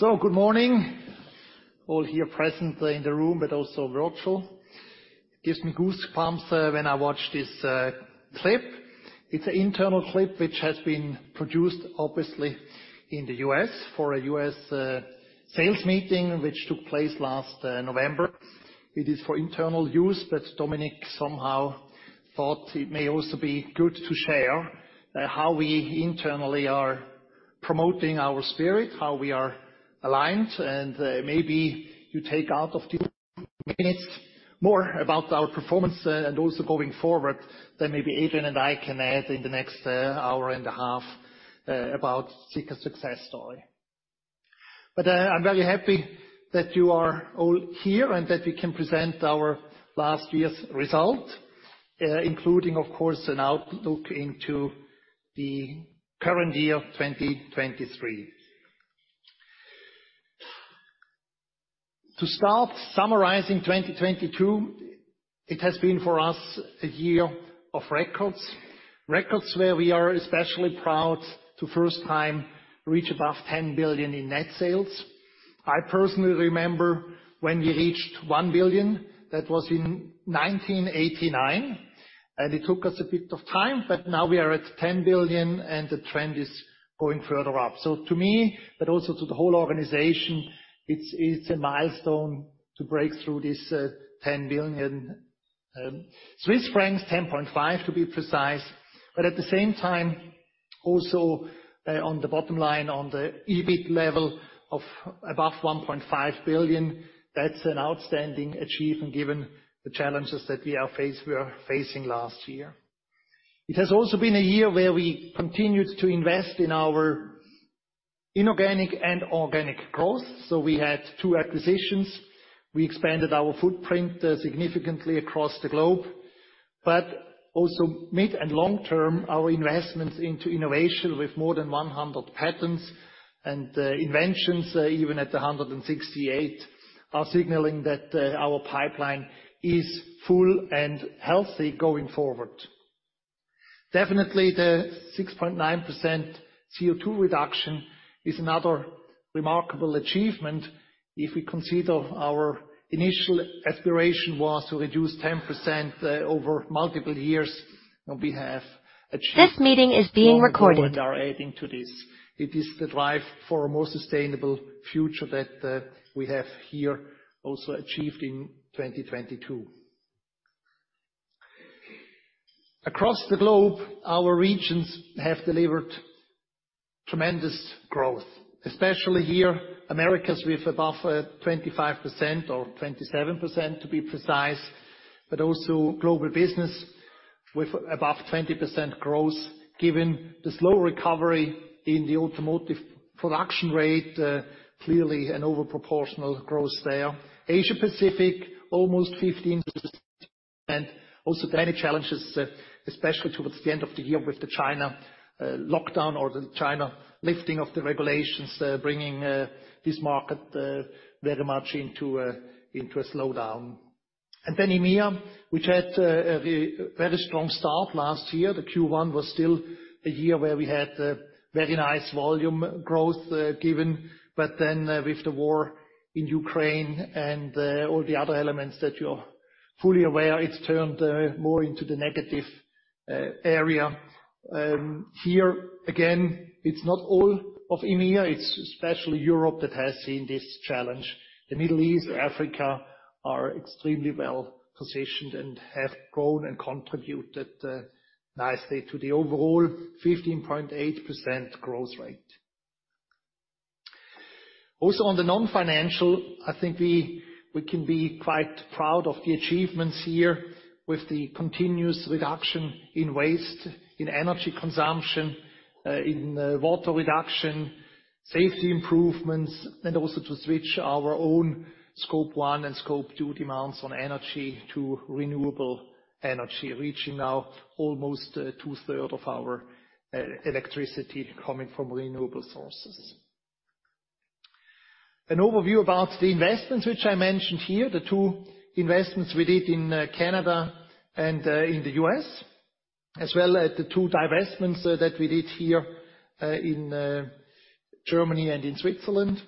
Good morning, all here present in the room, but also virtual. Gives me goosebumps when I watch this clip. It's an internal clip which has been produced, obviously, in the US for a US sales meeting which took place last November. It is for internal use, but Dominik somehow thought it may also be good to share how we internally are promoting our spirit, how we are aligned, and maybe you take out of these minutes more about our performance and also going forward than maybe Adrian and I can add in the next 1.5 hours about Sika's success story. I'm very happy that you are all here and that we can present our last year's result, including of course an outlook into the current year, 2023. Summarizing 2022, it has been for us a year of records. Records where we are especially proud to first time reach above 10 billion in net sales. I personally remember when we reached 1 billion. That was in 1989, and it took us a bit of time, but now we are at 10 billion, and the trend is going further up. To me, but also to the whole organization, it's a milestone to break through this 10 billion Swiss francs, 10.5 to be precise. At the same time, also, on the bottom line, on the EBIT level of above 1.5 billion, that's an outstanding achievement given the challenges that we are facing last year. It has also been a year where we continued to invest in our inorganic and organic costs. We had 2 acquisitions. We expanded our footprint, significantly across the globe. Also mid and long term, our investments into innovation with more than 100 patents and inventions, even at 168, are signaling that our pipeline is full and healthy going forward. Definitely the 6.9% CO2 reduction is another remarkable achievement if we consider our initial aspiration was to reduce 10% over multiple years, and we have achieved. This meeting is being recorded. more than double and are adding to this. It is the drive for a more sustainable future that we have here also achieved in 2022. Across the globe, our regions have delivered tremendous growth, especially here, Americas with above 25% or 27% to be precise, but also global business with above 20% growth given the slow recovery in the automotive production rate, clearly an over proportional growth there. Asia Pacific, almost 15%. Also many challenges, especially towards the end of the year with the China lockdown or the China lifting of the regulations, bringing this market very much into a, into a slowdown. EMEA, which had a very strong start last year. The Q1 was still a year where we had very nice volume growth, given. With the war in Ukraine and all the other elements that you're fully aware, it's turned more into the negative area. Here again, it's not all of EMEA, it's especially Europe that has seen this challenge. The Middle East, Africa are extremely well-positioned and have grown and contributed nicely to the overall 15.8% growth rate. On the non-financial, I think we can be quite proud of the achievements here with the continuous reduction in waste, in energy consumption, in water reduction, safety improvements, and also to switch our own Scope 1 and Scope 2 demands on energy to renewable energy, reaching now almost 2/3 of our electricity coming from renewable sources. An overview about the investments which I mentioned here, the 2 investments we did in Canada and in the U.S., as well as the 2 divestments that we did here in Germany and in Switzerland,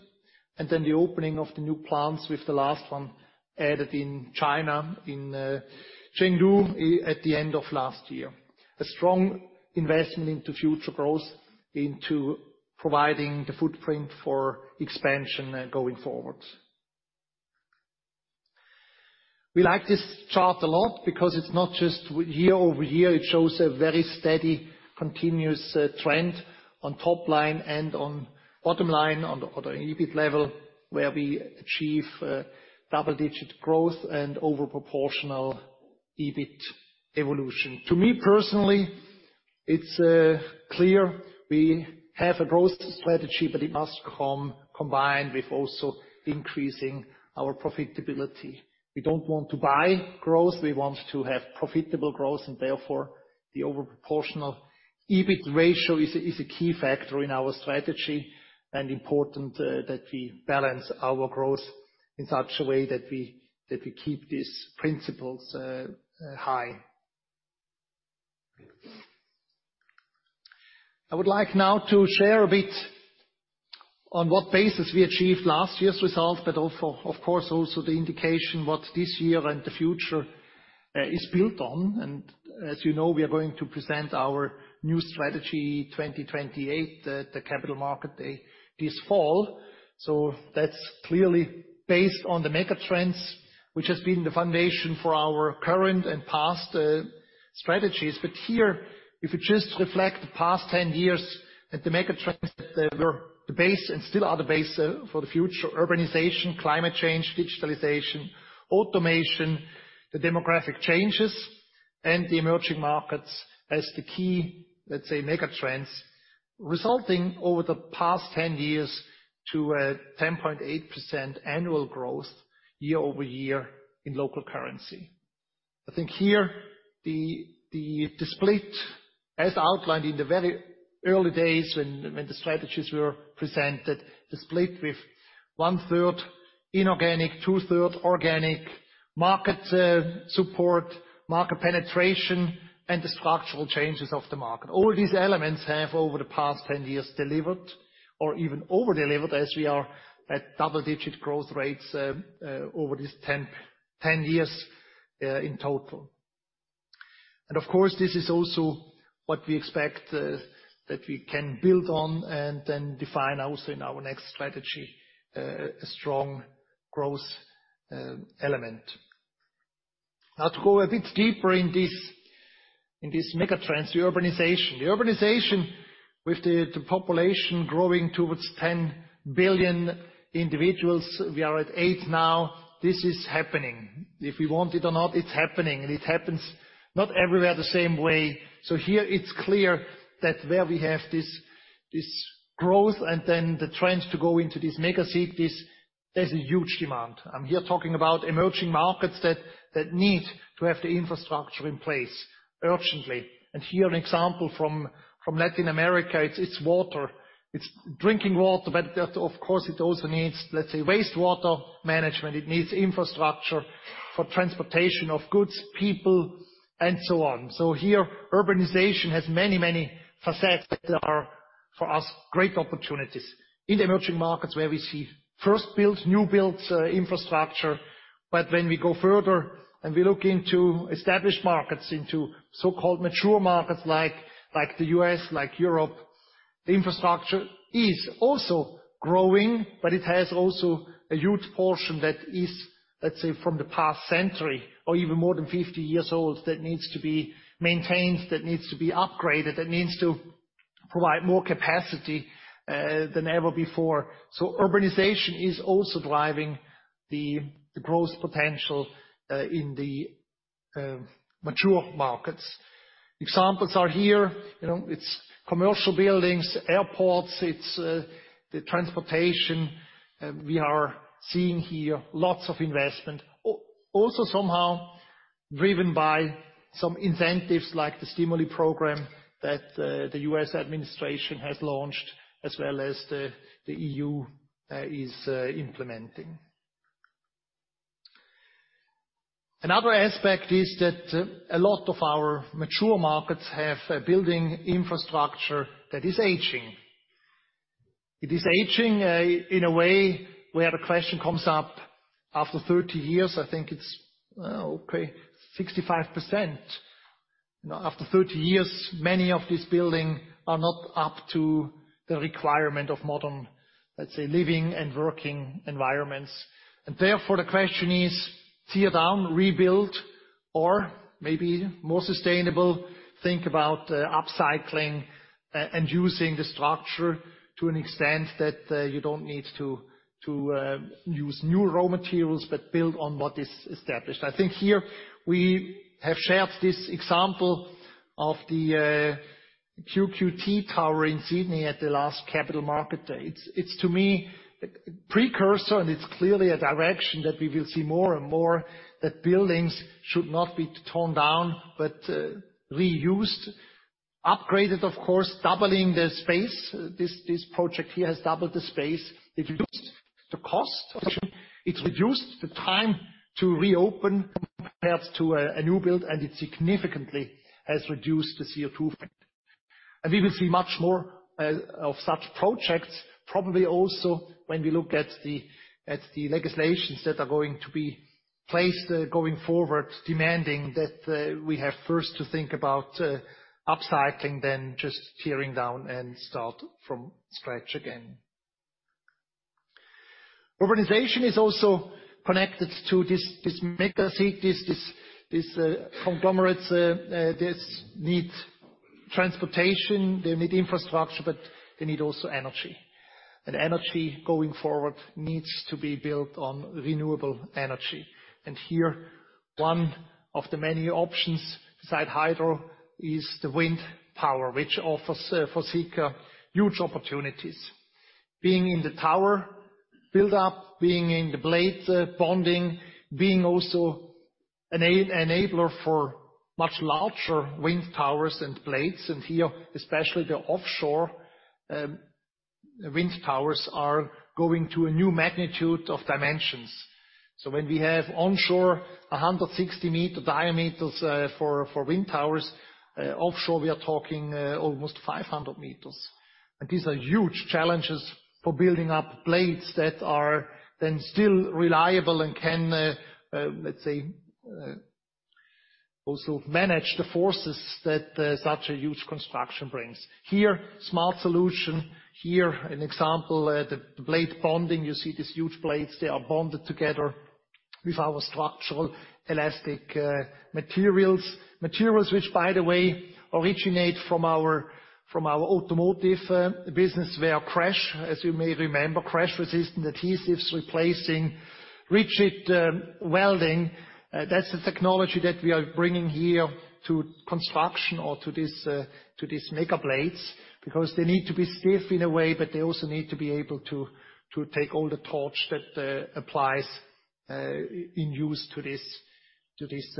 and then the opening of the new plants with the last 1 added in China in Chengdu at the end of last year. A strong investment into future growth, into providing the footprint for expansion going forward. We like this chart a lot because it's not just year-over-year. It shows a very steady, continuous trend on top line and on bottom line, on the EBIT level, where we achieve double-digit growth and over proportional EBIT evolution. To me personally, it's clear we have a growth strategy, but it must come combined with also increasing our profitability. We don't want to buy growth. We want to have profitable growth and therefore the over proportional EBIT ratio is a key factor in our strategy and important that we balance our growth in such a way that we, that we keep these principles high. I would like now to share a bit on what basis we achieved last year's result, but of course, also the indication what this year and the future is built on. As you know, we are going to present our new Strategy 2028 at the Capital Markets Day this fall. That's clearly based on the mega trends, which has been the foundation for our current and past strategies. Here, if you just reflect the past 10 years and the mega trends that were the base and still are the base for the future, urbanization, climate change, digitalization, automation, the demographic changes and the emerging markets as the key, let's say, mega trends, resulting over the past 10 years to a 10.8% annual growth year-over-year in local currency. I think here the split, as outlined in the very early days when the strategies were presented, the split with 1/3 inorganic, 2/3 organic market support, market penetration, and the structural changes of the market. All these elements have over the past 10 years delivered or even over-delivered as we are at double-digit growth rates over these 10 years in total. Of course, this is also what we expect that we can build on and then define also in our next Strategy, a strong growth element. To go a bit deeper in this, in this megatrends, the urbanization. The urbanization with the population growing towards 10 billion individuals. We are at 8 now. This is happening. If we want it or not, it's happening, and it happens not everywhere the same way. Here it's clear that where we have this growth and then the trends to go into these megacities, there's a huge demand. I'm here talking about emerging markets that need to have the infrastructure in place urgently. Here, an example from Latin America. It's water, it's drinking water, that of course, it also needs, let's say, wastewater management. It needs infrastructure for transportation of goods, people, and so on. Here, urbanization has many, many facets that are, for us, great opportunities. In the emerging markets where we see 1st build, new build, infrastructure. When we go further and we look into established markets, into so-called mature markets like the U.S., like Europe, the infrastructure is also growing, but it has also a huge portion that is, let's say, from the past century or even more than 50 years old, that needs to be maintained, that needs to be upgraded, that needs to provide more capacity than ever before. Urbanization is also driving the growth potential in the mature markets. Examples are here. You know, it's commercial buildings, airports, it's the transportation. We are seeing here lots of investment. Also somehow driven by some incentives like the stimuli program that the U.S. administration has launched as well as the EU is implementing. Another aspect is that a lot of our mature markets have a building infrastructure that is aging. It is aging in a way where the question comes up after 30 years, I think it's okay, 65%. After 30 years, many of these building are not up to the requirement of modern, let's say, living and working environments. Therefore, the question is tear down, rebuild, or maybe more sustainable, think about upcycling, and using the structure to an extent that you don't need to use new raw materials, but build on what is established. I think here we have shared this example of the QQT Tower in Sydney at the last Capital Markets Day. It's to me precursor, and it's clearly a direction that we will see more and more, that buildings should not be torn down, but reused, upgraded, of course, doubling the space. This project here has doubled the space. It reduced the cost. It reduced the time to reopen compared to a new build, and it significantly has reduced the CO2 footprint. We will see much more of such projects, probably also when we look at the legislations that are going to be placed going forward, demanding that we have first to think about upcycling, then just tearing down and start from scratch again. Urbanization is also connected to this mega cities, these, these conglomerates. They need transportation, they need infrastructure, but they need also energy. Energy going forward needs to be built on renewable energy. Here, 1 of the many options beside hydro is the wind power, which offers for Sika huge opportunities. Being in the tower build-up, being in the blade bonding, being also an enabler for much larger wind towers and blades, and here, especially the offshore, The wind towers are going to a new magnitude of dimensions. When we have onshore 160 meter diameters for wind towers, offshore, we are talking almost 500 meters. These are huge challenges for building up blades that are then still reliable and can, let's say, also manage the forces that such a huge construction brings. Here, smart solution. Here, an example, the blade bonding. You see these huge blades, they are bonded together with our structural elastic materials. Materials which by the way originate from our automotive business where crash, as you may remember, crash-resistant adhesives replacing rigid welding. That's the technology that we are bringing here to construction or to these mega blades, because they need to be stiff in a way, but they also need to be able to take all the torch that applies in use to these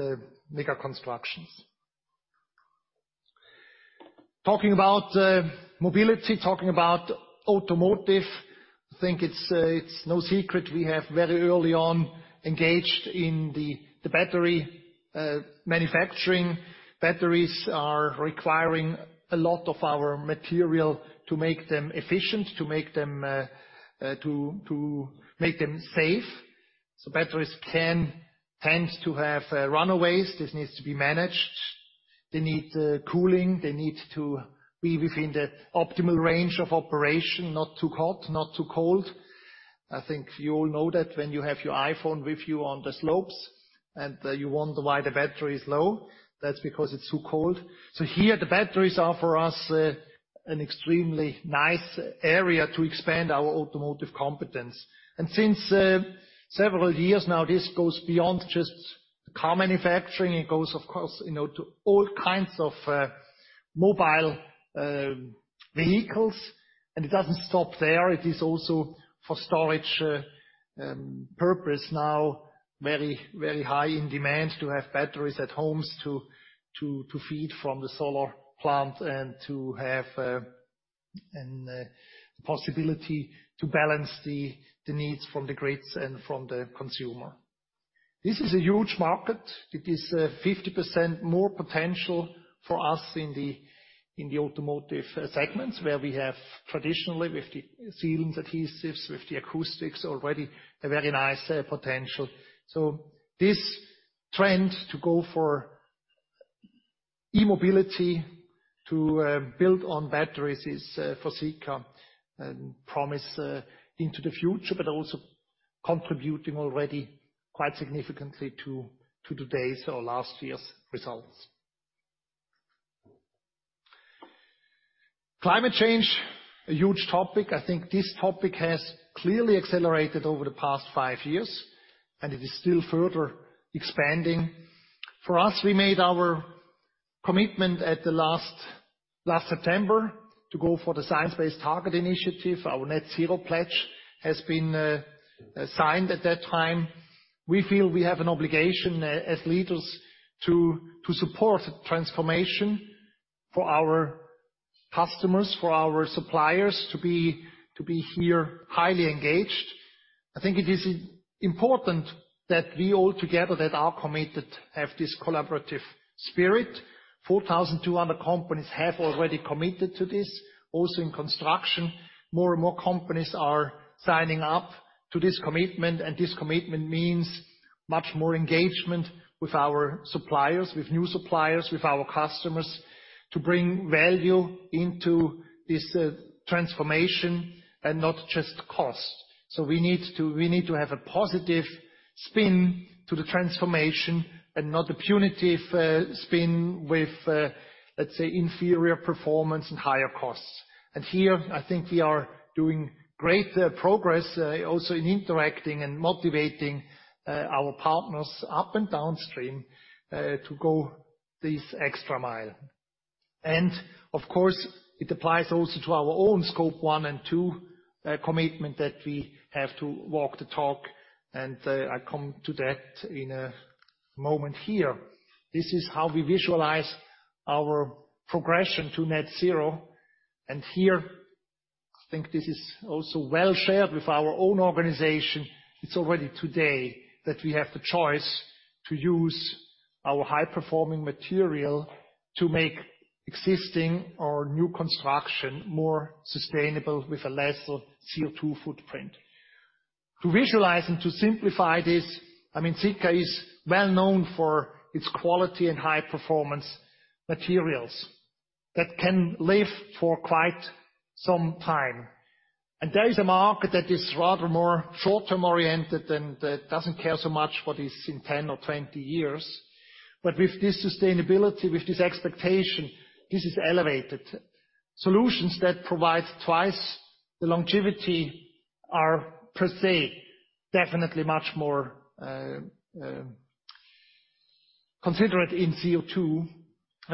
mega constructions. Talking about mobility, talking about automotive, I think it's no secret we have very early on engaged in the battery manufacturing. Batteries are requiring a lot of our material to make them efficient, to make them safe. Batteries can tend to have runaways. This needs to be managed. They need cooling. They need to be within the optimal range of operation. Not too hot, not too cold. I think you all know that when you have your iPhone with you on the slopes, and you wonder why the battery is low. That's because it's too cold. Here the batteries are for us an extremely nice area to expand our automotive competence. Since several years now, this goes beyond just car manufacturing. It goes, of course, you know, to all kinds of mobile vehicles. It doesn't stop there. It is also for storage purpose now very, very high in demand to have batteries at homes to feed from the solar plant and to have a possibility to balance the needs from the grids and from the consumer. This is a huge market. It is 50% more potential for us in the automotive segments where we have traditionally with the sealants adhesives, with the acoustics already a very nice potential. This trend to go for e-mobility to build on batteries is for Sika promise into the future, but also contributing already quite significantly to today's or last year's results. Climate change, a huge topic. I think this topic has clearly accelerated over the past 5 years, and it is still further expanding. For us, we made our commitment at the last September to go for the Science Based Targets initiative. Our net zero pledge has been signed at that time. We feel we have an obligation as leaders to support transformation for our customers, for our suppliers to be here highly engaged. I think it is important that we all together that are committed have this collaborative spirit. 4,200 companies have already committed to this. In construction, more and more companies are signing up to this commitment. This commitment means much more engagement with our suppliers, with new suppliers, with our customers to bring value into this transformation and not just cost. We need to have a positive spin to the transformation and not a punitive spin with, let's say, inferior performance and higher costs. Here I think we are doing great progress also in interacting and motivating our partners up and downstream to go this extra mile. Of course it applies also to our own Scope 1 and 2 commitment that we have to walk the talk, I come to that in a moment here. This is how we visualize our progression to net zero. Here, I think this is also well shared with our own organization. It's already today that we have the choice to use our high-performing material to make existing or new construction more sustainable with a lesser CO2 footprint. To visualize and to simplify this, I mean, Sika is well known for its quality and high-performance materials that can live for quite some time. There is a market that is rather more short-term oriented and that doesn't care so much what is in 10 or 20 years. With this sustainability, with this expectation, this is elevated. Solutions that provide twice the longevity are per se definitely much more considerate in CO2.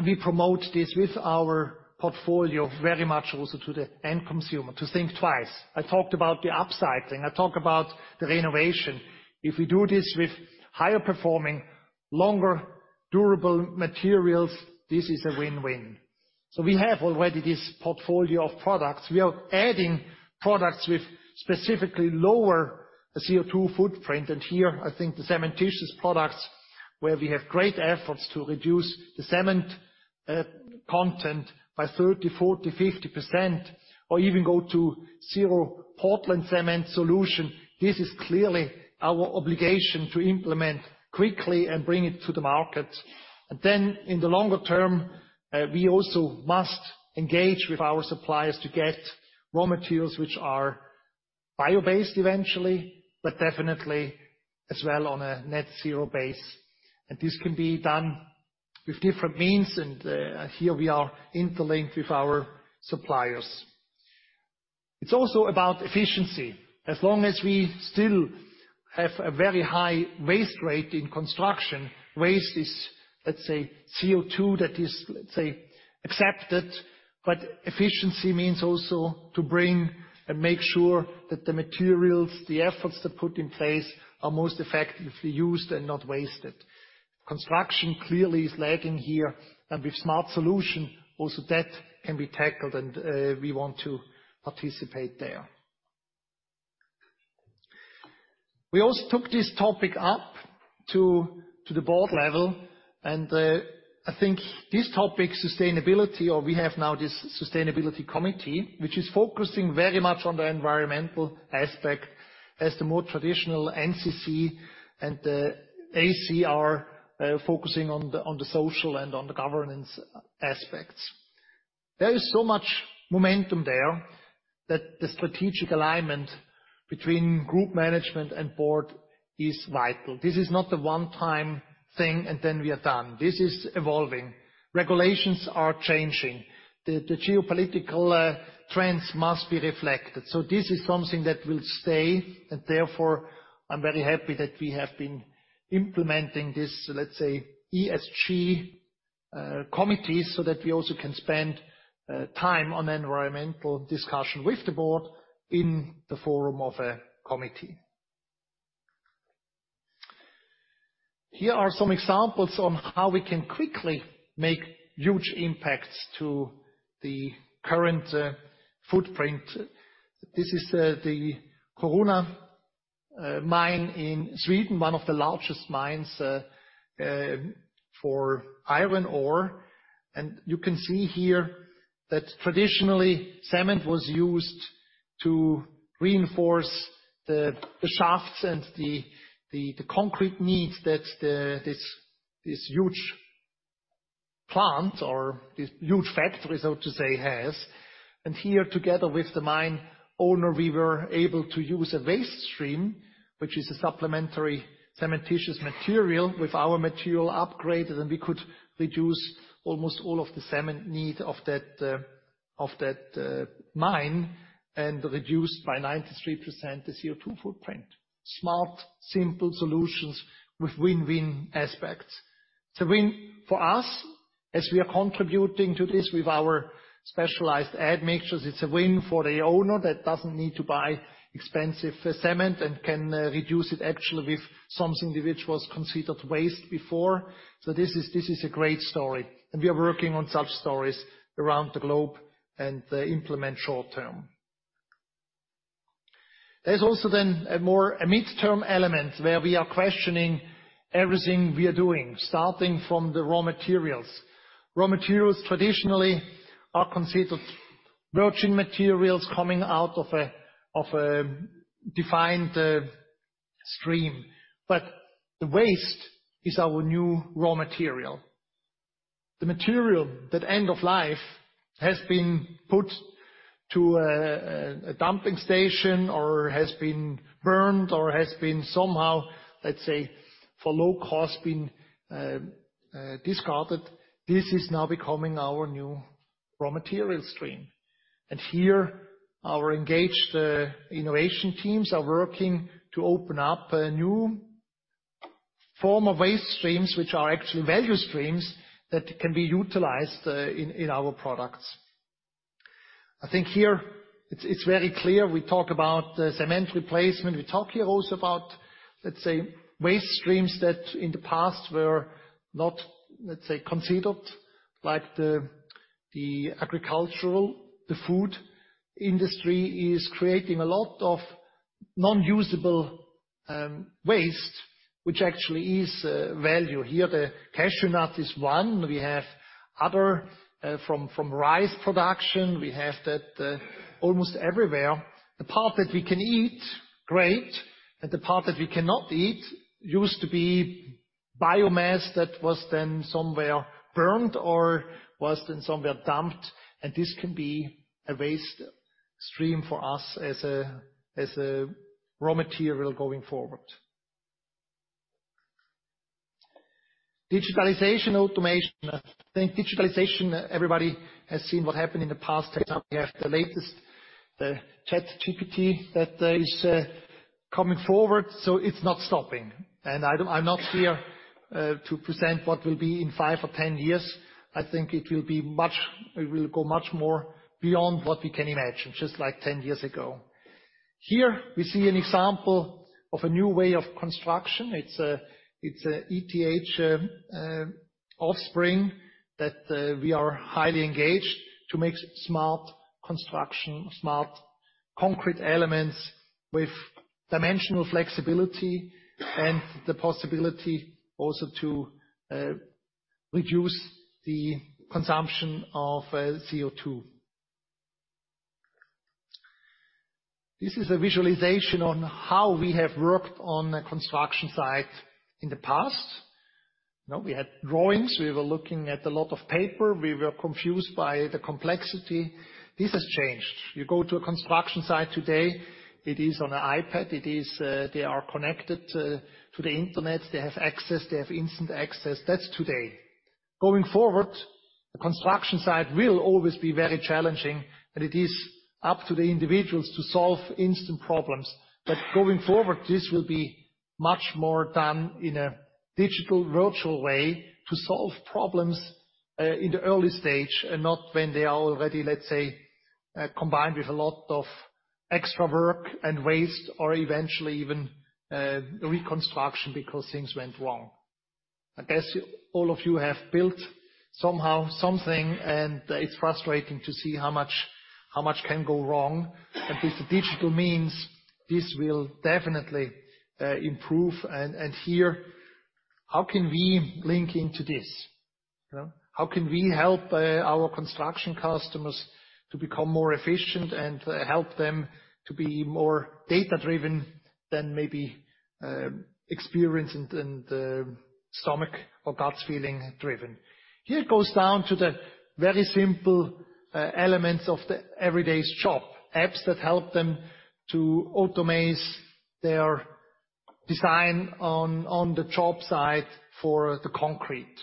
We promote this with our portfolio very much also to the end consumer to think twice. I talked about the upcycling, I talk about the renovation. If we do this with higher performing-Longer durable materials, this is a win-win. We have already this portfolio of products. We are adding products with specifically lower CO2 footprint. Here, I think the cementitious products, where we have great efforts to reduce the cement content by 30%, 40%, 50%, or even go to 0 Portland cement solution. This is clearly our obligation to implement quickly and bring it to the market. Then in the longer term, we also must engage with our suppliers to get raw materials which are bio-based eventually, but definitely as well on a net zero base. This can be done with different means, and here we are interlinked with our suppliers. It is also about efficiency. As long as we still have a very high waste rate in construction, waste is, let's say, CO2 that is, let's say, accepted. Efficiency means also to bring and make sure that the materials, the efforts to put in place are most effectively used and not wasted. Construction clearly is lagging here, and with smart solution, also that can be tackled and we want to participate there. We also took this topic up to the board level. I think this topic, sustainability, or we have now this sustainability committee, which is focusing very much on the environmental aspect as the more traditional NCC and the ACR, focusing on the social and on the governance aspects. There is so much momentum there that the strategic alignment between group management and board is vital. This is not a one-time thing. We are done. This is evolving. Regulations are changing. The geopolitical trends must be reflected. This is something that will stay. Therefore, I'm very happy that we have been implementing this, let's say, ESG committees, so that we also can spend time on environmental discussion with the board in the forum of a committee. Here are some examples on how we can quickly make huge impacts to the current footprint. This is the Kiruna mine in Sweden, 1 of the largest mines for iron ore. You can see here that traditionally, cement was used to reinforce the shafts and the concrete needs that this huge plant or this huge factory, so to say, has. Here, together with the mine owner, we were able to use a waste stream, which is a supplementary cementitious material with our material upgraded, and we could reduce almost all of the cement need of that of that mine, and reduce by 93% the CO2 footprint. Smart, simple solutions with win-win aspects. It's a win for us as we are contributing to this with our specialized admixtures. It's a win for the owner that doesn't need to buy expensive cement and can reduce it actually with something which was considered waste before. This is a great story, and we are working on such stories around the globe and implement short-term. There's also a midterm element where we are questioning everything we are doing, starting from the raw materials. Raw materials traditionally are considered virgin materials coming out of a defined stream. The waste is our new raw material. The material that end of life has been put to a dumping station or has been burned or has been somehow, let's say, for low cost, been discarded. This is now becoming our new raw material stream. Here, our engaged innovation teams are working to open up a new form of waste streams, which are actually value streams that can be utilized in our products. I think here it's very clear. We talk about cement replacement. We talk here also about waste streams that in the past were not considered, like the agricultural. The food industry is creating a lot of non-usable waste, which actually is value. Here, the cashew nut is 1. We have other from rice production. We have that almost everywhere. The part that we can eat, great. The part that we cannot eat used to be biomass that was then somewhere burned or was then somewhere dumped. This can be a waste stream for us as a raw material going forward. Digitalization, automation. I think digitalization, everybody has seen what happened in the past. For example, we have the latest ChatGPT that is coming forward. It's not stopping. I'm not here to present what will be in 5 or 10 years. I think it will go much more beyond what we can imagine, just like 10 years ago. Here we see an example of a new way of construction. It's a ETH offspring that we are highly engaged to make smart construction, smart concrete elements with dimensional flexibility and the possibility also to reduce the consumption of CO2. This is a visualization on how we have worked on a construction site in the past. Now we had drawings, we were looking at a lot of paper, we were confused by the complexity. This has changed. You go to a construction site today, it is on a iPad. It is, they are connected to the internet. They have access, they have instant access. That's today. Going forward, the construction site will always be very challenging, and it is up to the individuals to solve instant problems. Going forward, this will be much more done in a digital virtual way to solve problems in the early stage and not when they are already, let's say, combined with a lot of extra work and waste or eventually even reconstruction because things went wrong. I guess all of you have built somehow something, and it's frustrating to see how much can go wrong. With the digital means, this will definitely improve. Here, how can we link into this? You know, how can we help our construction customers to become more efficient and help them to be more data-driven than maybe experience and stomach or guts feeling-driven. Here it goes down to the very simple elements of the everyday's job, apps that help them to automize their design on the job site for the concrete,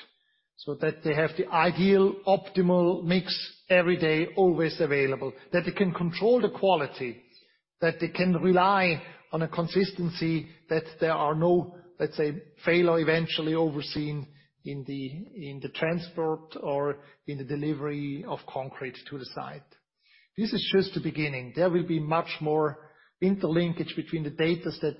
so that they have the ideal optimal mix every day, always available. That they can control the quality, that they can rely on a consistency, that there are no, let's say, fail or eventually overseen in the transport or in the delivery of concrete to the site. This is just the beginning. There will be much more interlinkage between the data set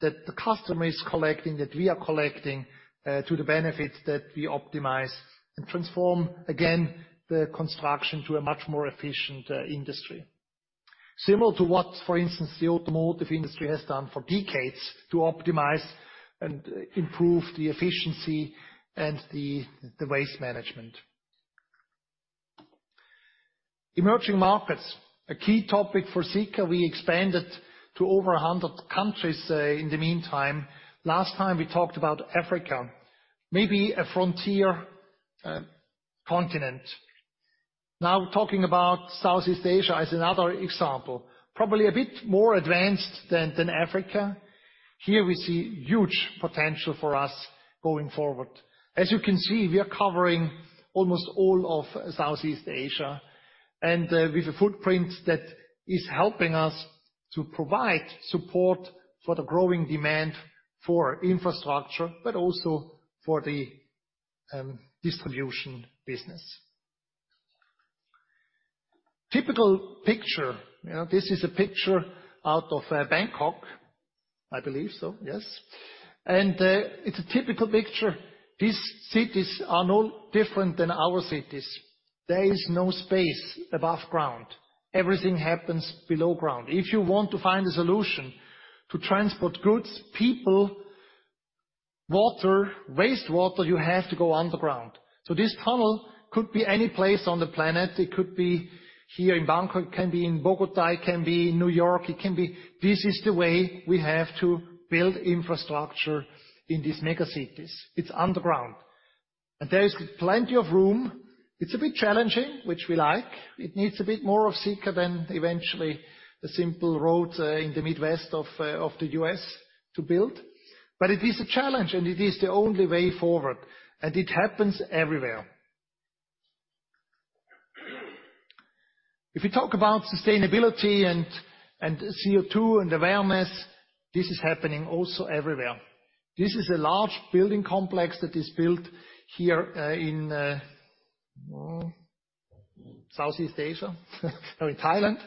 that the customer is collecting, that we are collecting, to the benefits that we optimize and transform, again, the construction to a much more efficient industry. Similar to what, for instance, the automotive industry has done for decades to optimize and improve the efficiency and the waste management. Emerging markets, a key topic for Sika. We expanded to over 100 countries in the meantime. Last time we talked about Africa, maybe a frontier continent. Now talking about Southeast Asia as another example, probably a bit more advanced than Africa. Here we see huge potential for us going forward. As you can see, we are covering almost all of Southeast Asia and with a footprint that is helping us to provide support for the growing demand for infrastructure, but also for the distribution business. Typical picture. You know, this is a picture out of Bangkok, I believe so. Yes. It's a typical picture. These cities are no different than our cities. There is no space above ground. Everything happens below ground. If you want to find a solution to transport goods, people, water, wastewater, you have to go underground. This tunnel could be any place on the planet. It could be here in Bangkok, it can be in Bogota, it can be in New York. This is the way we have to build infrastructure in these mega cities. It's underground. There is plenty of room. It's a bit challenging, which we like. It needs a bit more of Sika than eventually the simple roads in the Midwest of the US to build. It is a challenge, and it is the only way forward, and it happens everywhere. If you talk about sustainability and CO2 and awareness, this is happening also everywhere. This is a large building complex that is built here in Southeast Asia or in Thailand.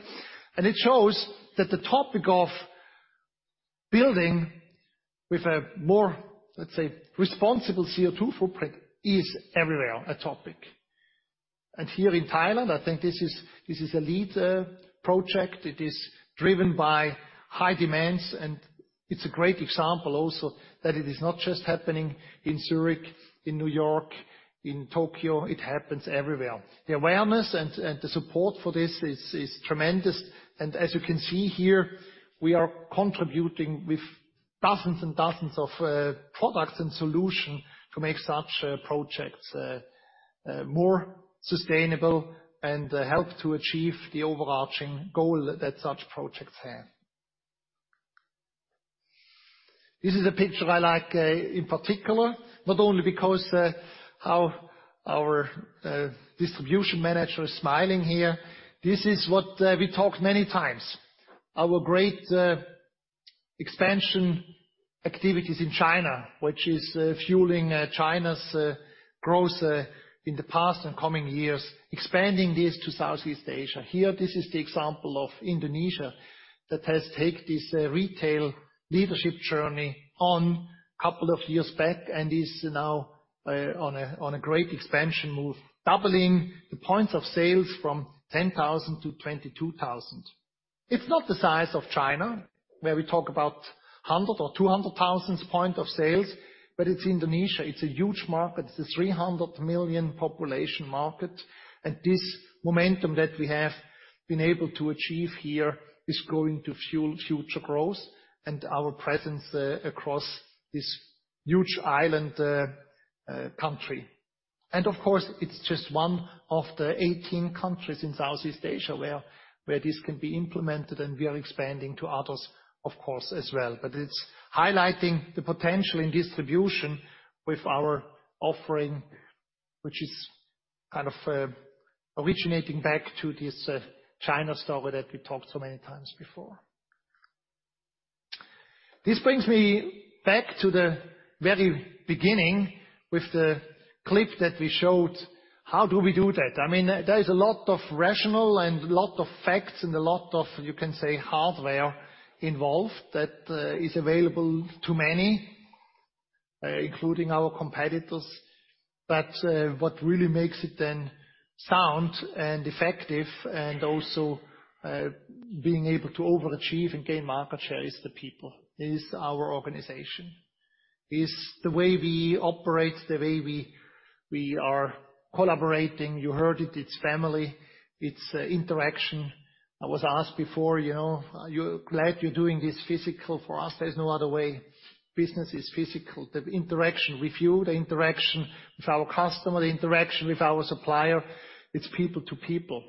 It shows that the topic of building with a more, let's say, responsible CO2 footprint is everywhere a topic. Here in Thailand, I think this is a lead project. It is driven by high demands, and it's a great example also that it is not just happening in Zurich, in New York, in Tokyo. It happens everywhere. The awareness and the support for this is tremendous. As you can see here, we are contributing with dozens and dozens of products and solution to make such projects more sustainable and help to achieve the overarching goal that such projects have. This is a picture I like in particular, not only because how our distribution manager is smiling here. This is what we talked many times. Our great Expansion activities in China, which is fueling China's growth in the past and coming years, expanding this to Southeast Asia. Here, this is the example of Indonesia that has take this retail leadership journey on couple of years back and is now on a great expansion move, doubling the points of sales from 10,000 to 22,000. It's not the size of China, where we talk about 100,000 or 200,000 point of sales, but it's Indonesia, it's a huge market. It's a 300 million population market, and this momentum that we have been able to achieve here is going to fuel future growth and our presence across this huge island country. Of course, it's just 1 of the 18 countries in Southeast Asia where this can be implemented, and we are expanding to others, of course, as well. It's highlighting the potential in distribution with our offering, which is kind of originating back to this China story that we talked so many times before. This brings me back to the very beginning with the clip that we showed. How do we do that? I mean, there is a lot of rational and lot of facts and a lot of, you can say, hardware involved that is available to many, including our competitors. What really makes it then sound and effective and also being able to overachieve and gain market share is the people, is our organization, is the way we operate, the way we are collaborating. You heard it's family. It's interaction. I was asked before, you know, are you glad you're doing this physical? For us, there's no other way. Business is physical. The interaction with you, the interaction with our customer, the interaction with our supplier, it's people to people.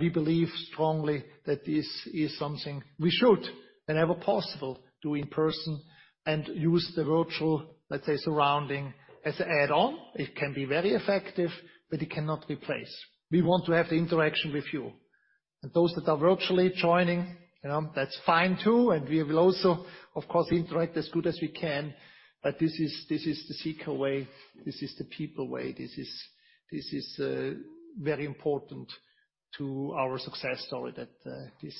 We believe strongly that this is something we should whenever possible do in person and use the virtual, let's say, surrounding as a add-on. It can be very effective, but it cannot replace. We want to have the interaction with you. Those that are virtually joining, you know, that's fine too, and we will also of course interact as good as we can. This is, this is the Sika way. This is the people way. This is, this is very important to our success story that this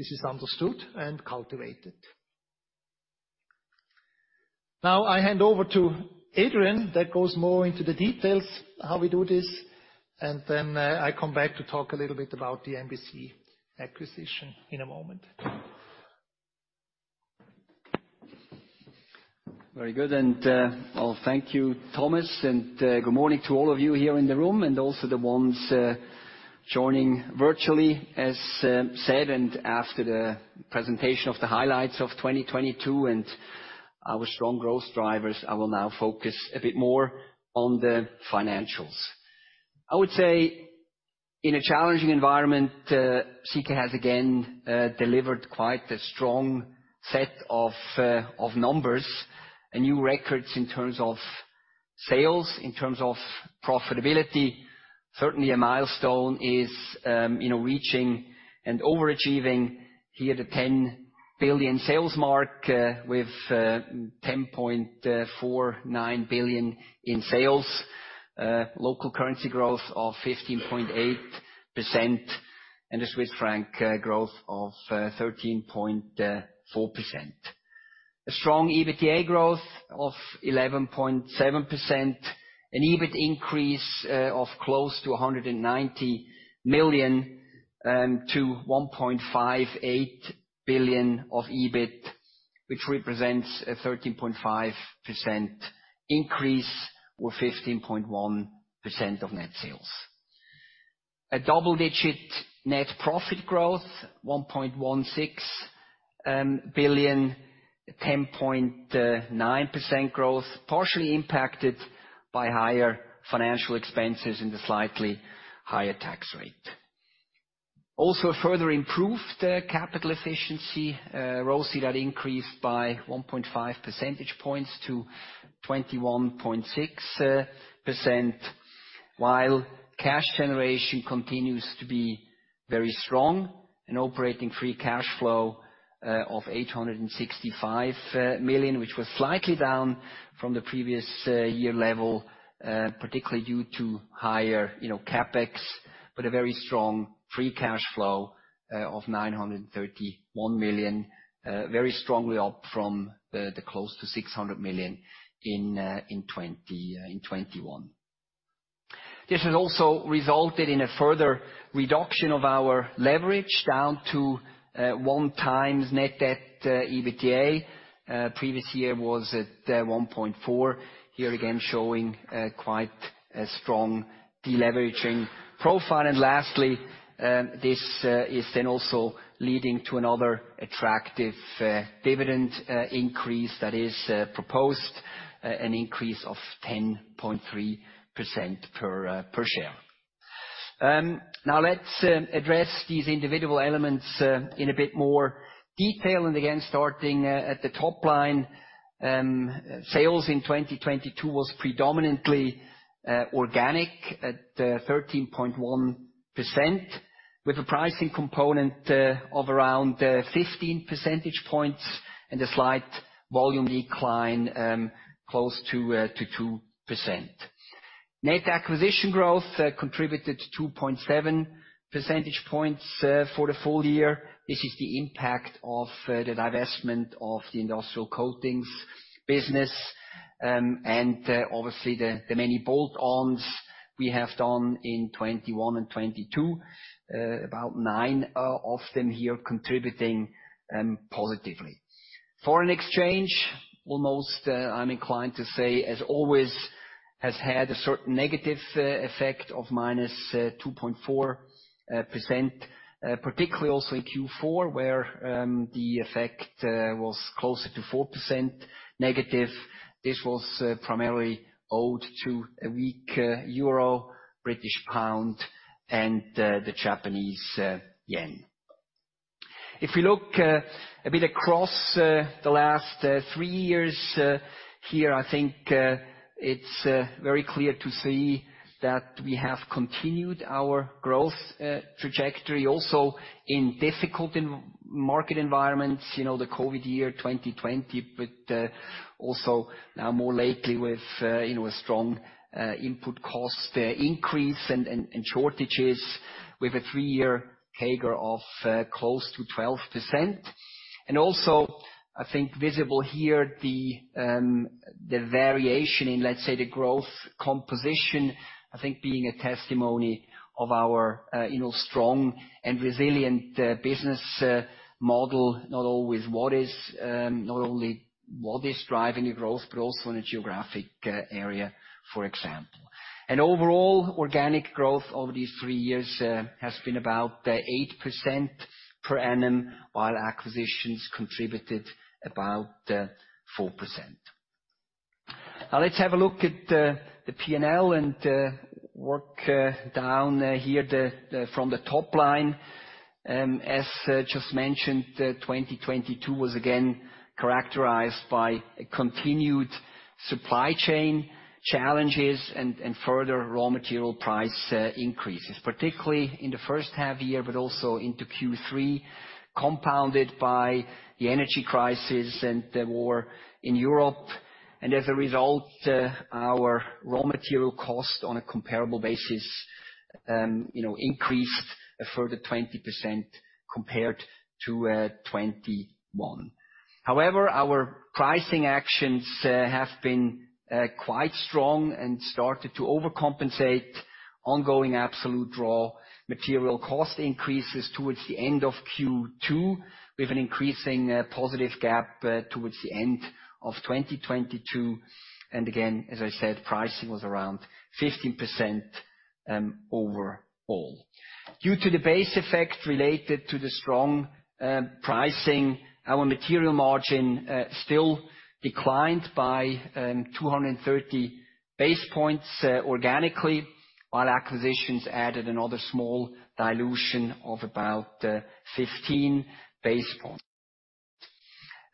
is understood and cultivated. I hand over to Adrian that goes more into the details how we do this, and then, I come back to talk a little bit about the MBCC acquisition in a moment. Very good. Well, thank you, Thomas, and good morning to all of you here in the room and also the ones joining virtually. As said, after the presentation of the highlights of 2022 and our strong growth drivers, I will now focus a bit more on the financials. I would say in a challenging environment, Sika has again delivered quite a strong set of numbers and new records in terms of sales, in terms of profitability. Certainly a milestone is, you know, reaching and overachieving here the 10 billion sales mark, with 10.49 billion in sales. Local currency growth of 15.8%, and the Swiss franc growth of 13.4%. A strong EBITDA growth of 11.7%. An EBIT increase of close to 190 million to 1.58 billion of EBIT, which represents a 13.5% increase with 15.1% of net sales. A double-digit net profit growth, 1.16 billion, 10.9% growth, partially impacted by higher financial expenses and the slightly higher tax rate. Further improved capital efficiency, ROCE that increased by 1.5% points to 21.6%. While cash generation continues to be very strong and operating free cash flow of 865 million, which was slightly down from the previous year level, particularly due to higher, you know, CapEx, but a very strong free cash flow of 931 million, very strongly up from the close to 600 million in 2021. This has also resulted in a further reduction of our leverage down to 1 times net debt EBITDA. Previous year was at 1.4. Here again showing quite a strong deleveraging profile. Lastly, this is then also leading to another attractive dividend increase that is proposed, an increase of 10.3% per share. Now let's address these individual elements in a bit more detail. Again, starting at the top line, sales in 2022 was predominantly organic at 13.1%. With a pricing component of around 15% points and a slight volume decline close to 2%. Net acquisition growth contributed 2.7% points for the full year. This is the impact of the divestment of the Industrial Coatings business. Obviously the many bolt-ons we have done in 2021 and 2022, about 9 of them here contributing positively. Foreign exchange, almost, I'm inclined to say, as always, has had a certain negative effect of -2.4%, particularly also in Q4, where the effect was closer to 4% negative. This was primarily owed to a weak EUR, British pound and the Japanese yen. If we look a bit across the last 3 years, here, I think, it's very clear to see that we have continued our growth trajectory also in difficult market environments. You know, the COVID year, 2020, but also now more lately with, you know, a strong input cost increase and shortages with a 3-year CAGR of close to 12%. Also, I think visible here, the variation in, let's say, the growth composition, I think being a testimony of our, you know, strong and resilient business model. Not always what is, not only what is driving the growth, but also in a geographic area, for example. Overall, organic growth over these 3 years has been about 8% per annum, while acquisitions contributed about 4%. Now let's have a look at the P&L and work down here from the top line. As just mentioned, 2022 was again characterized by continued supply chain challenges and further raw material price increases, particularly in the H1 year, but also into Q3, compounded by the energy crisis and the war in Europe. As a result, our raw material cost on a comparable basis, you know, increased a further 20% compared to 2021. However, our pricing actions have been quite strong and started to overcompensate ongoing absolute raw material cost increases towards the end of Q2 with an increasing positive gap towards the end of 2022. Again, as I said, pricing was around 15% overall. Due to the base effect related to the strong pricing, our material margin still declined by 230 basis points organically, while acquisitions added another small dilution of about 15 basis points.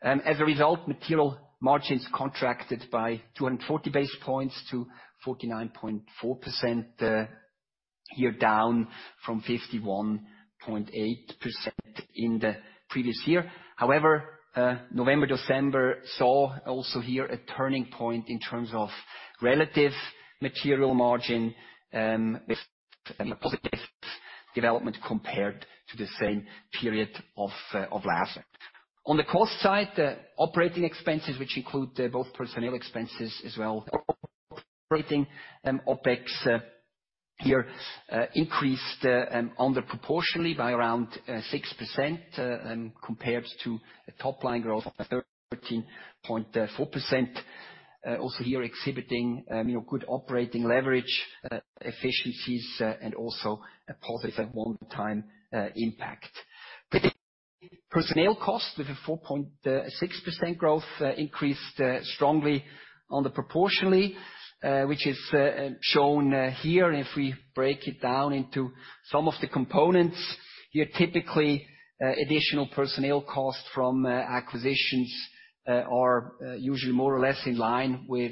As a result, material margins contracted by 240 basis points to 49.4% year down from 51.8% in the previous year. However, November, December saw also here a turning point in terms of relative material margin, with a positive development compared to the same period of last year. On the cost side, the operating expenses, which include both personnel expenses as well operating OpEx here, increased under proportionally by around 6% compared to a top line growth of 13.4%. Here exhibiting, you know, good operating leverage, efficiencies, and also a positive one-time impact. Personnel costs with a 4.6% growth increased strongly on the proportionally, which is shown here. If we break it down into some of the components, here typically, additional personnel costs from acquisitions are usually more or less in line with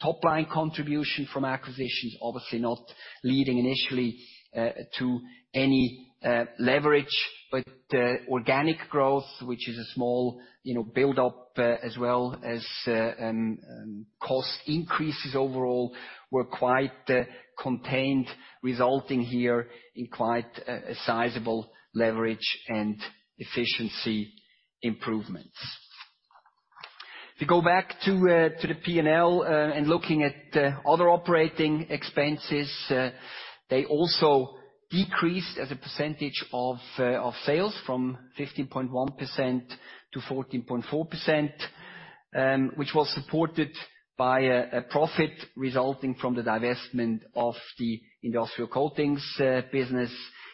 top line contribution from acquisitions, obviously not leading initially to any leverage. Organic growth, which is a small, you know, build-up, as well as cost increases overall were quite contained, resulting here in quite a sizable leverage and efficiency improvements. If you go back to the P&L and looking at other operating expenses, they also decreased as a percentage of sales from 15.1% to 14.4%, which was supported by a profit resulting from the divestment of the industrial coatings business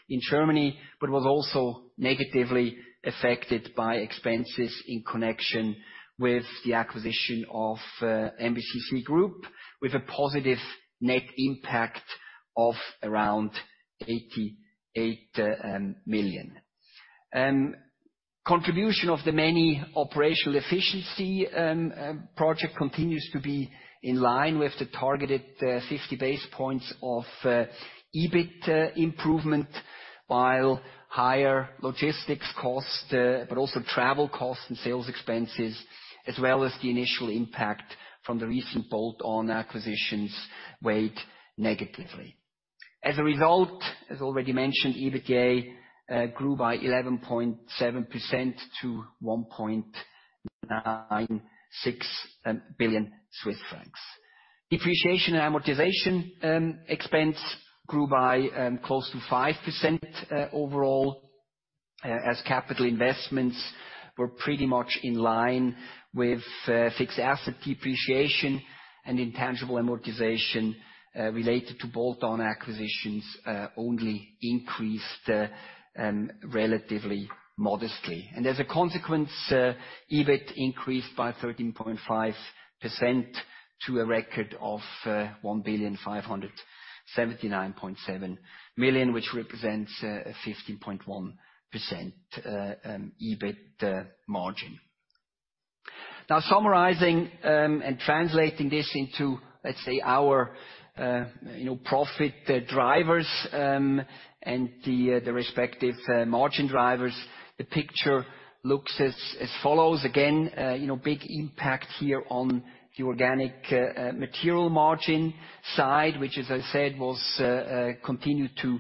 in Germany. Was also negatively affected by expenses in connection with the acquisition of MBCC Group, with a positive net impact of around 88 million. Contribution of the many operational efficiency project continues to be in line with the targeted 50 base points of EBIT improvement, while higher logistics costs, but also travel costs and sales expenses, as well as the initial impact from the recent bolt-on acquisitions weighed negatively. As a result, as already mentioned, EBITA grew by 11.7% to 1.96 billion Swiss francs. Depreciation and amortization expense grew by close to 5% overall, as capital investments were pretty much in line with fixed asset depreciation and intangible amortization related to bolt-on acquisitions only increased relatively modestly. As a consequence, EBIT increased by 13.5% to a record of 1,579.7 million, which represents a 15.1% EBIT margin. Summarizing, and translating this into, let's say, our, you know, profit drivers, and the respective margin drivers, the picture looks as follows. You know, big impact here on the organic material margin side, which as I said, was continued to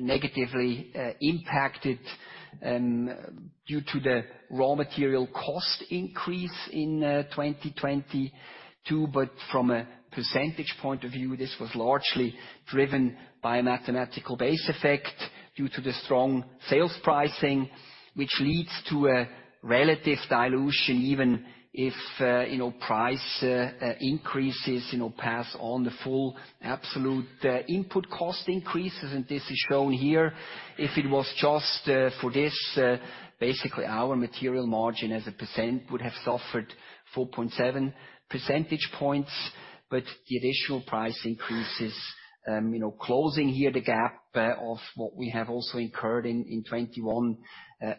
negatively impact it due to the raw material cost increase in 2022. From a percentage point of view, this was largely driven by a mathematical base effect due to the strong sales pricing, which leads to a relative dilution, even if, you know, price increases, you know, pass on the full absolute input cost increases. This is shown here. If it was just for this, basically our material margin as a percent would have suffered 4.7% points. The additional price increases, you know, closing here the gap of what we have also incurred in 2021,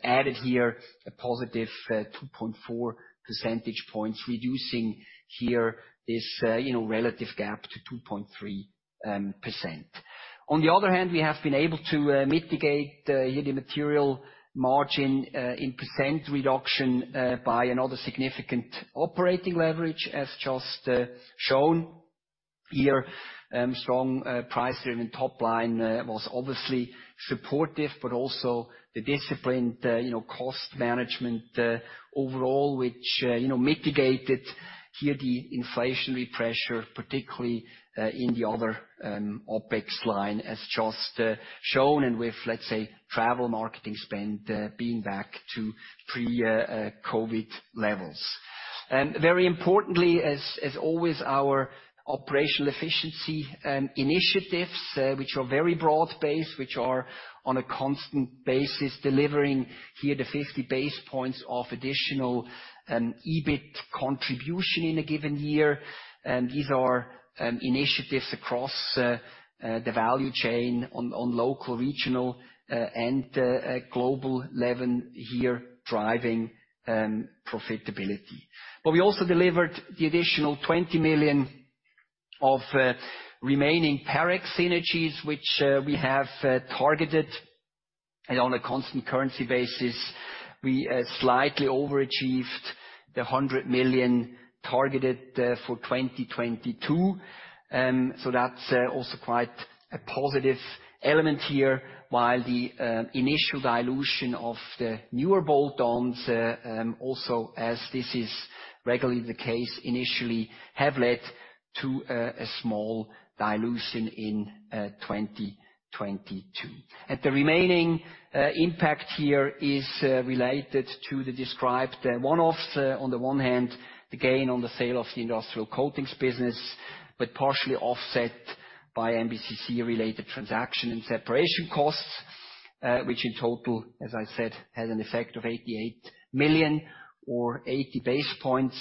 added here a positive 2.4% points, reducing here this, you know, relative gap to 2.3%. On the other hand, we have been able to mitigate here the material margin in percent reduction by another significant operating leverage, as just shown here. Strong price driven top line was obviously supportive, but also the disciplined cost management overall, which mitigated here the inflationary pressure, particularly in the other OpEx line as just shown and with travel marketing spend being back to pre-COVID levels. Very importantly, as always, our operational efficiency and initiatives, which are very broad-based, which are on a constant basis, delivering here the 50 base points of additional EBIT contribution in a given year. These are initiatives across the value chain on local, regional, and global level here driving profitability. We also delivered the additional 20 million of remaining Parex synergies, which we have targeted. On a constant currency basis, we slightly overachieved the 100 million targeted for 2022. That's also quite a positive element here, while the initial dilution of the newer bolt-ons, also, as this is regularly the case initially, have led to a small dilution in 2022. The remaining impact here is related to the described one-offs on the 1 hand, the gain on the sale of the Industrial Coatings business, but partially offset by MBCC-related transaction and separation costs, which in total, as I said, had an effect of 88 million or 80 basis points.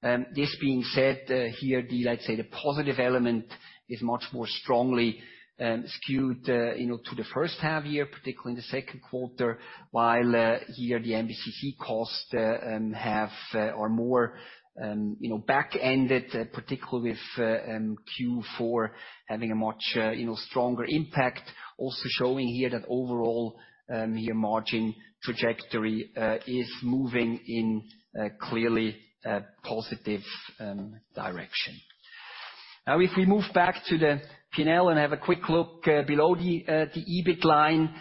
here the, let's say the positive element is much more strongly skewed, you know, to the H1 year, particularly in the Q2, while here the MBCC costs have or more, you know, back-ended, particularly with Q4 having a much, you know, stronger impact. Also showing here that overall year margin trajectory is moving in a clearly positive direction. Now if we move back to the P&L and have a quick look below the EBIT line,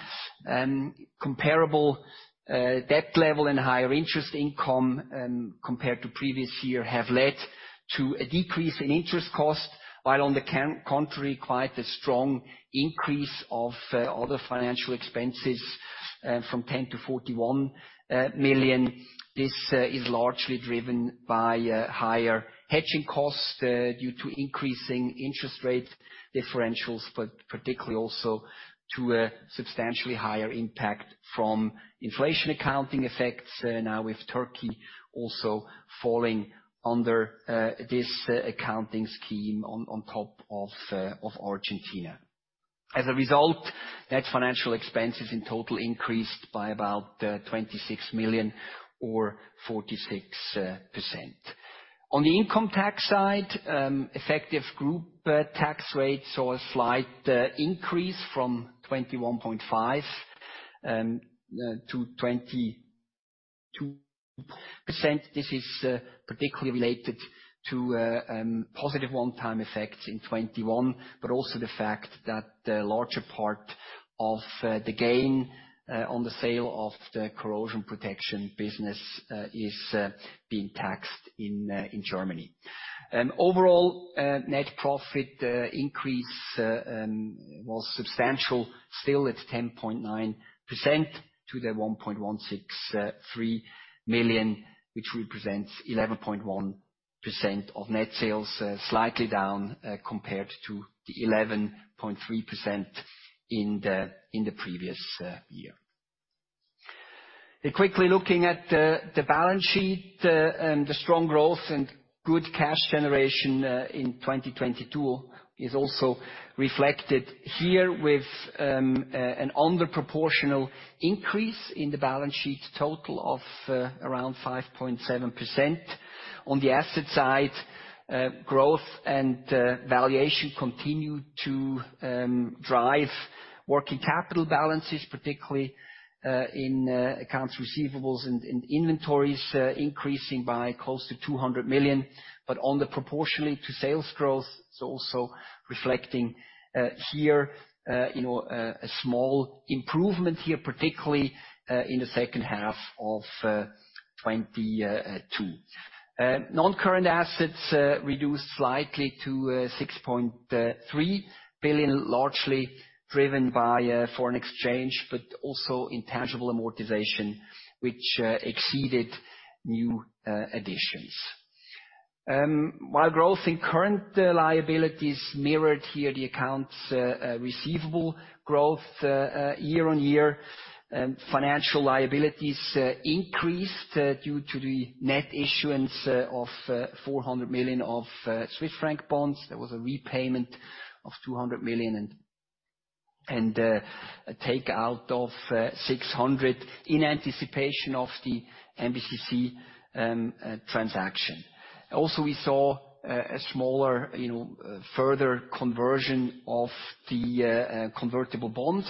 comparable debt level and higher interest income compared to previous year, have led to a decrease in interest cost, while on the contrary, quite a strong increase of other financial expenses from 10 million to 41 million. This is largely driven by higher hedging costs due to increasing interest rate differentials, but particularly also to a substantially higher impact from inflation accounting effects, now with Turkey also falling under this accounting scheme on top of Argentina. As a result, net financial expenses in total increased by about 26 million or 46%. On the income tax side, effective group tax rate saw a slight increase from 21.5% to 22%. This is particularly related to positive one-time effects in 2021, but also the fact that the larger part of the gain on the sale of the Corrosion Protection business is being taxed in Germany. Overall, net profit increase was substantial. Still it's 10.9% to the 1.163 million, which represents 11.1% of net sales, slightly down compared to the 11.3% in the previous year. Quickly looking at the balance sheet. The strong growth and good cash generation in 2022 is also reflected here with an under proportional increase in the balance sheet total of around 5.7%. On the asset side, growth and valuation continued to drive working capital balances, particularly in accounts receivable and in inventories, increasing by close to 200 million. Under proportionally to sales growth, it's also reflecting here, you know, a small improvement here, particularly in the H2 of 2022. Non-current assets reduced slightly to 6.3 Billion, largely driven by foreign exchange, but also intangible amortization, which, exceeded new, additions. While growth in current liabilities mirrored here the accounts receivable growth year-on-year. financial liabilities increased due to the net issuance 400 million. There was a repayment of 200 million and a takeout of 600 in anticipation of the MBCC, transaction. Also, we saw a, a smaller, you know, further conversion of the, convertible bond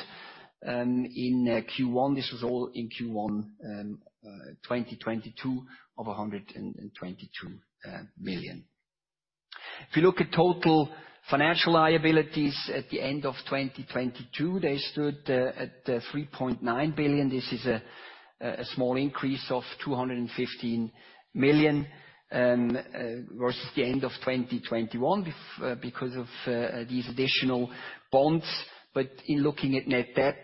in Q1. This was all in Q1, 2022 of a 122 million. If you look at total financial liabilities at the end of 2022, they stood at 3.9 billion. This is a small increase of 215 million versus the end of 2021 because of these additional bonds. In looking at net debt,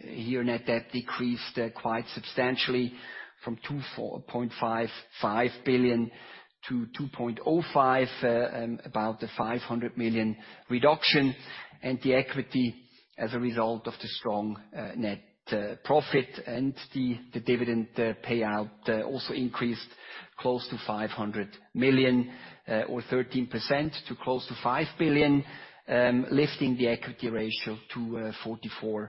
here net debt decreased quite substantially from 2.55 billion to 2.05 billion, about the 500 million reduction. The equity as a result of the strong net profit and the dividend payout also increased close to 500 million or 13% to close to 5 billion, lifting the equity ratio to 44%.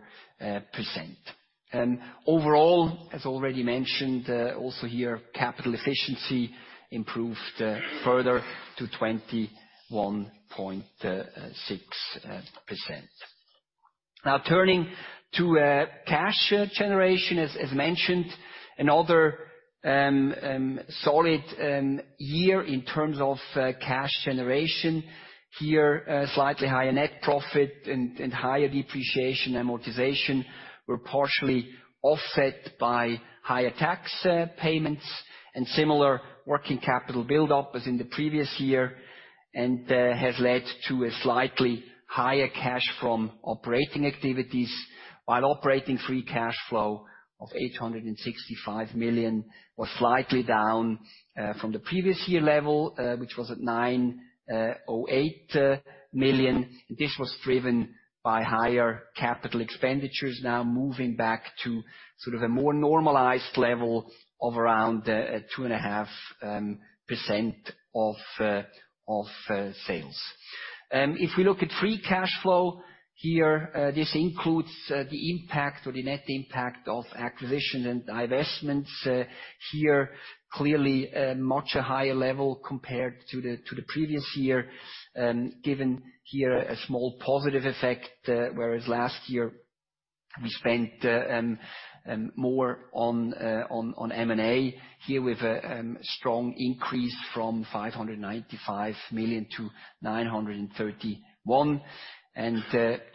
Overall, as already mentioned, also here, capital efficiency improved further to 21.6%. Now turning to cash generation as mentioned. Another solid year in terms of cash generation. Here, slightly higher net profit and higher depreciation amortization were partially offset by higher tax payments and similar working capital buildup as in the previous year, has led to a slightly higher cash from operating activities. While operating free cash flow of 865 million was slightly down from the previous year level, which was at 908 million. This was driven by higher CapEx now moving back to sort of a more normalized level of around 2.5% of sales. If we look at free cash flow here, this includes the impact or the net impact of acquisition and divestments here. Clearly, much a higher level compared to the previous year, given here a small positive effect, whereas last year we spent more on M&A. Here we have a strong increase from 595 million to 931 million.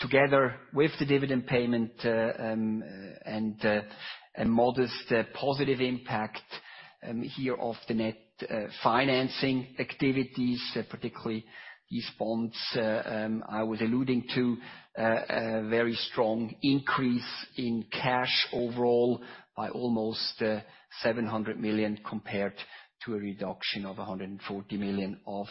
Together with the dividend payment, a modest positive impact here of the net financing activities, particularly these bonds I was alluding to, a very strong increase in cash overall by almost 700 million compared to a reduction of 140 million of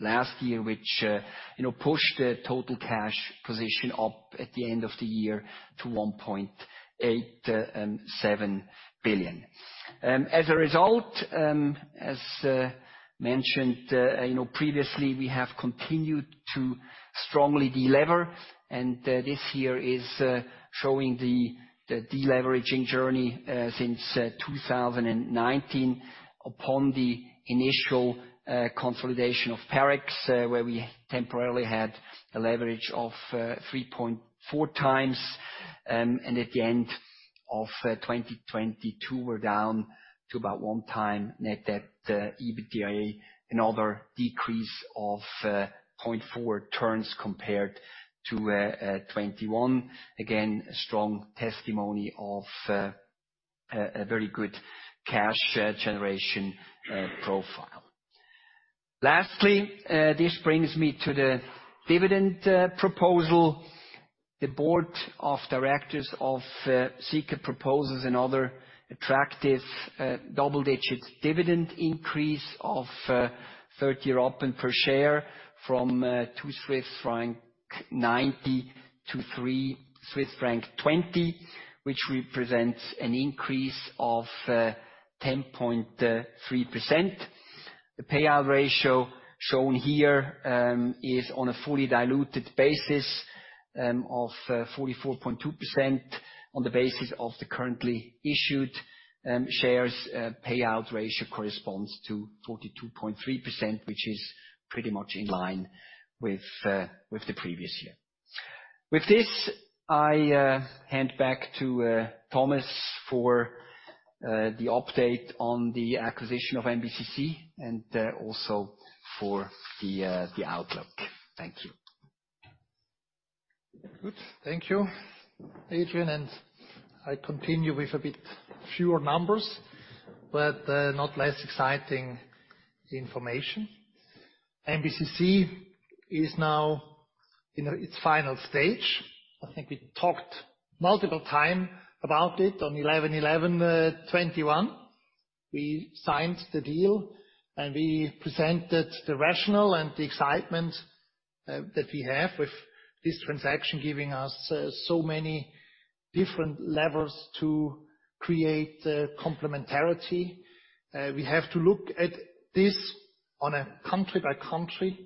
last year, which, you know, pushed the total cash position up at the end of the year to 1.87 billion. As a result, as mentioned, you know, previously, we have continued to strongly de-lever, and this year is showing the de-leveraging journey since 2019. Upon the initial consolidation of Parex, where we temporarily had a leverage of 3.4 times. At the end of 2022, we're down to about 1 time net debt EBITDA. A decrease of 0.4 turns compared to 2021. A strong testimony of a very good cash generation profile. Lastly, this brings me to the dividend proposal. The board of directors of Sika proposes another attractive double-digit dividend increase of 30 Rappen per share from 2.90 Swiss franc to 3.20 Swiss franc, which represents an increase of 10.3%. The payout ratio shown here, is on a fully diluted basis, of 44.2% on the basis of the currently issued shares, payout ratio corresponds to 42.3%, which is pretty much in line with the previous year. With this, I hand back to Thomas for the update on the acquisition of MBCC and also for the outlook. Thank you. Good. Thank you, Adrian. I continue with a bit fewer numbers, but not less exciting information. MBCC is now in its final stage. I think we talked multiple time about it on 11/11/2021. We signed the deal, we presented the rationale and the excitement that we have with this transaction giving us so many different levers to create complementarity. We have to look at this on a country-by-country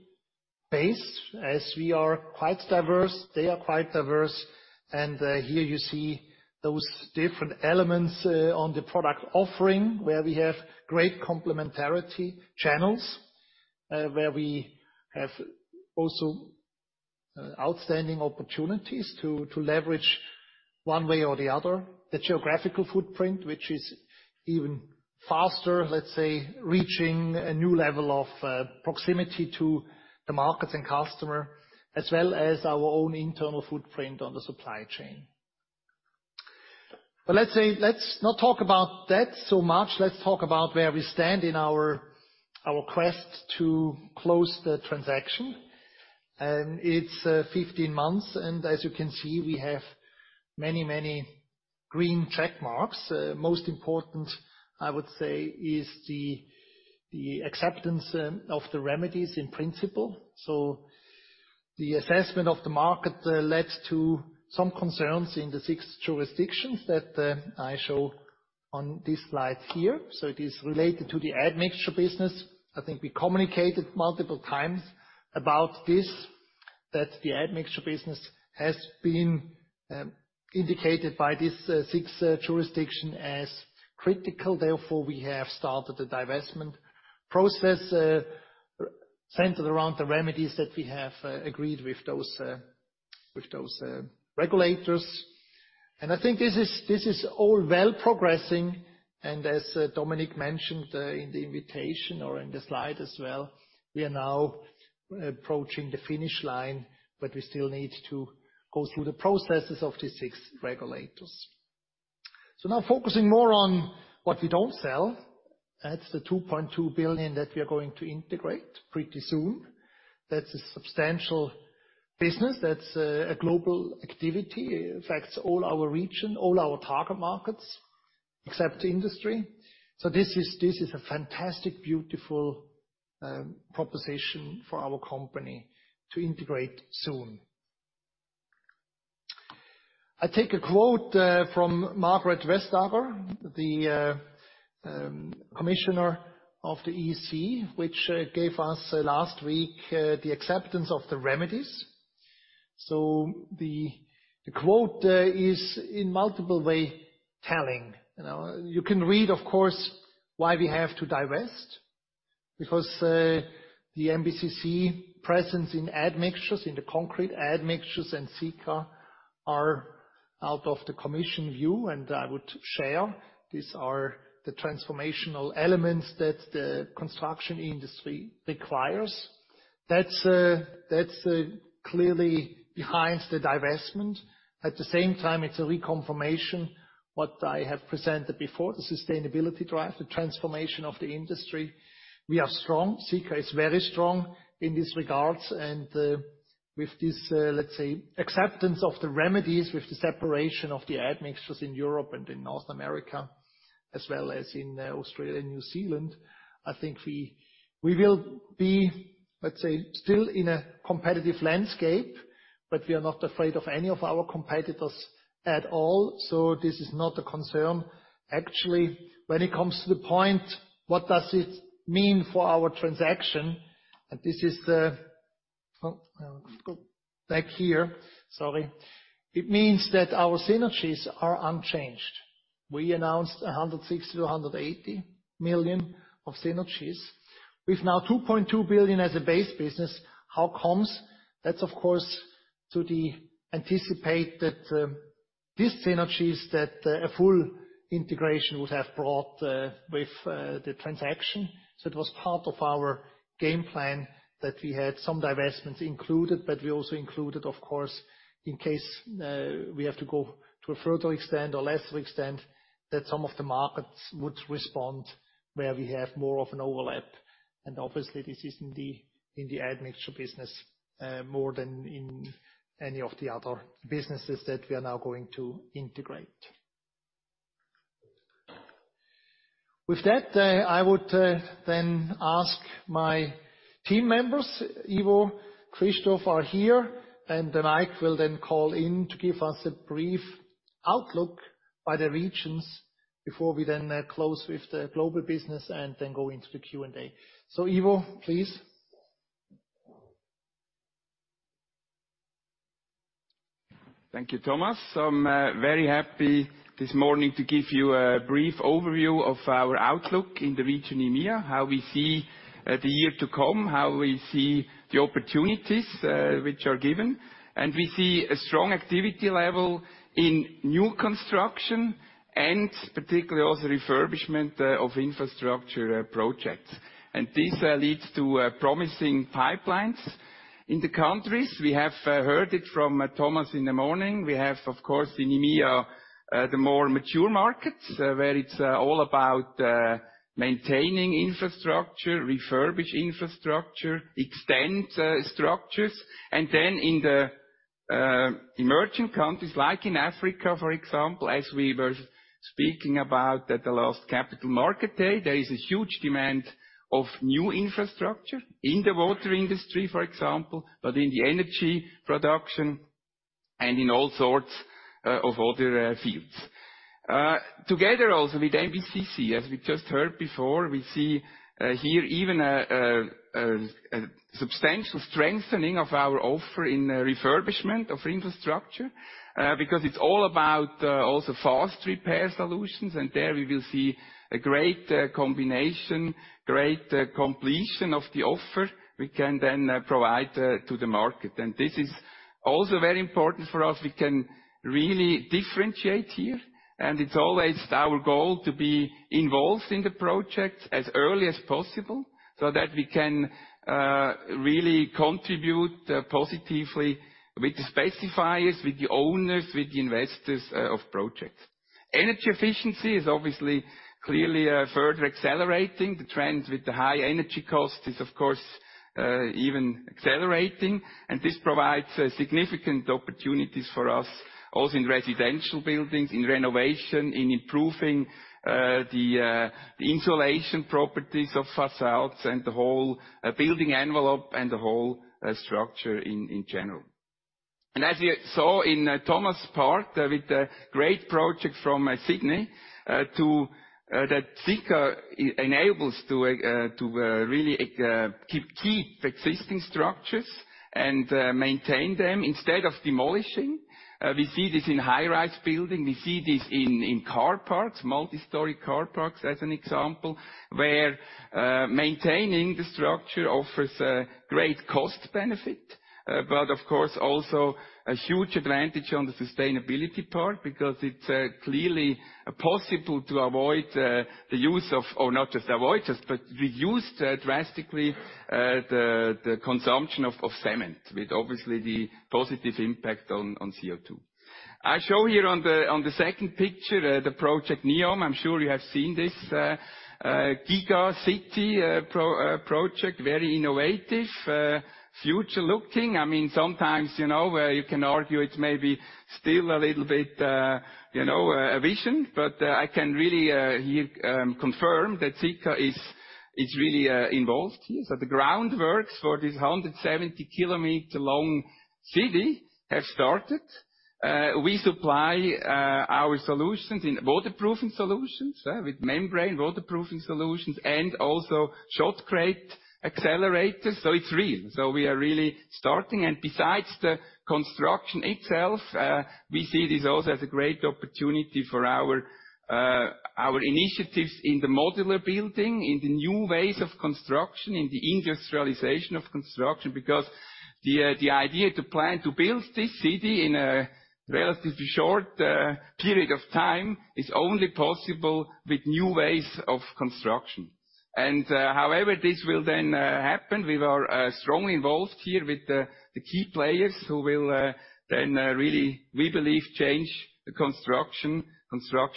base, as we are quite diverse, they are quite diverse. Here you see those different elements on the product offering where we have great complementarity channels, where we have also outstanding opportunities to leverage 1 way or the other. The geographical footprint which is even faster, let's say, reaching a new level of proximity to the markets and customer, as well as our own internal footprint on the supply chain. Let's say, let's not talk about that so much. Let's talk about where we stand in our quest to close the transaction. It's 15 months, and as you can see, we have many, many green check marks. Most important, I would say, is the acceptance of the remedies in principle. The assessment of the market led to some concerns in the 6 jurisdictions that I show on this slide here. It is related to the admixture business. I think we communicated multiple times about this, that the admixture business has been indicated by these 6 jurisdiction as critical. Therefore, we have started a divestment process, centered around the remedies that we have agreed with those regulators. I think this is all well progressing. As Dominik mentioned in the invitation or in the slide as well, we are now approaching the finish line, but we still need to go through the processes of these 6 regulators. Now focusing more on what we don't sell. That's the 2.2 billion that we are going to integrate pretty soon. That's a substantial business. That's a global activity. It affects all our region, all our target markets, except industry. This is a fantastic, beautiful proposition for our company to integrate soon. I take a quote from Margrethe Vestager, the commissioner of the EC, which gave us last week the acceptance of the remedies. The quote is in multiple way telling. You know, you can read, of course, why we have to divest because the MBCC presence in admixtures, in the concrete admixtures and Sika are out of the Commission view, and I would share these are the transformational elements that the construction industry requires. That's clearly behind the divestment. At the same time, it's a reconfirmation what I have presented before, the sustainability drive, the transformation of the industry. We are strong. Sika is very strong in this regards. With this, let's say, acceptance of the remedies, with the separation of the admixtures in Europe and in North America, as well as in Australia and New Zealand, I think we will be, let's say, still in a competitive landscape. We are not afraid of any of our competitors at all, so this is not a concern. Actually, when it comes to the point, what does it mean for our transaction? Oh, back here. Sorry. It means that our synergies are unchanged. We announced 160 to 180 million of synergies. With now 2.2 billion as a base business, how comes? That's, of course, to the anticipated these synergies that a full integration would have brought with the transaction. It was part of our game plan that we had some divestments included, but we also included, of course, in case we have to go to a further extent or lesser extent that some of the markets would respond where we have more of an overlap. Obviously this is in the admixture business more than in any of the other businesses that we are now going to integrate. I would then ask my team members, Ivo, Christoph are here, and Mike will then call in to give us a brief outlook by the regions before we then close with the global business and then go into the Q&A. Ivo, please. Thank you, Thomas. I'm very happy this morning to give you a brief overview of our outlook in the region EMEA, how we see the year to come, how we see the opportunities which are given. We see a strong activity level in new construction and particularly also refurbishment of infrastructure projects. This leads to promising pipelines in the countries. We have heard it from Thomas in the morning. We have, of course, in EMEA, the more mature markets where it's all about maintaining infrastructure, refurbish infrastructure, extend structures. Then in the emerging countries, like in Africa, for example, as we were speaking about at the last Capital Markets Day, there is a huge demand of new infrastructure in the water industry, for example, but in the energy production and in all sorts of other fields. Together also with MBCC, as we just heard before, we see here even a substantial strengthening of our offer in refurbishment of infrastructure, because it's all about also fast repair solutions. There we will see a great combination, great completion of the offer we can then provide to the market. This is also very important for us. We can really differentiate here, and it's always our goal to be involved in the project as early as possible so that we can really contribute positively with the specifiers, with the owners, with the investors of projects. Energy efficiency is obviously clearly further accelerating. The trends with the high energy cost is of course even accelerating. This provides significant opportunities for us also in residential buildings, in renovation, in improving the insulation properties of facades and the whole building envelope and the whole structure in general. As you saw in Thomas' part with the great project from Sydney, that Sika enables to really keep existing structures and maintain them instead of demolishing. We see this in high-rise building. We see this in car parks, multi-story car parks as an example, where maintaining the structure offers a great cost benefit. Of course, also a huge advantage on the sustainability part because it's clearly possible to avoid. Or not just avoid just, but reduce drastically the consumption of cement with obviously the positive impact on CO2. I show here on the 2nd picture the project Neom. I'm sure you have seen this giga city project. Very innovative, future-looking. I mean, sometimes, you know, where you can argue it may be still a little bit, you know, a vision, I can really here confirm that Sika is really involved here. The groundworks for this 170 kilometer-long city have started. We supply our solutions in waterproofing solutions with membrane waterproofing solutions and also Shotcrete Accelerators. It's real. We are really starting. Besides the construction itself, we see this also as a great opportunity for our initiatives in the modular building, in the new ways of construction, in the industrialization of construction. Because the idea to plan to build this city in a relatively short period of time is only possible with new ways of construction. However this will then happen, we are strongly involved here with the key players who will then really, we believe, change the construction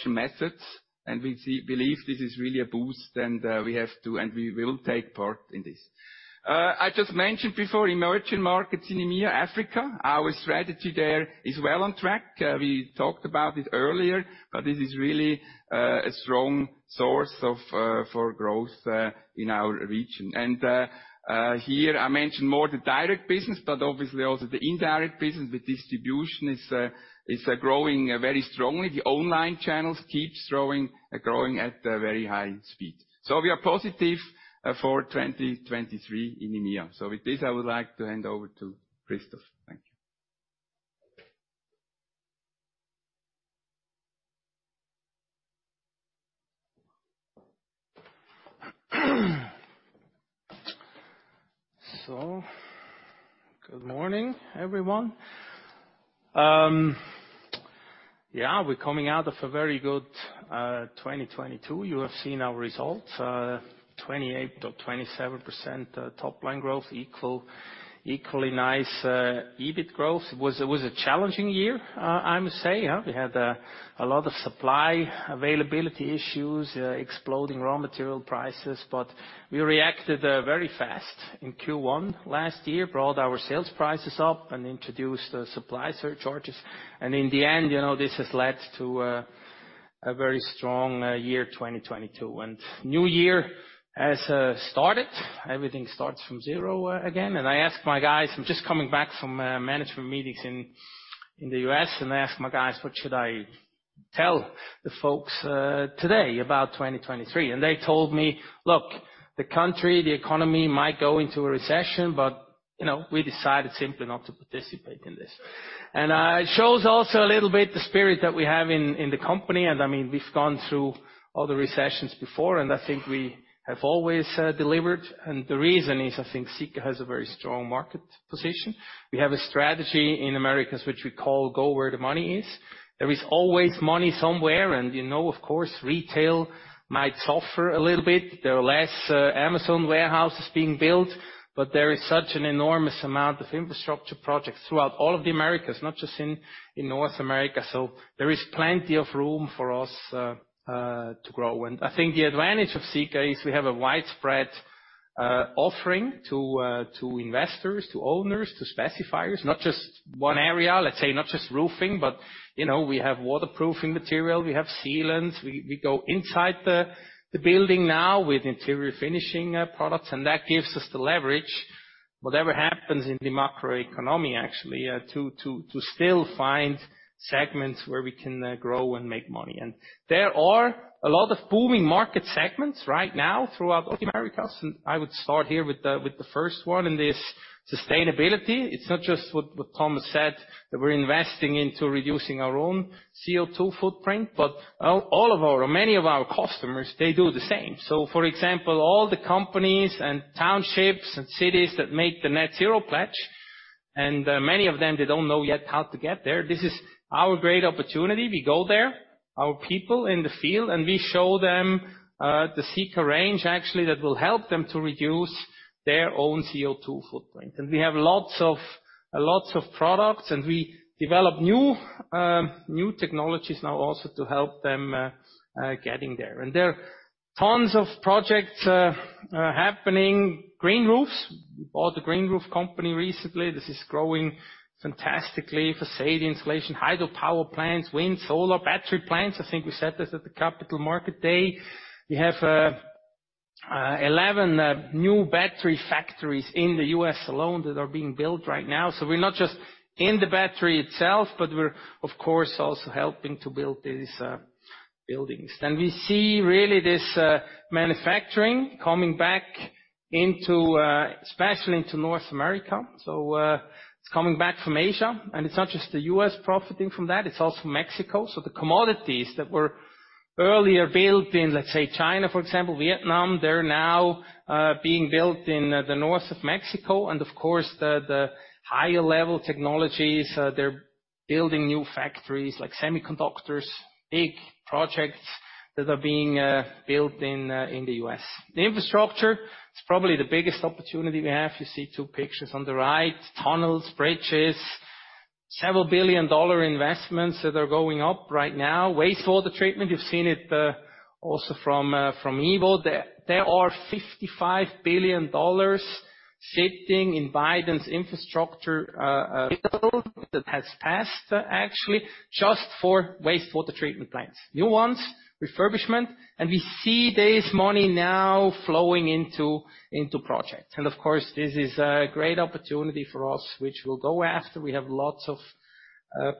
methods. We believe this is really a boost and we have to, and we will take part in this. I just mentioned before emerging markets in EMEA, Africa. Our strategy there is well on track. We talked about it earlier, but it is really, a strong source of, for growth, in our region. Here I mentioned more the direct business, but obviously also the indirect business with distribution is growing, very strongly. The online channels keeps growing at a very high speed. We are positive, for 2023 in EMEA. With this, I would like to hand over to Christoph. Thank you. Good morning, everyone. We're coming out of a very good 2022. You have seen our results, 28.27% top line growth, equally nice EBIT growth. It was a challenging year, I must say. We had a lot of supply availability issues, exploding raw material prices, but we reacted very fast in Q1 last year, brought our sales prices up and introduced the supply surcharges. In the end, you know, this has led to a very strong year 2022. New year has started. Everything starts from 0 again. I asked my guys, I'm just coming back from management meetings in the US, I asked my guys, "What should I tell the folks today about 2023?" They told me, "Look, the country, the economy might go into a recession, but, you know, we decided simply not to participate in this." It shows also a little bit the spirit that we have in the company. I mean, we've gone through all the recessions before, and I think we have always delivered. The reason is, I think Sika has a very strong market position. We have a strategy in Americas, which we call Go Where the Money Is. There is always money somewhere, and you know, of course, retail might suffer a little bit. There are less Amazon warehouses being built. There is such an enormous amount of infrastructure projects throughout all of the Americas, not just in North America. There is plenty of room for us to grow. I think the advantage of Sika is we have a widespread offering to investors, to owners, to specifiers, not just 1 area, let's say not just roofing, but, you know, we have waterproofing material, we have sealants, we go inside the building now with interior finishing products, and that gives us the leverage, whatever happens in the macroeconomy actually, to still find segments where we can grow and make money. There are a lot of booming market segments right now throughout the Americas. I would start here with the first one, it is sustainability. It's not just what Thomas said, that we're investing into reducing our own CO2 footprint, but many of our customers, they do the same. For example, all the companies and townships and cities that make the net zero pledge, many of them, they don't know yet how to get there. This is our great opportunity. We go there, our people in the field, we show them the Sika range actually that will help them to reduce their own CO2 footprint. We have lots of products, we develop new technologies now also to help them getting there. There are tons of projects happening. Green roofs. We bought the green roof company recently. This is growing fantastically. Facade installation, hydropower plants, wind, solar, battery plants. I think we said this at the Capital Markets Day. We have 11 new battery factories in the U.S. alone that are being built right now. We're not just in the battery itself, but we're of course also helping to build these buildings. We see really this manufacturing coming back into especially into North America. It's coming back from Asia, and it's not just the U.S. profiting from that, it's also Mexico. The commodities that were earlier built in, let's say, China, for example, Vietnam, they're now being built in the north of Mexico. Of course the higher level technologies, they're building new factories like semiconductors, big projects that are being built in the U.S. The infrastructure is probably the biggest opportunity we have. You see 2 pictures on the right, tunnels, bridges, several billion dollar investments that are going up right now. Wastewater treatment, you've seen it also from Ivo. There are $55 billion sitting in Biden's infrastructure bill that has passed actually just for wastewater treatment plants, new ones, refurbishment. We see this money now flowing into projects. Of course, this is a great opportunity for us, which we'll go after. We have lots of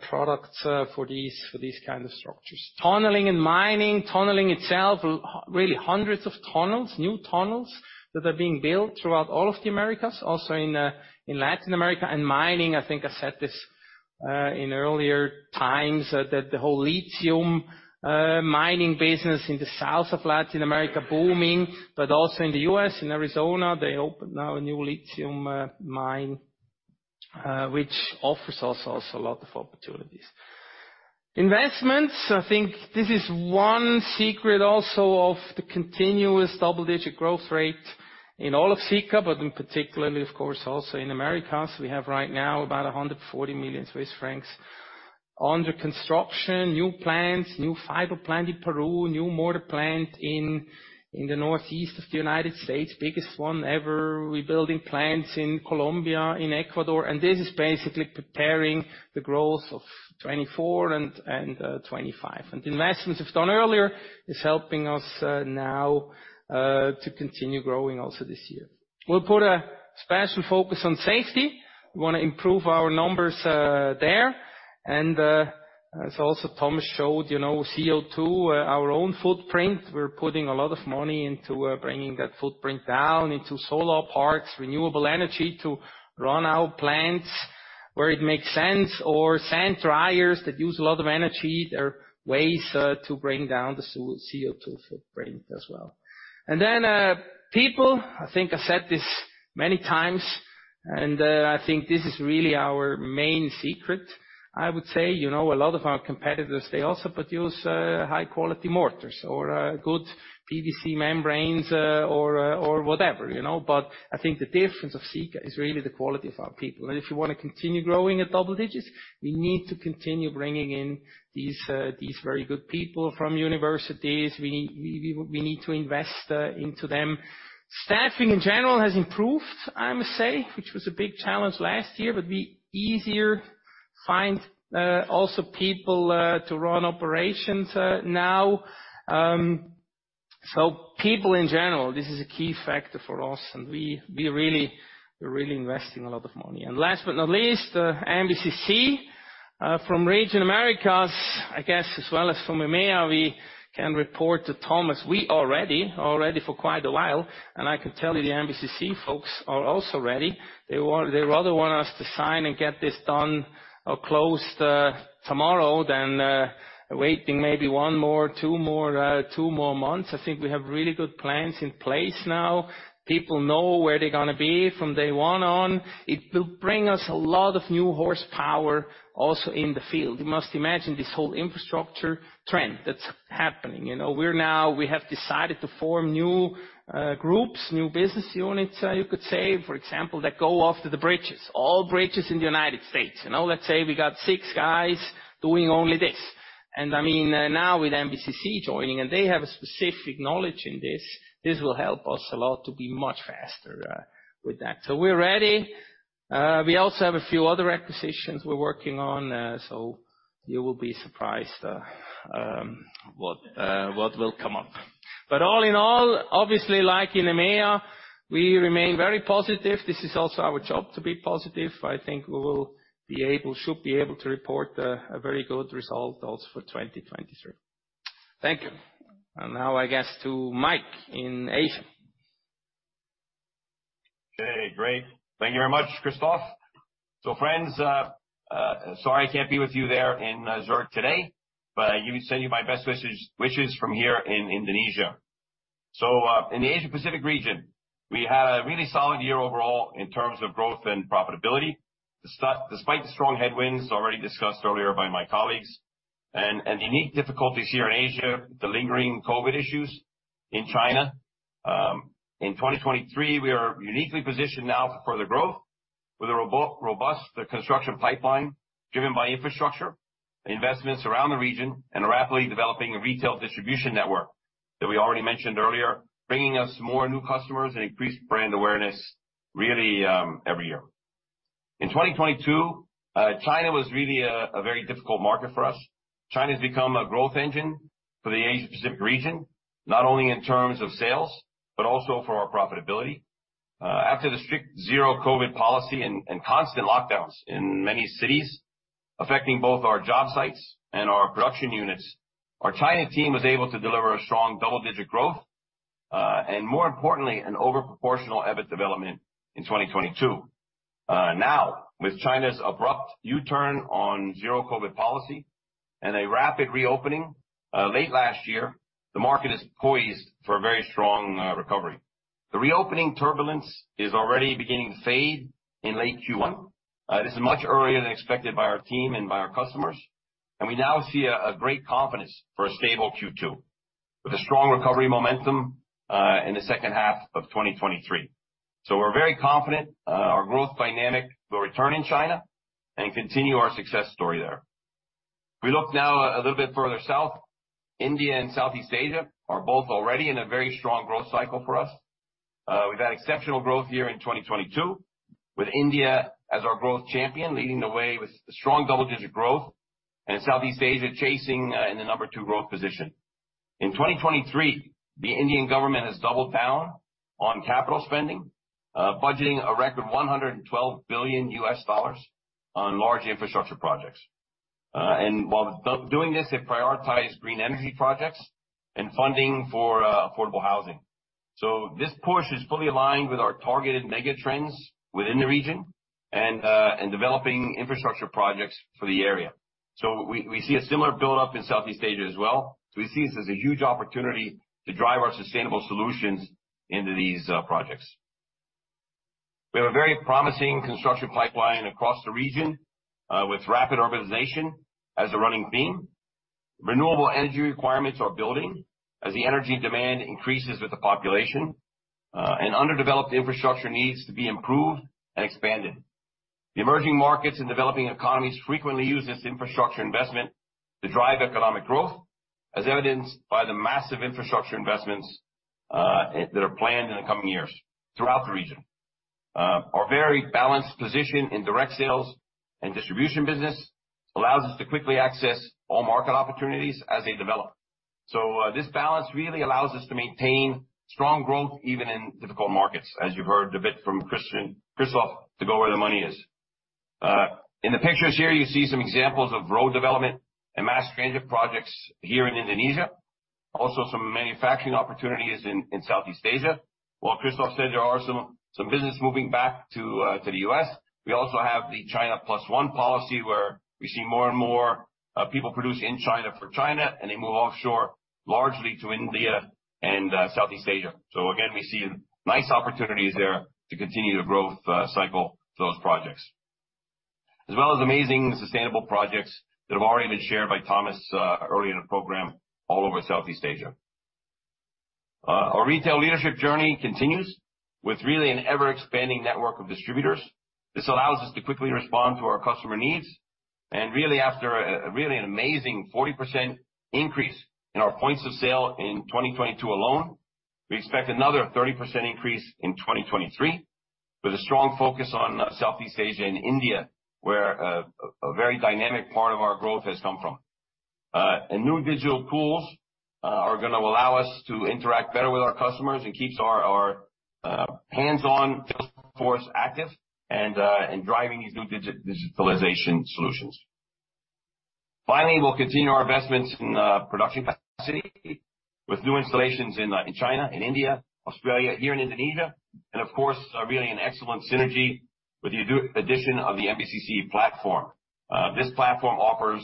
products for these kind of structures. Tunneling and mining. Tunneling itself, really hundreds of tunnels, new tunnels that are being built throughout all of the Americas, also in Latin America. Mining, I think I said this in earlier times, that the whole lithium mining business in the south of Latin America booming, but also in the U.S. and Arizona, they opened now a new lithium mine. Which offers us also a lot of opportunities. Investments, I think this is 1 secret also of the continuous double-digit growth rate in all of Sika, but particularly, of course, also in Americas. We have right now about 140 million Swiss francs under construction, new plants, new fiber plant in Peru, new mortar plant in the Northeast of the United States, biggest 1 ever. We're building plants in Colombia, in Ecuador, and this is basically preparing the growth of 2024 and 2025. The investments we've done earlier is helping us now to continue growing also this year. We'll put a special focus on safety. We wanna improve our numbers there. As also Thomas showed, you know, CO2, our own footprint, we're putting a lot of money into bringing that footprint down into solar parks, renewable energy to run our plants where it makes sense or sand dryers that use a lot of energy. There are ways to bring down the CO2 footprint as well. People, I think I said this many times, I think this is really our main secret, I would say. You know, a lot of our competitors, they also produce high quality mortars or good PVC membranes or whatever, you know? I think the difference of Sika is really the quality of our people. If you wanna continue growing at double digits, we need to continue bringing in these very good people from universities. We need to invest into them. Staffing in general has improved, I must say, which was a big challenge last year, but we easier find also people to run operations now. So people in general, this is a key factor for us, and we're really investing a lot of money. Last but not least, MBCC from region Americas, I guess, as well as from EMEA, we can report to Thomas, we already for quite a while, and I can tell you the MBCC folks are also ready. They rather want us to sign and get this done or closed tomorrow than waiting maybe 1 more, 2 more months. I think we have really good plans in place now. People know where they're gonna be from day 1 on. It will bring us a lot of new horsepower also in the field. You must imagine this whole infrastructure trend that's happening. You know, we have decided to form new groups, new business units, you could say, for example, that go after the bridges, all bridges in the United States. You know, let's say we got 6 guys doing only this. I mean, now with MBCC joining, and they have a specific knowledge in this will help us a lot to be much faster with that. We're ready. We also have a few other acquisitions we're working on, so you will be surprised what will come up. All in all, obviously, like in EMEA, we remain very positive. This is also our job to be positive. I think we should be able to report a very good result also for 2023. Thank you. Now, I guess, to Mike in Asia. Okay, great. Thank you very much, Christoph. Friends, sorry I can't be with you there in Zurich today, send you my best wishes from here in Indonesia. In the Asia Pacific region, we had a really solid year overall in terms of growth and profitability. Despite the strong headwinds already discussed earlier by my colleagues and the unique difficulties here in Asia, the lingering COVID issues in China, in 2023, we are uniquely positioned now for further growth with a robust construction pipeline driven by infrastructure, investments around the region, and a rapidly developing retail distribution network that we already mentioned earlier, bringing us more new customers and increased brand awareness really every year. In 2022, China was really a very difficult market for us. China's become a growth engine for the Asia Pacific region, not only in terms of sales, but also for our profitability. After the strict 0 COVID policy and constant lockdowns in many cities, affecting both our job sites and our production units, our China team was able to deliver a strong double-digit growth, and more importantly, an overproportional EBIT development in 2022. Now, with China's abrupt U-turn on 0 COVID policy and a rapid reopening late last year, the market is poised for a very strong recovery. The reopening turbulence is already beginning to fade in late Q1. This is much earlier than expected by our team and by our customers, and we now see a great confidence for a stable Q2 with a strong recovery momentum in the H2 of 2023. We're very confident, our growth dynamic will return in China and continue our success story there. If we look now a little bit further south, India and Southeast Asia are both already in a very strong growth cycle for us. We've had exceptional growth here in 2022, with India as our growth champion leading the way with strong double-digit growth and Southeast Asia chasing, in the number 2 growth position. In 2023, the Indian government has doubled down on capital spending, budgeting a record $112 billion on large infrastructure projects. And while doing this, they prioritize green energy projects and funding for affordable housing. This push is fully aligned with our targeted mega trends within the region and developing infrastructure projects for the area. We see a similar buildup in Southeast Asia as well. We see this as a huge opportunity to drive our sustainable solutions into these projects. We have a very promising construction pipeline across the region, with rapid urbanization as a running theme. Renewable energy requirements are building as the energy demand increases with the population, and underdeveloped infrastructure needs to be improved and expanded. The emerging markets and developing economies frequently use this infrastructure investment to drive economic growth, as evidenced by the massive infrastructure investments that are planned in the coming years throughout the region. Our very balanced position in direct sales and distribution business allows us to quickly access all market opportunities as they develop. This balance really allows us to maintain strong growth even in difficult markets, as you've heard a bit from Christoph, to Go Where the Money Is. In the pictures here, you see some examples of road development and mass transit projects here in Indonesia, also some manufacturing opportunities in Southeast Asia. While Christoph said there are some business moving back to the U.S., we also have the China Plus One policy where we see more and more people produce in China for China, and they move offshore largely to India and Southeast Asia. Again, we see nice opportunities there to continue the growth cycle for those projects. As well as amazing sustainable projects that have already been shared by Thomas earlier in the program all over Southeast Asia. Our retail leadership journey continues with really an ever-expanding network of distributors. This allows us to quickly respond to our customer needs. Really after really an amazing 40% increase in our points of sale in 2022 alone, we expect another 30% increase in 2023, with a strong focus on Southeast Asia and India, where a very dynamic part of our growth has come from. New digital pools are gonna allow us to interact better with our customers and keeps our hands-on sales force active and driving these new digitalization solutions. Finally, we'll continue our investments in production capacity with new installations in China, in India, Australia, here in Indonesia, and of course, really an excellent synergy with the addition of the MBCC platform. This platform offers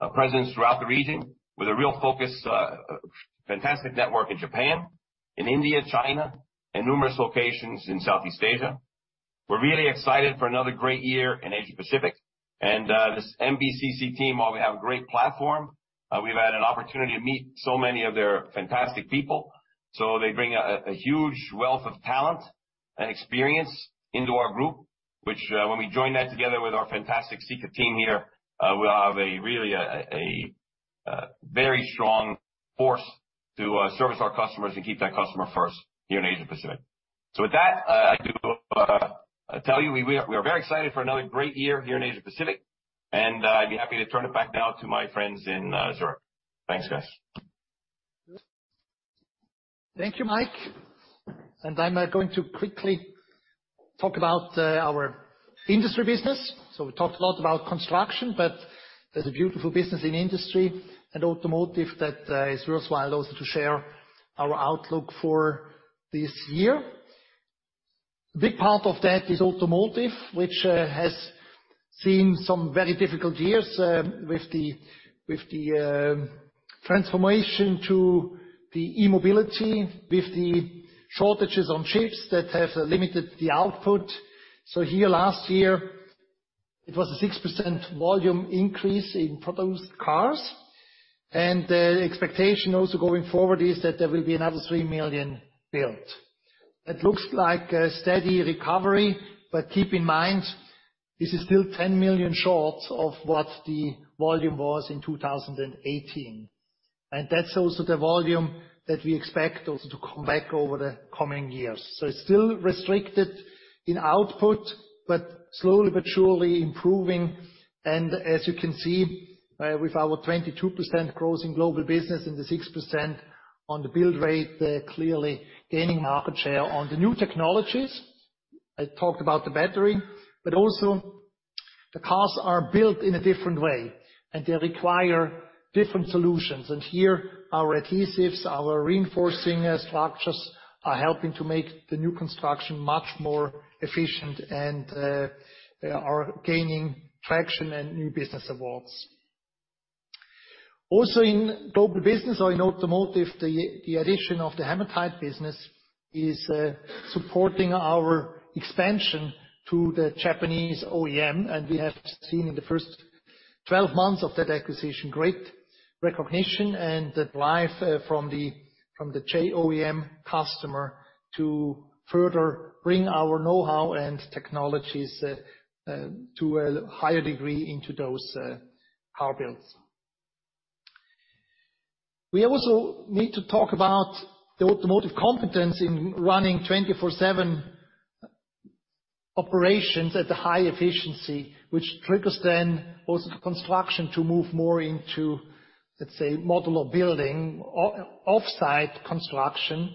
a presence throughout the region with a real focus, fantastic network in Japan, in India, China, and numerous locations in Southeast Asia. We're really excited for another great year in Asia Pacific and this MBCC team, while we have a great platform, we've had an opportunity to meet so many of their fantastic people. They bring a huge wealth of talent and experience into our group, which when we join that together with our fantastic Sika team here, we have really a very strong force to service our customers and keep that customer first here in Asia Pacific. With that, I do tell you, we are very excited for another great year here in Asia Pacific, and I'd be happy to turn it back now to my friends in Zurich. Thanks, guys. Thank you, Mike. I'm going to quickly talk about our industry business. We talked a lot about construction, but there's a beautiful business in industry and automotive that is worthwhile also to share our outlook for this year. A big part of that is automotive, which has seen some very difficult years with the transformation to the e-mobility, with the shortages on ships that have limited the output. Here last year, it was a 6% volume increase in produced cars. The expectation also going forward is that there will be another 3 million built. It looks like a steady recovery, but keep in mind, this is still 10 million short of what the volume was in 2018. That's also the volume that we expect also to come back over the coming years. It's still restricted in output, but slowly but surely improving. As you can see, with our 22% growth in global business and the 6% on the build rate, clearly gaining market share on the new technologies. I talked about the battery, but also the cars are built in a different way, and they require different solutions. Here, our adhesives, our reinforcing structures are helping to make the new construction much more efficient and are gaining traction and new business awards. Also in global business or in automotive, the addition of the Hamatite business is supporting our expansion to the Japanese OEM, and we have seen in the first 12 months of that acquisition, great recognition and drive from the JOEM customer to further bring our know-how and technologies to a higher degree into those car builds. We also need to talk about the automotive competence in running 24/7 operations at a high efficiency, which triggers then also the construction to move more into, let's say, modular building, offsite construction.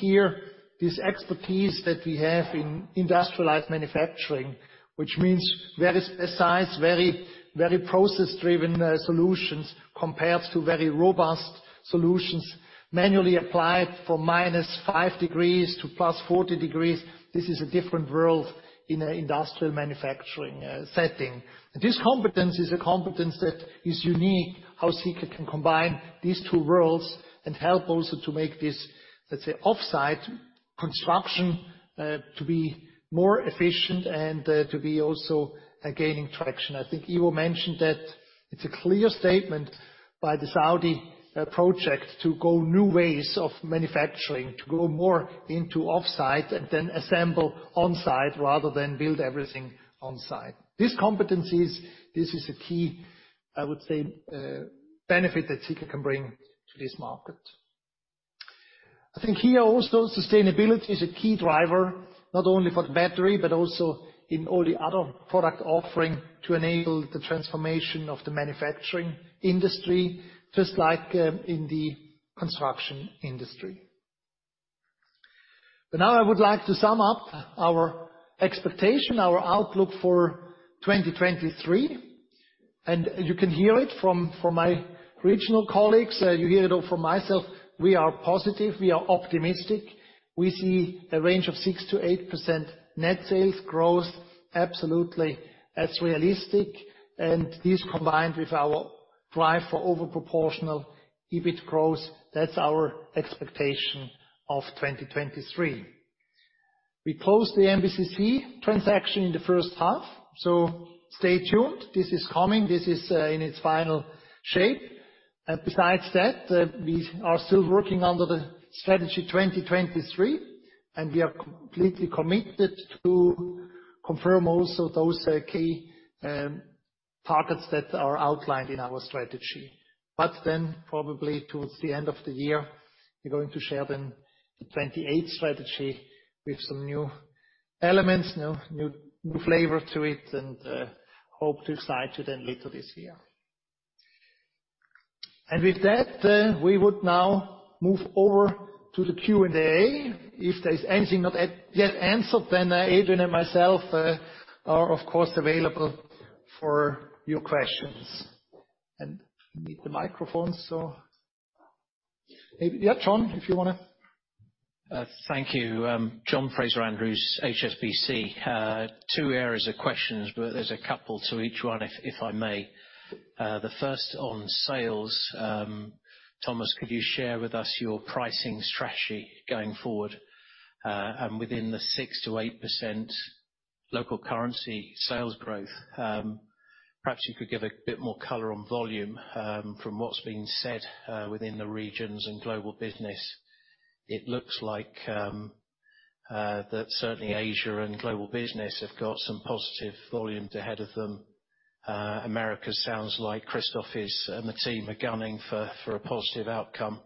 Here, this expertise that we have in industrialized manufacturing, which means very precise, very process-driven solutions compared to very robust solutions manually applied from -5 degrees to +40 degrees. This is a different world in an industrial manufacturing setting. This competence is a competence that is unique, how Sika can combine these 2 worlds and help also to make thisLet's say offsite construction, to be more efficient and, to be also, gaining traction. I think Ivo mentioned that it's a clear statement by the Saudi project to go new ways of manufacturing, to go more into offsite than assemble onsite, rather than build everything onsite. These competencies, this is a key, I would say, benefit that Sika can bring to this market. I think here also, sustainability is a key driver, not only for the battery, but also in all the other product offering to enable the transformation of the manufacturing industry, just like, in the construction industry. Now I would like to sum up our expectation, our outlook for 2023. You can hear it from my regional colleagues, you hear it from myself, we are positive, we are optimistic. We see a range of 6% to 8% net sales growth. Absolutely, that's realistic. This combined with our drive for over proportional EBIT growth, that's our expectation of 2023. We close the MBCC transaction in the H1. Stay tuned, this is coming, this is in its final shape. Besides that, we are still working under the Strategy 2023, and we are completely committed to confirm also those key targets that are outlined in our strategy. Probably towards the end of the year, we're going to share then the Strategy 2028 with some new elements, new flavor to it and hope to decide to then later this year. With that, we would now move over to the Q&A. If there's anything not yet answered, then Adrian and myself are, of course, available for your questions. We need the microphones. Maybe. John, if you. Thank you. John Fraser-Andrews, HSBC. 2 areas of questions, but there's a couple to each 1, if I may. The first on sales. Thomas, could you share with us your pricing strategy going forward, and within the 6% to 8% local currency sales growth? Perhaps you could give a bit more color on volume, from what's been said, within the regions and global business. It looks like that certainly Asia and global business have got some positive volumes ahead of them. Americas sounds like Christoph and the team are gunning for a positive outcome.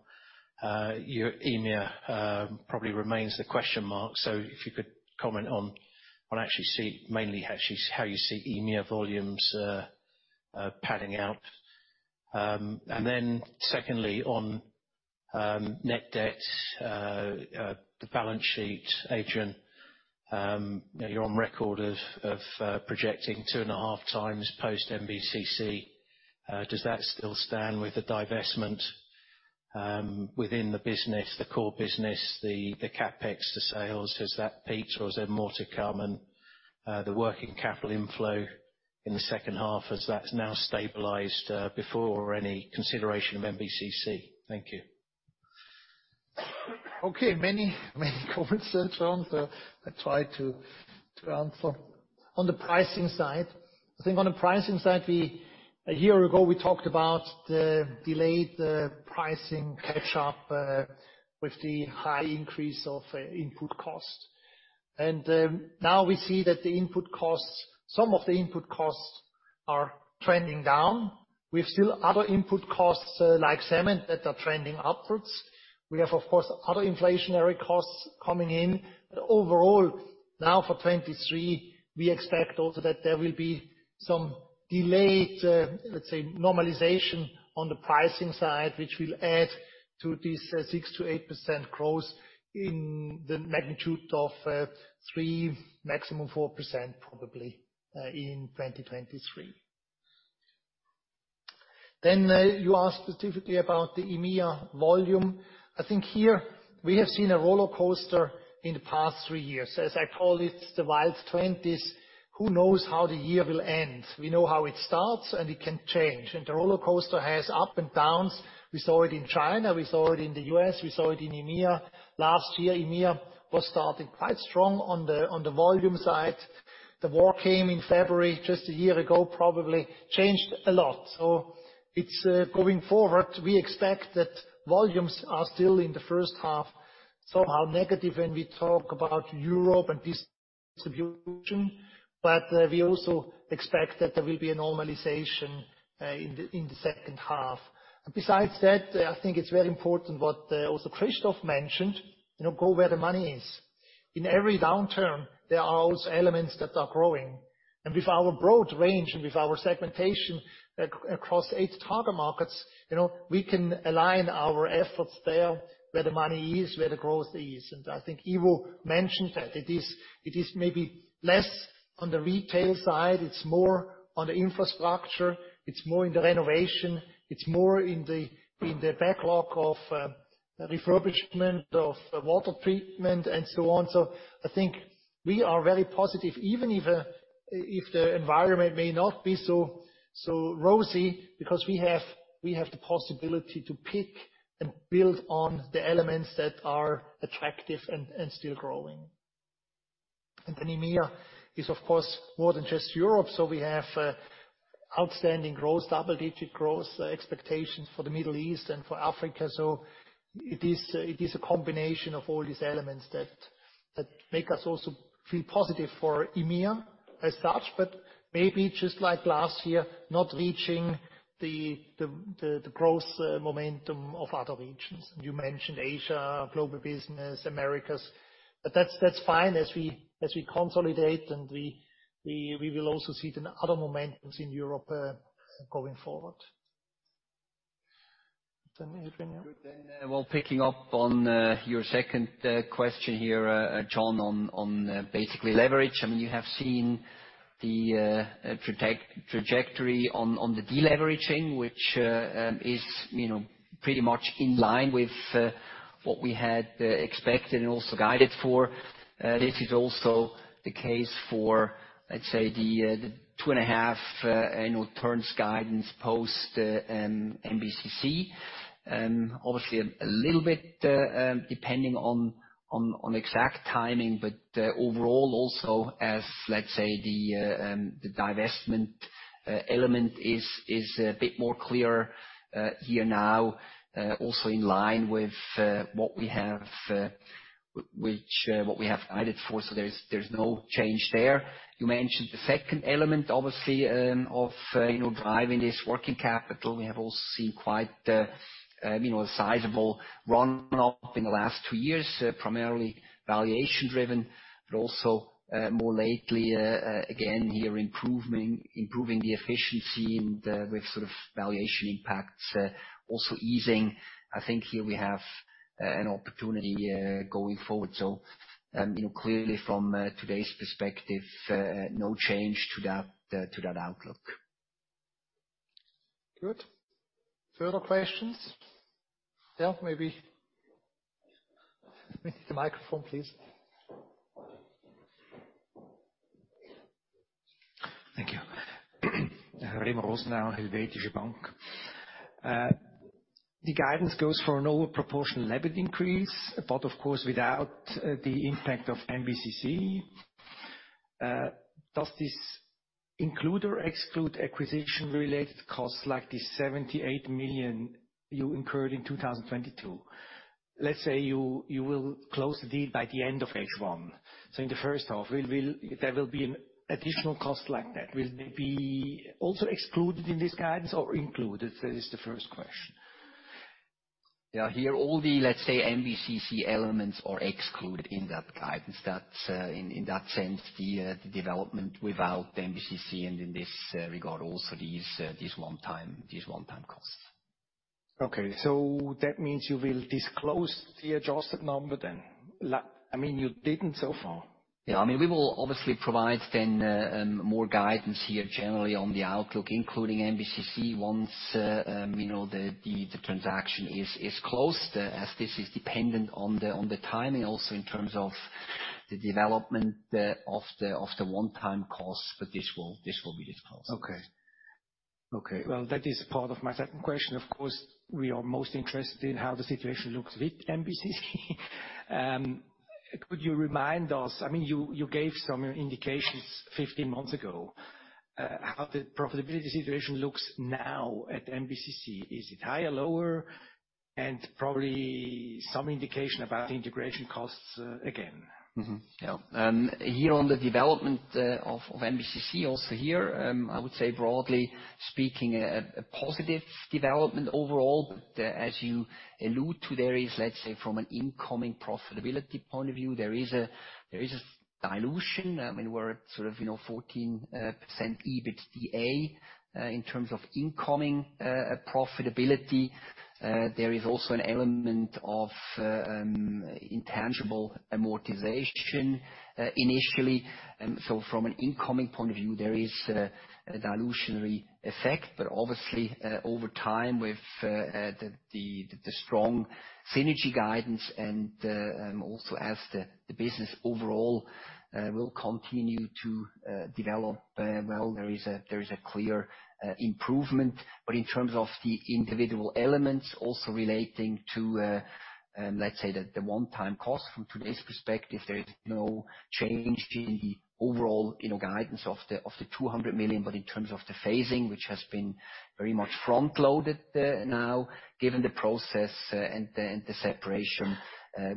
Your EMEA probably remains the question mark. If you could comment on. Mainly, actually how you see EMEA volumes padding out. Secondly, on net debt, the balance sheet. Adrian, you know, you're on record of projecting 2.5 times post MBCC. Does that still stand with the divestment within the business, the core business, the CapEx to sales, has that peaked, or is there more to come? The working capital inflow in the H2, has that's now stabilized before any consideration of MBCC? Thank you. Okay. Many comments there, John, I try to answer. On the pricing side. I think on the pricing side, a year ago, we talked about the delayed pricing catch up with the high increase of input costs. Now we see that the input costs, some of the input costs are trending down. We've still other input costs, like cement that are trending upwards. We have, of course, other inflationary costs coming in. Overall, now for 2023, we expect also that there will be some delayed, let's say normalization on the pricing side, which will add to this 6% to 8% growth in the magnitude of 3%, maximum 4% probably, in 2023. You asked specifically about the EMEA volume. I think here we have seen a rollercoaster in the past 3 years. As I call it, the wild 20's. Who knows how the year will end. We know how it starts, and it can change. The rollercoaster has up and downs. We saw it in China, we saw it in the US, we saw it in EMEA. Last year, EMEA was starting quite strong on the volume side. The war came in February, just a year ago, probably changed a lot, so it's. Going forward, we expect that volumes are still in the H1, somehow negative when we talk about Europe and distribution, but, we also expect that there will be a normalization in the H2. Besides that, I think it's very important what also Christoph mentioned, you know, go where the money is. In every downturn, there are also elements that are growing. With our broad range and with our segmentation across 8 target markets, you know, we can align our efforts there where the money is, where the growth is. I think Ivo mentioned that. It is maybe less on the retail side, it's more on the infrastructure, it's more in the renovation, it's more in the backlog of refurbishment of water treatment and so on. We are very positive, even if the environment may not be so rosy, because we have the possibility to pick and build on the elements that are attractive and still growing. EMEA is, of course, more than just Europe. We have outstanding growth, double-digit growth expectations for the Middle East and for Africa. It is a combination of all these elements that make us also feel positive for EMEA as such. Maybe just like last year, not reaching the growth momentum of other regions. You mentioned Asia, global business, Americas. That's fine as we consolidate and we will also see it in other momentums in Europe going forward. Adrian. Well, picking up on your 2nd question here, John, on basically leverage. I mean, you have seen the trajectory on the deleveraging, which is, you know, pretty much in line with what we had expected and also guided for. This is also the case for, let's say, the 2.5 annual terms guidance post MBCC. Obviously a little bit depending on exact timing, but overall also as, let's say, the divestment element is a bit more clear here now, also in line with what we have guided for. There's no change there. You mentioned the 2nd element, obviously, of, you know, driving this working capital. We have also seen quite, you know, a sizable run-up in the last 2 years, primarily valuation driven, but also, more lately, again, here improving the efficiency and with sort of valuation impacts also easing. I think here we have an opportunity, going forward. You know, clearly from today's perspective, no change to that, to that outlook. Good. Further questions? Maybe. The microphone, please. Thank you. Remo Rosenau, Helvetische Bank. The guidance goes for an over proportional EBIT increase, but of course, without the impact of MBCC. Does this include or exclude acquisition-related costs like the 78 million you incurred in 2022? Let's say, you will close the deal by the end of H1. In the H1, there will be an additional cost like that. Will they be also excluded in this guidance or included? This is the 1st question. Here all the, let's say, MBCC elements are excluded in that guidance. That's in that sense, the development without MBCC and in this regard also these one-time costs. Okay. That means you will disclose the adjusted number then. I mean, you didn't so far. I mean, we will obviously provide then, more guidance here generally on the outlook, including MBCC once, you know, the transaction is closed, as this is dependent on the timing also in terms of the development of the one-time costs. This will be disclosed. Okay. Well, that is part of my 2nd question. Of course, we are most interested in how the situation looks with MBCC. Could you remind us, I mean, you gave some indications 15 months ago, how the profitability situation looks now at MBCC. Is it higher, lower? Probably some indication about the integration costs again. Here on the development of MBCC, also here, I would say broadly speaking a positive development overall. As you allude to, there is, let's say, from an incoming profitability point of view, there is a dilution. I mean, we're at sort of, you know, 14% EBITDA in terms of incoming profitability. There is also an element of intangible amortization initially. So from an incoming point of view, there is a dilutionary effect. Obviously, over time with the strong synergy guidance and also as the business overall will continue to develop well, there is a clear improvement. In terms of the individual elements also relating to, let's say the one-time cost from today's perspective, there is no change in the overall, you know, guidance of the, of the 200 million. In terms of the phasing, which has been very much front-loaded, now, given the process, and the, and the separation,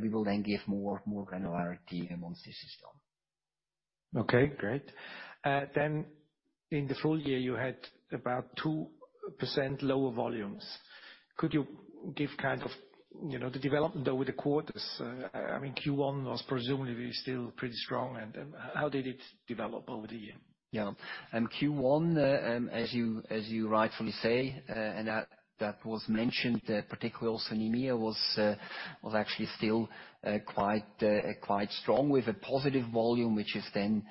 we will then give more, more granularity once this is done. Okay, great. In the full year, you had about 2% lower volumes. Could you give kind of, you know, the development over the quarters? I mean, Q1 was presumably still pretty strong, and, how did it develop over the year? Q1, as you rightfully say, that was mentioned, particularly also EMEA was actually still quite strong with a positive volume, which is then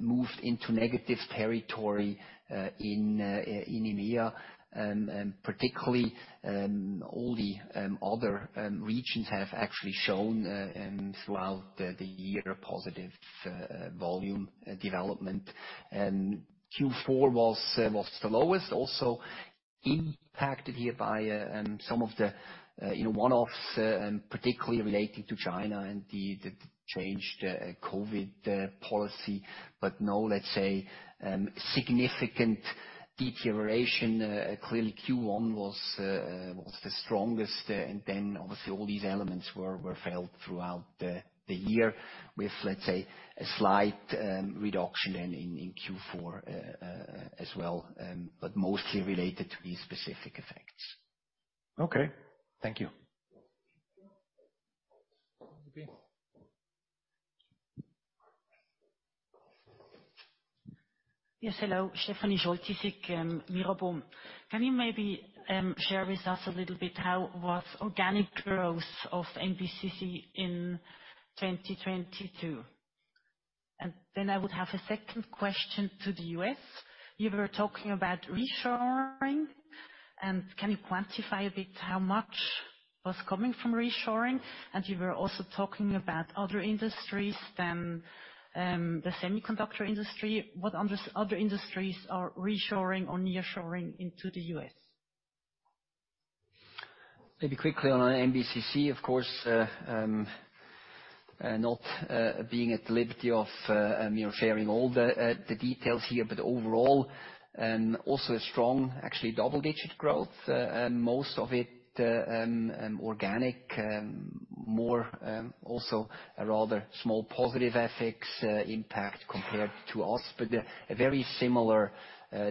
moved into negative territory in EMEA. Particularly, all the other regions have actually shown throughout the year a positive volume development. Q4 was the lowest also impacted hereby, some of the, you know, one-offs, particularly relating to China and the changed COVID policy. No, let's say, significant deterioration. Clearly Q1 was the strongest. Obviously all these elements were felt throughout the year with, let's say, a slight reduction in Q4 as well. Mostly related to these specific effects. Okay. Thank you. Yes. Hello. Stefanie Scholtisek, Mirabaud. Can you maybe share with us a little bit how was organic growth of MBCC in 2022? I would have a 2nd question to the U.S. You were talking about reshoring, and can you quantify a bit how much was coming from reshoring? You were also talking about other industries than the semiconductor industry. What other industries are reshoring or nearshoring into the U.S.? Maybe quickly on MBCC, of course, not being at liberty of, you know, sharing all the details here, but overall, also a strong, actually double-digit growth, and most of it organic, more, also a rather small positive FX impact compared to us, but a very similar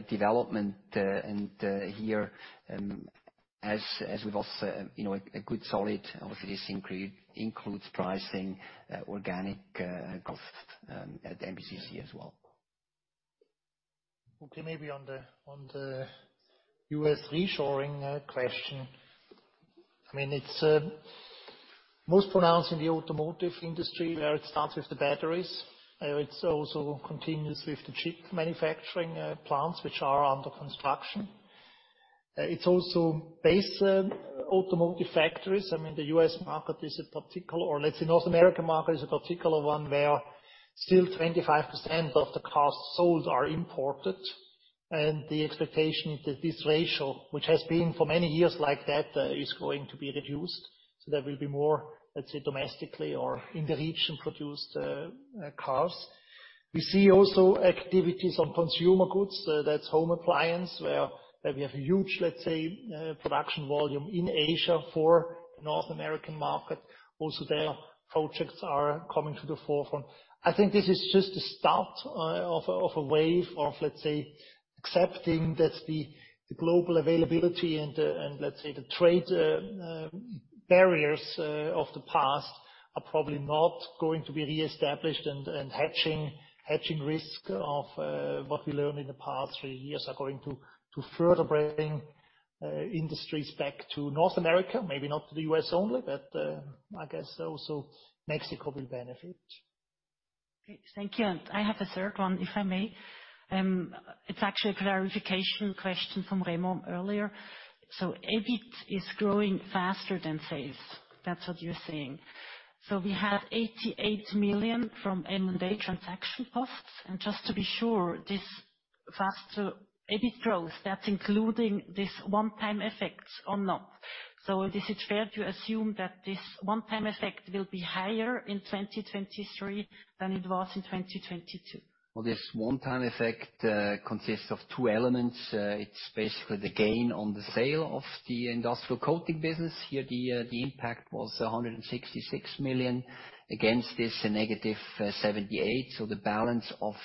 development, and here, as with us, you know, a good solid. Obviously, this includes pricing, organic cost at MBCC as well. Okay, maybe on the U.S. reshoring question. I mean, it's most pronounced in the automotive industry where it starts with the batteries. It's also continues with the chip manufacturing plants which are under construction. It's also base automotive factories. I mean, the U.S. market is a particular, or let's say North American market is a particular 1 where still 25% of the cars sold are imported. The expectation that this ratio, which has been for many years like that, is going to be reduced. There will be more, let's say, domestically or in the region produced cars. We see also activities on consumer goods, that's home appliance, where we have huge, let's say, production volume in Asia for North American market. Their projects are coming to the forefront. I think this is just the start of a wave of, let's say, accepting that the global availability and the, let's say, the trade barriers of the past are probably not going to be reestablished and hedging risk of what we learned in the past 3 years are going to further bring industries back to North America, maybe not to the U.S. only, but I guess also Mexico will benefit. Great. Thank you. I have a 3rd one, if I may. It's actually a clarification question from Remo earlier. EBIT is growing faster than sales. That's what you're saying. We had 88 million from M&A transaction costs. Just to be sure, this faster EBIT growth, that's including this one-time effects or not. Is it fair to assume that this one-time effect will be higher in 2023 than it was in 2022? Well, this one-time effect consists of 2 elements. It's basically the gain on the sale of the Industrial Coatings business. Here, the impact was 166 million. Against this, a negative 78. The balance of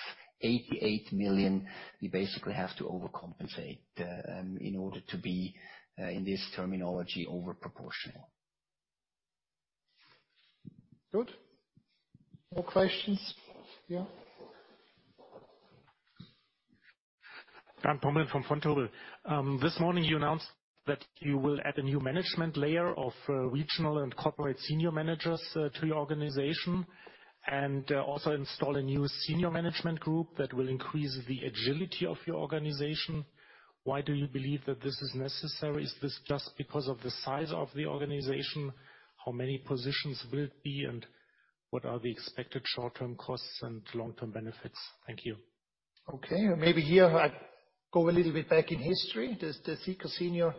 88 million, we basically have to overcompensate in order to be in this terminology, over proportional. Good. More questions. Daniel Pomeroy from Vontobel. This morning you announced that you will add a new management layer of regional and corporate senior managers to your organization, and also install a new senior management group that will increase the agility of your organization. Why do you believe that this is necessary? Is this just because of the size of the organization? How many positions will it be, and what are the expected short-term costs and long-term benefits? Thank you. Maybe here I go a little bit back in history. The Sika senior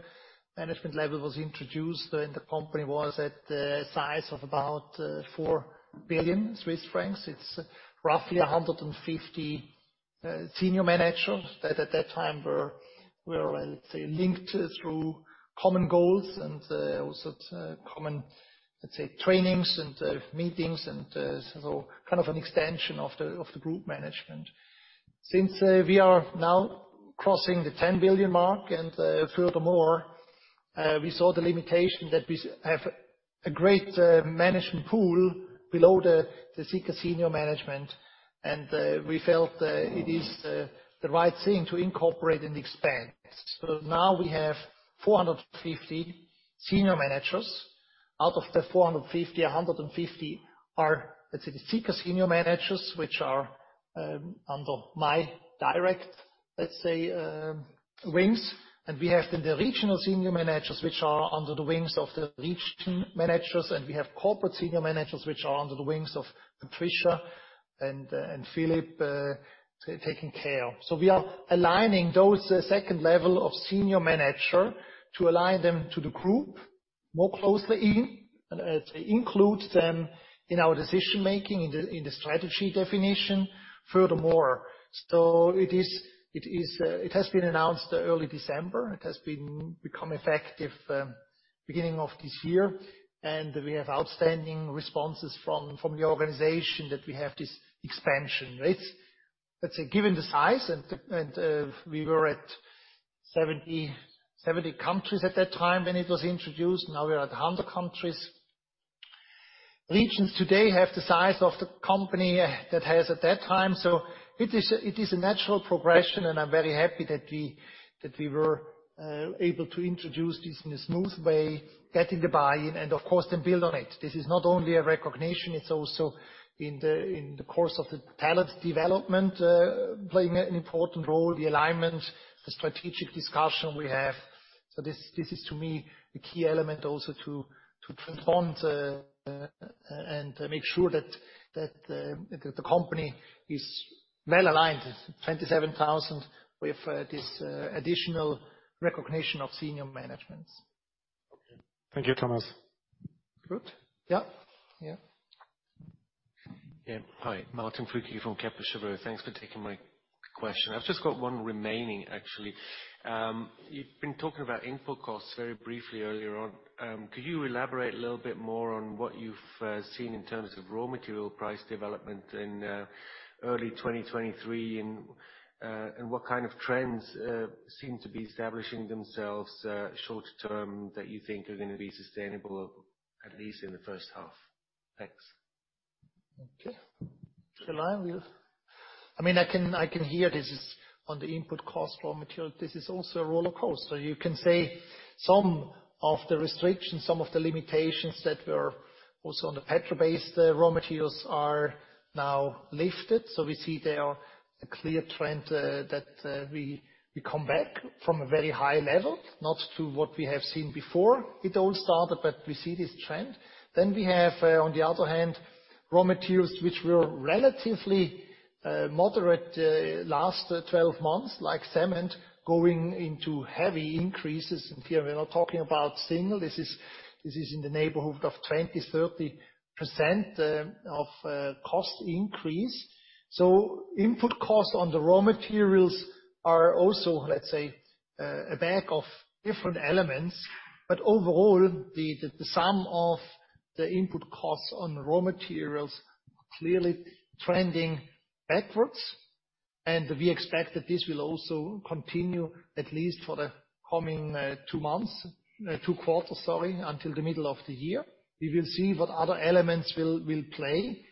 management level was introduced, and the company was at the size of about 4 billion Swiss francs. It's roughly 150 senior managers that at that time were, let's say, linked through common goals and also common, let's say, trainings and meetings and kind of an extension of the group management. Since we are now crossing the 10 billion mark and furthermore, we saw the limitation that we have a great management pool below the Sika senior management, and we felt it is the right thing to incorporate and expand. Now we have 450 senior managers. Out of the 450, 150 are, let's say, the Sika senior managers, which are under my direct, let's say, wings. We have then the regional senior managers, which are under the wings of the region managers, and we have corporate senior managers, which are under the wings of Patricia and Philip, taking care. We are aligning those 2nd level of senior manager to align them to the group more closely in, include them in our decision-making, in the, in the strategy definition furthermore. It is, it has been announced early December. It has been become effective beginning of this year. We have outstanding responses from the organization that we have this expansion rate. Let's say given the size and, we were at 70 countries at that time when it was introduced. Now we're at 100 countries. Regions today have the size of the company that has at that time. It is a natural progression, and I'm very happy that we, that we were able to introduce this in a smooth way, getting the buy-in and of course then build on it. This is not only a recognition, it's also in the course of the talent development, playing an important role, the alignment, the strategic discussion we have. This is to me the key element also to transform the and make sure that the company is well-aligned. It's 27,000 with this additional recognition of senior managements. Thank you, Thomas. Good. Hi. Martin Flückiger from Kepler Cheuvreux. Thanks for taking my question. I've just got 1 remaining actually. You've been talking about input costs very briefly earlier on. Could you elaborate a little bit more on what you've seen in terms of raw material price development in early 2023 and what kind of trends seem to be establishing themselves short-term that you think are gonna be sustainable at least in the H1? Thanks. Okay. Shall I? I mean, I can hear this is on the input cost, raw material. This is also a rollercoaster. You can say some of the restrictions, some of the limitations that were also on the petro-based raw materials are now lifted. We see there a clear trend that we come back from a very high level, not to what we have seen before it all started, but we see this trend. We have on the other hand, raw materials which were relatively moderate last 12 months, like cement going into heavy increases. Here we're not talking about single. This is in the neighborhood of 20% to 30% of cost increase. Input costs on the raw materials are also, let's say, a bag of different elements. Overall, the sum of the input costs on raw materials are clearly trending backwards, and we expect that this will also continue at least for the coming 2 quarters, sorry, until the middle of the year. We will see what other elements will play.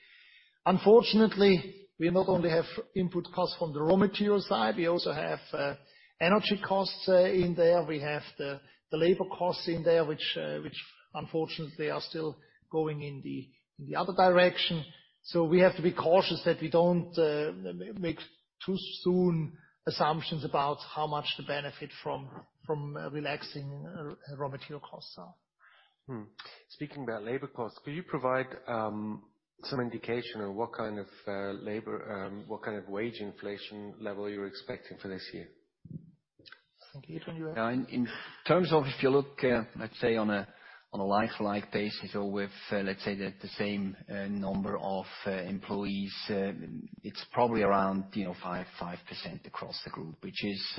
Unfortunately, we not only have input costs from the raw material side, we also have energy costs in there. We have the labor costs in there, which unfortunately are still going in the other direction. We have to be cautious that we don't make too soon assumptions about how much the benefit from relaxing raw material costs are. Speaking about labor costs, could you provide some indication on what kind of labor, what kind of wage inflation level you're expecting for this year? Thank you. Do you want to- In terms of if you look, let's say on a like-like basis or with, let's say the same number of employees, it's probably around, you know, 5% across the group, which is,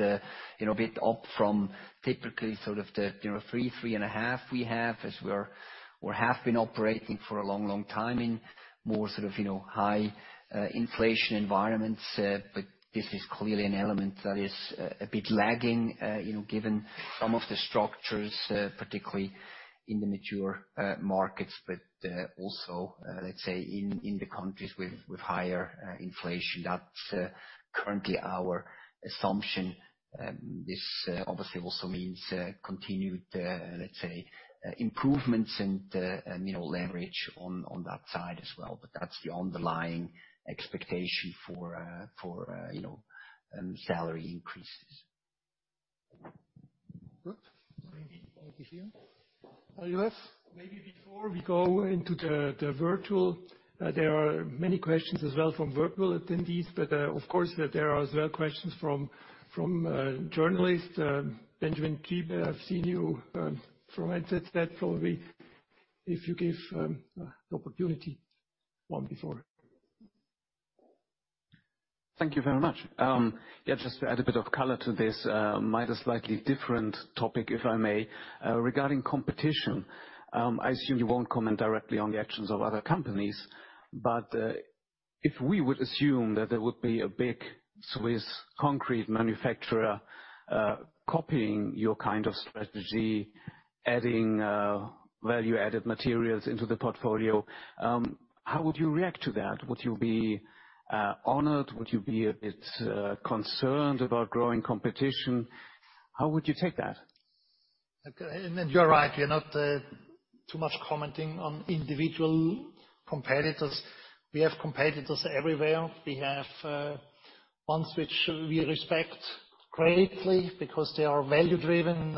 you know, a bit up from typically sort of the, you know, 3.5% we have as we have been operating for a long time in more sort of, you know, high inflation environments. This is clearly an element that is a bit lagging, you know, given some of the structures, particularly in the mature markets. Also, let's say in the countries with higher inflation. That's currently our assumption. This obviously also means continued, let's say improvements in the, you know, leverage on that side as well. That's the underlying expectation for, you know, salary increases. Good. Maybe over here. You have? Maybe before we go into the virtual, there are many questions as well from virtual attendees, but of course there are as well questions from journalists. Benjamin, I've seen you from probably if you give the opportunity 1 before. Thank you very much. Just to add a bit of color to this, might a slightly different topic, if I may. Regarding competition, I assume you won't comment directly on the actions of other companies, but if we would assume that there would be a big Swiss concrete manufacturer, copying your kind of strategy, adding value-added materials into the portfolio, how would you react to that? Would you be honored? Would you be a bit concerned about growing competition? How would you take that? Okay. You're right. We are not too much commenting on individual competitors. We have competitors everywhere. We have ones which we respect greatly because they are value driven.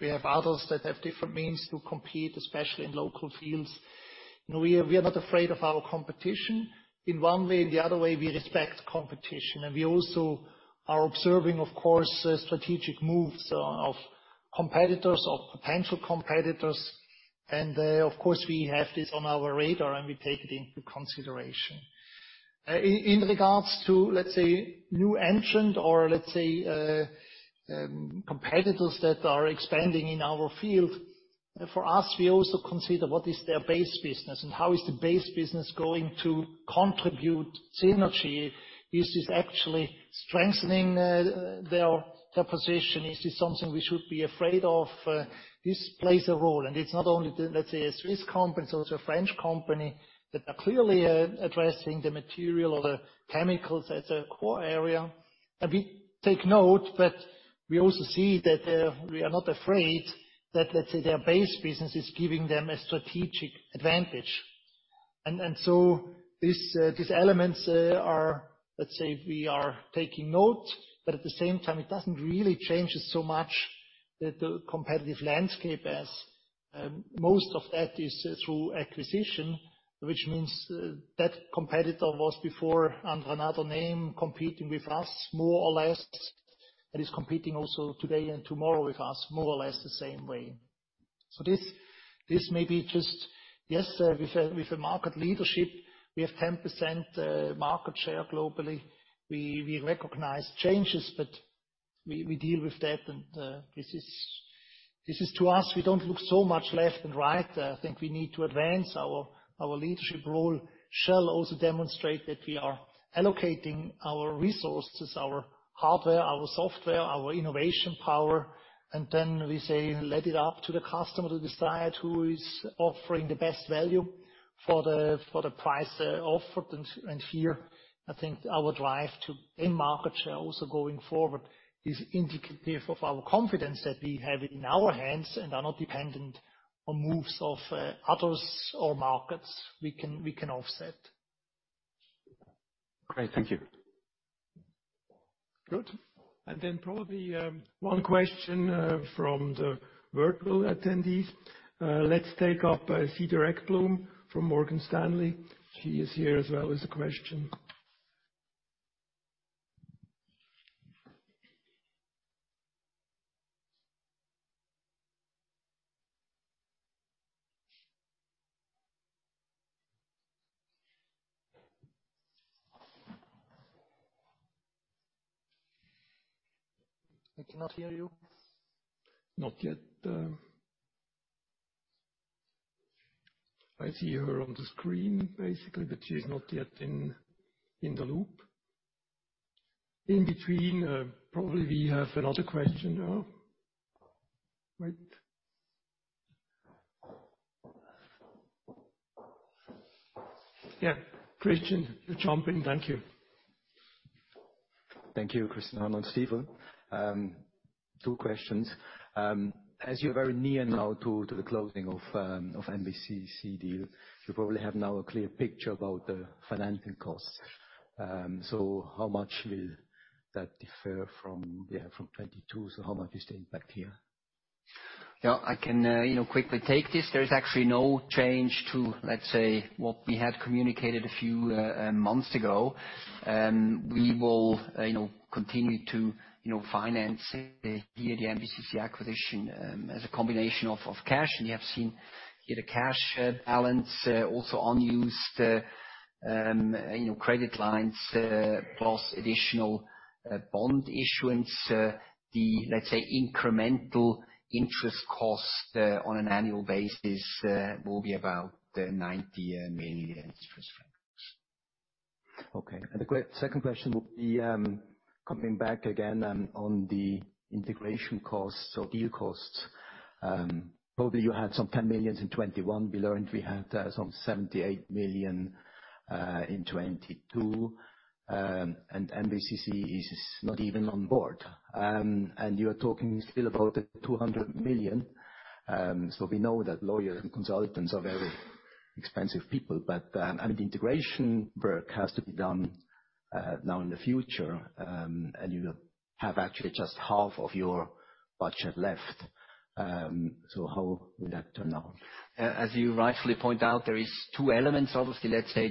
We have others that have different means to compete, especially in local fields. No, we are not afraid of our competition. In 1 way, the other way, we respect competition, we also are observing, of course, strategic moves of competitors, of potential competitors. Of course, we have this on our radar, and we take it into consideration. In regards to, let's say, new entrant or let's say, competitors that are expanding in our field, for us, we also consider what is their base business and how is the base business going to contribute synergy. Is this actually strengthening their position? Is this something we should be afraid of? This plays a role, it's not only the, let's say, a Swiss company, it's also a French company that are clearly addressing the material or the chemicals as a core area. We take note, but we also see that we are not afraid that, let's say, their base business is giving them a strategic advantage. These elements are, let's say, we are taking note, but at the same time it doesn't really change so much the competitive landscape as most of that is through acquisition, which means that competitor was before under another name competing with us more or less, and is competing also today and tomorrow with us more or less the same way. This may be just, yes, with a market leadership, we have 10% market share globally. We recognize changes, but we deal with that and this is to us, we don't look so much left and right. I think we need to advance our leadership role. Sika also demonstrate that we are allocating our resources, our hardware, our software, our innovation power, and then we say let it up to the customer to decide who is offering the best value for the price offered. Here, I think our drive to gain market share also going forward is indicative of our confidence that we have in our hands and are not dependent on moves of others or markets we can offset. Great. Thank you. Good. Probably, 1 question from the virtual attendees. Let's take up Cedar Ekblom from Morgan Stanley. She is here as well with a question. We cannot hear you. Not yet. I see her on the screen basically, but she's not yet in the loop. Probably we have another question now. Right. Christian, you jump in. Thank you. Thank you, Christian Arnold, Stifel. 2 questions. As you're very near now to the closing of MBCC deal, you probably have now a clear picture about the financing costs. How much will that differ from 2022? How much is the impact here? I can, you know, quickly take this. There is actually no change to, let's say, what we had communicated a few months ago. We will, you know, continue to, you know, finance the MBCC acquisition as a combination of cash. You have seen here the cash balance also unused, you know, credit lines plus additional bond issuance. The, let's say, incremental interest cost on an annual basis will be about 90 million Swiss francs interest costs. Okay. The quick 2nd question would be, coming back again on the integration costs or deal costs. Probably you had some 10 million in 2021. We learned we had some 78 million in 2022. MBCC is not even on board. You are talking still about 200 million. We know that lawyers and consultants are very expensive people. The integration work has to be done now in the future, and you have actually just half of your budget left. How will that turn out? As you rightfully point out, there is 2 elements, obviously. Let's say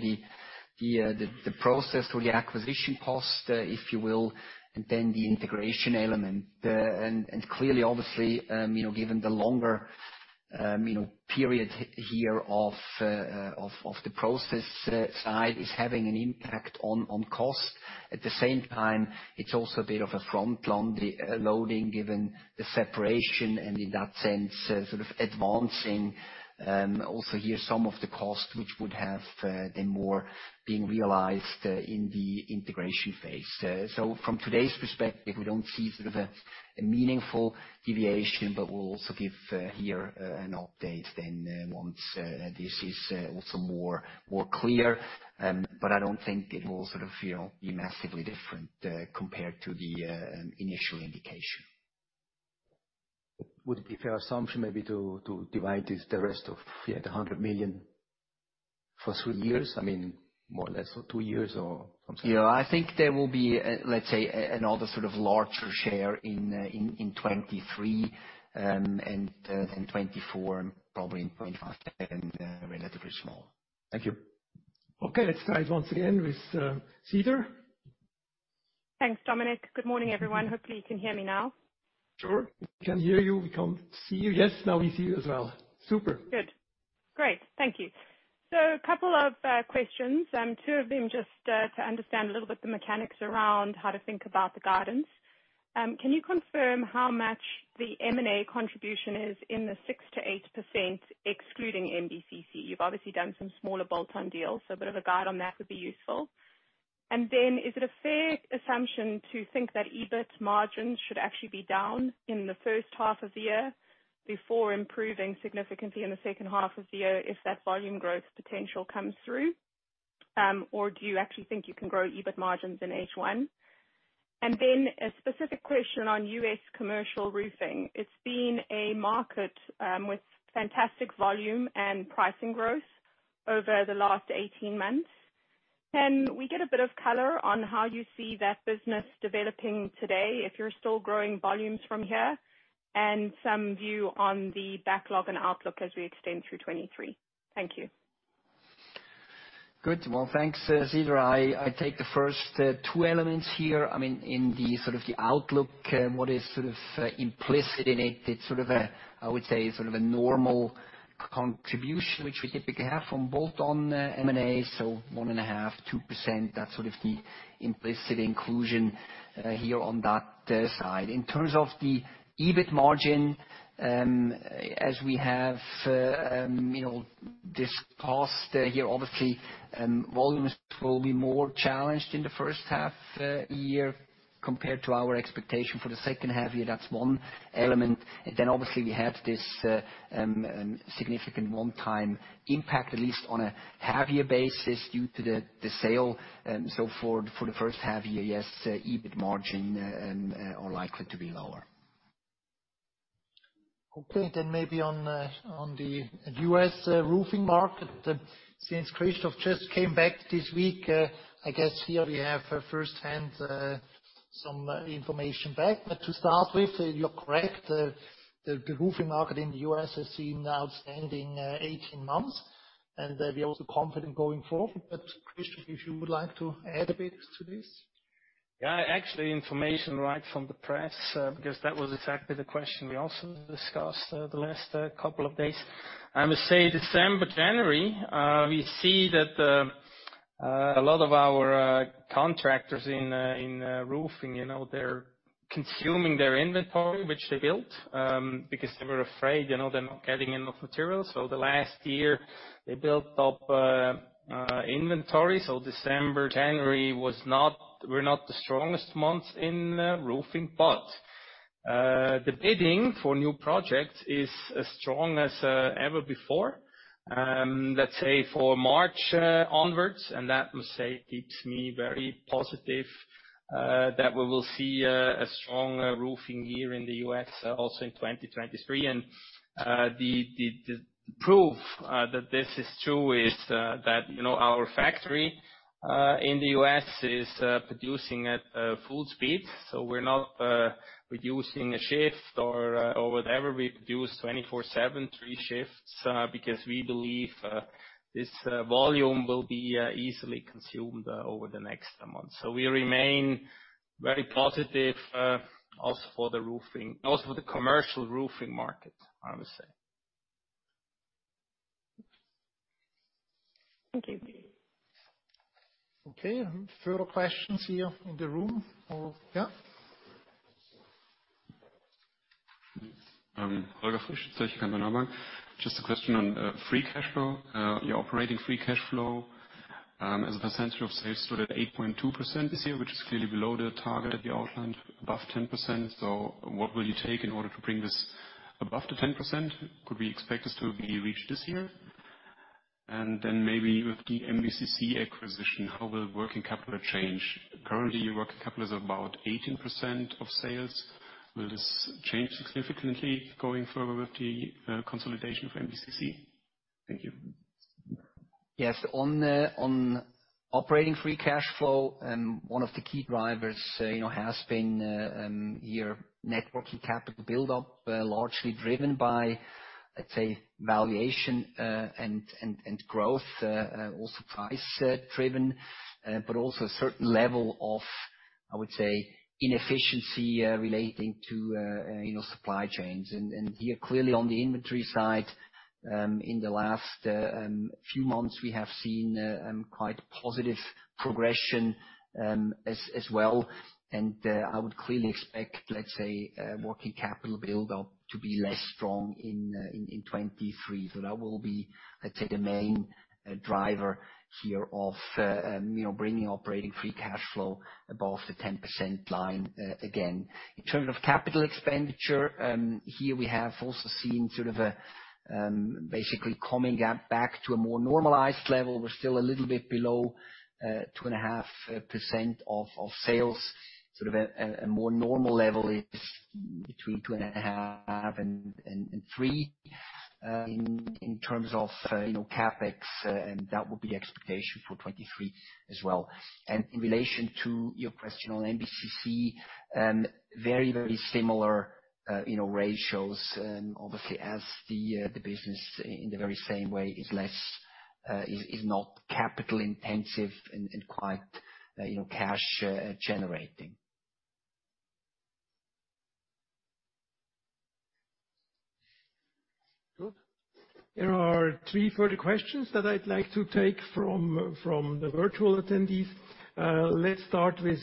the process or the acquisition cost, if you will, and then the integration element. Clearly, obviously, you know, given the longer, you know, period here of the process side is having an impact on cost. At the same time, it's also a bit of a front load-loading given the separation, and in that sense, sort of advancing also here some of the cost which would have then more been realized in the integration phase. From today's perspective, we don't see sort of a meaningful deviation, but we'll also give here an update then, once this is also more clear. I don't think it will sort of, you know, be massively different, compared to the initial indication. Would it be a fair assumption maybe to divide this, the rest of the 100 million? For 3 years? I mean, more or less, or 2 years or something. I think there will be, let's say, another sort of larger share in 2023, and in 2024, and probably in 2025 and relatively small. Thank you. Let's try it once again with Cedar. Thanks, Dominik. Good morning, everyone. Hopefully you can hear me now. Sure. We can hear you. We can't see you. Yes, now we see you as well. Super. Good. Great. Thank you. A couple of questions, 2 of them just to understand a little bit the mechanics around how to think about the guidance. Can you confirm how much the M&A contribution is in the 6% to 8% excluding MBCC? You've obviously done some smaller bolt-on deals, so a bit of a guide on that would be useful. Is it a fair assumption to think that EBIT margins should actually be down in the H1 of the year before improving significantly in the H2 of the year if that volume growth potential comes through? Or do you actually think you can grow EBIT margins in H1? A specific question on US commercial roofing. It's been a market with fantastic volume and pricing growth over the last 18 months. Can we get a bit of color on how you see that business developing today, if you're still growing volumes from here, and some view on the backlog and outlook as we extend through 2023? Thank you. Good. Well, thanks, Cedar. I take the first 2 elements here. I mean, in the sort of the outlook, what is sort of implicit in it's sort of a, I would say, sort of a normal contribution which we typically have from bolt-on M&A, so 1.5%, 2%, that's sort of the implicit inclusion here on that side. In terms of the EBIT margin, as we have, you know, discussed here, obviously, volumes will be more challenged in the H1 year compared to our expectation for the H2 year. That's 1 element. Then obviously we have this significant one-time impact, at least on a half-year basis due to the sale. For the H1 year, yes, EBIT margin are likely to be lower. Okay. Maybe on the US roofing market, since Christoph just came back this week, I guess here we have firsthand some information back. To start with, you're correct. The roofing market in the US has seen outstanding 18 months, and we are also confident going forward. Christoph, if you would like to add a bit to this. Actually, information right from the press, because that was exactly the question we also discussed, the last couple of days. I would say December, January, we see that a lot of our contractors in roofing, you know, they're consuming their inventory, which they built, because they were afraid, you know, they're not getting enough material. The last year, they built up inventory. December, January were not the strongest months in roofing. The bidding for new projects is as strong as ever before, let's say for March onwards, and that, let's say, keeps me very positive, that we will see a strong roofing year in the U.S. also in 2023. The proof that this is true is that, you know, our factory in the US is producing at full speed. We're not reducing a shift or whatever. We produce 24/7, 3 shifts because we believe this volume will be easily consumed over the next months. We remain very positive, also for the commercial roofing market, I would say. Thank you. Okay. Further questions here in the room or- Just a question on free cash flow. Your operating free cash flow as a percentage of sales stood at 8.2% this year, which is clearly below the target that you outlined above 10%. What will you take in order to bring this above the 10%? Could we expect this to be reached this year? Then maybe with the MBCC acquisition, how will working capital change? Currently, your working capital is about 18% of sales. Will this change significantly going forward with the consolidation of MBCC? Thank you. Yes. On operating free cash flow, 1 of the key drivers, you know, has been your net working capital buildup, largely driven by, let's say, valuation, and, and growth, also price driven, but also a certain level of, I would say, inefficiency, relating to, you know, supply chains. Here clearly on the inventory side, in the last few months, we have seen quite positive progression as well. I would clearly expect, let's say, working capital buildup to be less strong in 2023. That will be, let's say, the main driver here of, you know, bringing operating free cash flow above the 10% line again. In terms of capital expenditure, here we have also seen sort of a, basically coming back to a more normalized level. We're still a little bit below 2.5% of sales. A more normal level is between 2.5% and 3% in terms of, you know, CapEx, and that would be the expectation for 2023 as well. In relation to your question on MBCC, very similar, you know, ratios, obviously as the business in the very same way is less, is not capital intensive and quite, you know, cash generating. Good. There are 3 further questions that I'd like to take from the virtual attendees. Let's start with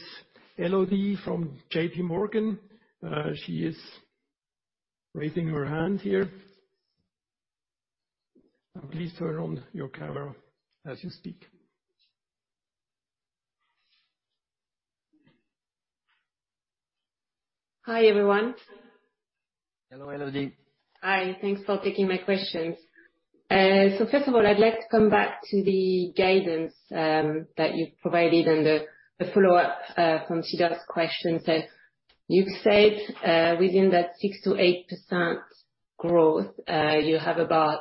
Elodie from JPMorgan. She is raising her hand here. Please turn on your camera as you speak. Hi, everyone. Hello, Elodie. Hi. Thanks for taking my questions. First of all, I'd like to come back to the guidance that you've provided and the follow-up from Cedar's question. You've said within that 6% to 8% growth, you have about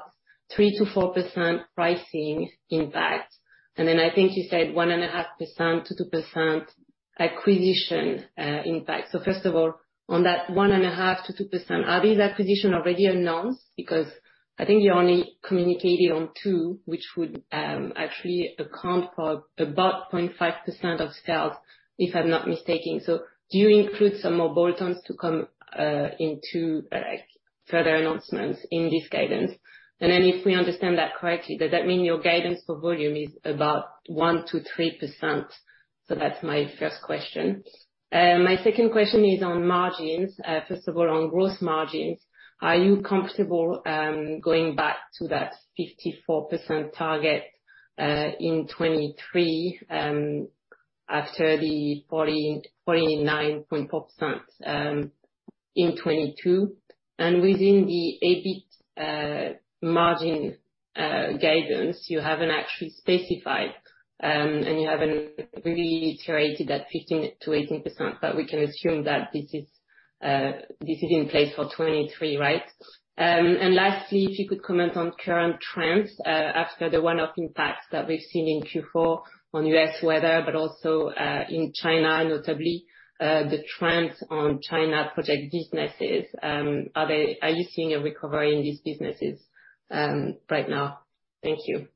3% to 4% pricing impact. Then I think you said 1.5% to 2% acquisition impact. First of all, on that 1.5% to 2%, are these acquisition already announced? I think you only communicated on 2, which would actually account for about 0.5% of sales, if I'm not mistaking. Do you include some more bolt-ons to come into like further announcements in this guidance? Then if we understand that correctly, does that mean your guidance for volume is about 1% to 3%? That's my 1st question. My 2nd question is on margins. First of all, on gross margins, are you comfortable going back to that 54% target in 2023 after the 49.4% in 2022? Within the EBIT margin guidance, you haven't actually specified, and you haven't really iterated that 15% to 18%, but we can assume that this is in place for 2023, right? Lastly, if you could comment on current trends after the one-off impacts that we've seen in Q4 on U.S. weather, but also in China, notably the trends on China project businesses. Are you seeing a recovery in these businesses right now? Thank you.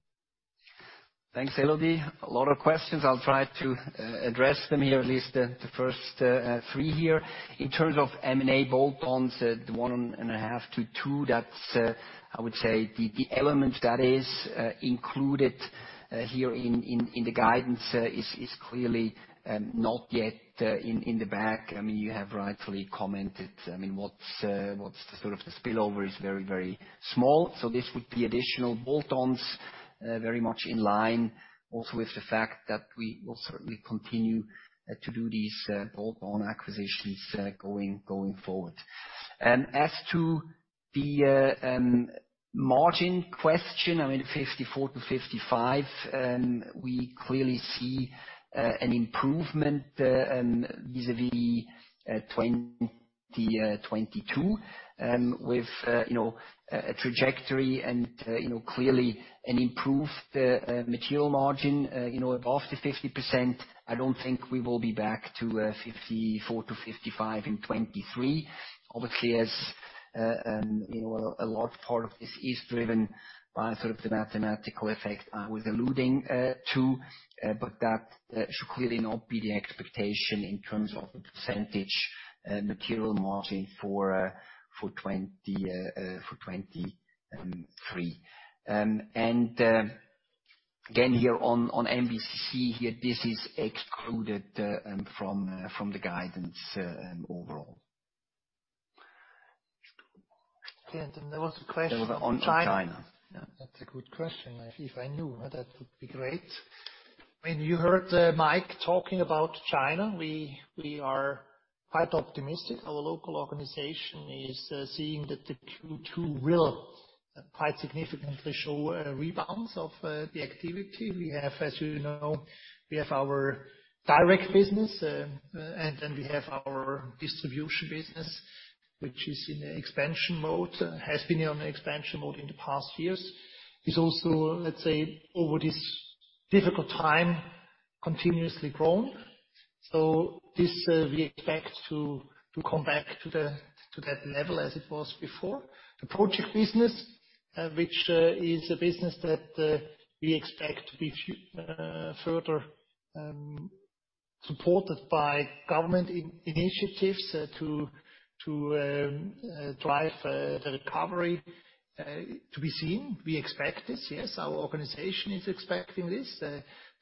Thanks, Elodie. A lot of questions. I'll try to address them here, at least the first 3 here. In terms of M&A bolt-ons, the 1.5-2, that's I would say the element that is included here in the guidance is clearly not yet in the bag. I mean, you have rightly commented. I mean, what's the sort of the spillover is very small. This would be additional bolt-ons, very much in line also with the fact that we will certainly continue to do these bolt-on acquisitions going forward. As to the margin question, I mean, 54% to 55%, we clearly see an improvement vis-à-vis 2022, with, you know, a trajectory and, you know, clearly an improved material margin, you know, above the 50%. I don't think we will be back to 54% to 55% in 2023. Obviously, as, you know, a large part of this is driven by sort of the mathematical effect I was alluding to, but that should clearly not be the expectation in terms of the percentage material margin for 2023. Again, here on MBCC, this is excluded from the guidance overall. There was a question on China. On China. That's a good question. If I knew that would be great. I mean, you heard Mike talking about China. We are quite optimistic. Our local organization is seeing that the Q2 will quite significantly show a rebound of the activity. We have, as you know, we have our direct business, and then we have our distribution business, which is in expansion mode, has been on expansion mode in the past years. It's also, let's say, over this difficult time, continuously grown. This, we expect to come back to that level as it was before. The project business, which is a business that we expect to be further supported by government initiatives to drive the recovery, to be seen. We expect this, yes. Our organization is expecting this.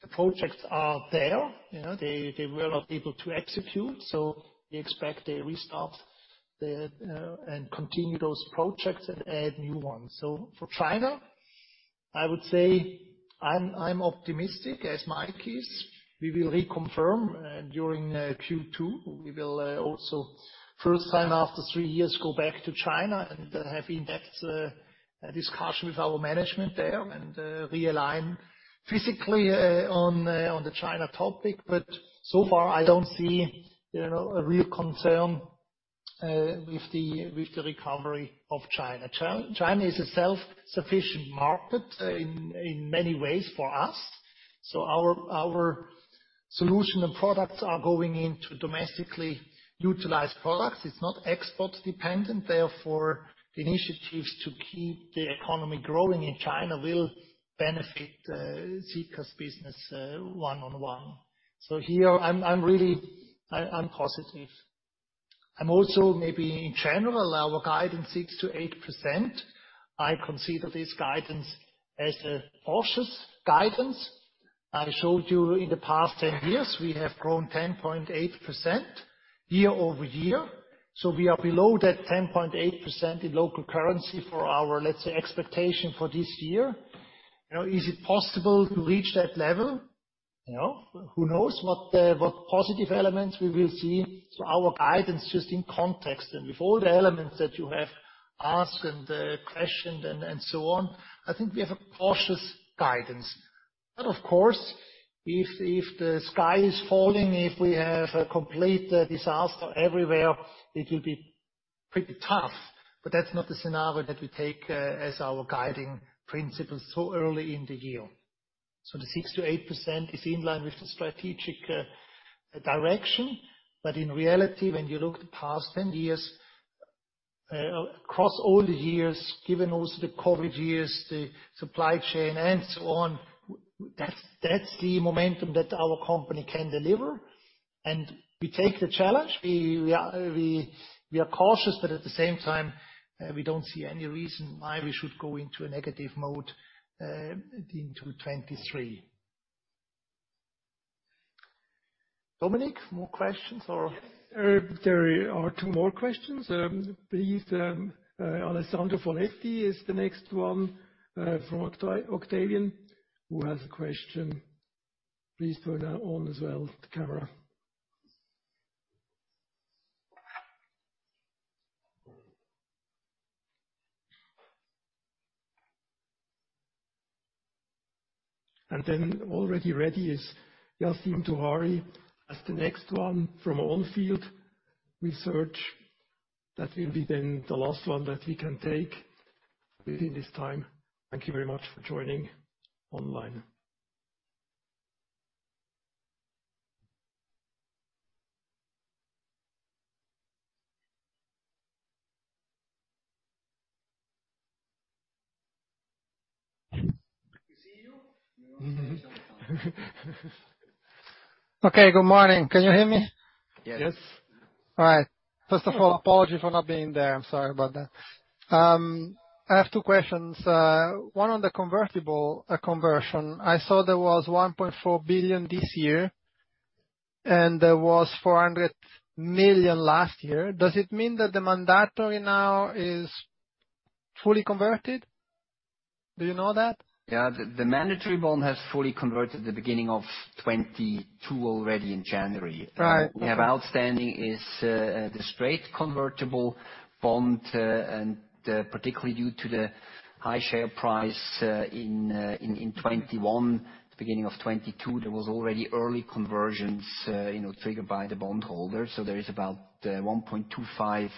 The projects are there. You know, they were not able to execute. We expect a restart the and continue those projects and add new ones. For China, I would say I'm optimistic as Mike is. We will reconfirm during Q2. We will also first time after 3 years, go back to China and have in-depth discussion with our management there and realign physically on the China topic. So far, I don't see, you know, a real concern with the recovery of China. China is a self-sufficient market in many ways for us. Our solution and products are going into domestically utilized products. It's not export-dependent, therefore initiatives to keep the economy growing in China will benefit Sika's business 1-on-1. Here, I'm really. I'm positive. I'm also maybe in general, our guidance 6% to 8%, I consider this guidance as a cautious guidance. I showed you in the past 10 years, we have grown 10.8% year-over-year. We are below that 10.8% in local currency for our, let's say, expectation for this year. You know, is it possible to reach that level? You know, who knows what positive elements we will see. Our guidance just in context and with all the elements that you have asked and questioned and so on, I think we have a cautious guidance. Of course if the sky is falling, if we have a complete disaster everywhere, it will be pretty tough. That's not the scenario that we take as our guiding principle so early in the year. The 6% to 8% is in line with the strategic direction. In reality, when you look the past 10 years, across all the years, given also the COVID years, the supply chain and so on, that's the momentum that our company can deliver. We take the challenge. We are cautious, but at the same time, we don't see any reason why we should go into a negative mode into 2023. Dominik, more questions or? Yes. There are 2 more questions. Please, Alessandro Foletti is the next 1, from Octavian, who has a question. Please turn on as well the camera. Then already ready is Yassine Touahri as the next 1 from On Field Research. That will be then the last 1 that we can take within this time. Thank you very much for joining online. We see you. You're on camera sometimes. Okay, good morning. Can you hear me? Yes. Yes. All right. First of all, apologies for not being there. I'm sorry about that. I have 2 questions. 1 on the convertible conversion. I saw there was 1.4 billion this year. There was 400 million last year. Does it mean that the mandatory now is fully converted? Do you know that? The mandatory bond has fully converted at the beginning of 2022 already in January. Right. We have outstanding is the straight convertible bond, and particularly due to the high share price, in 2021. The beginning of 2022, there was already early conversions, you know, triggered by the bond holder. There is about 1.25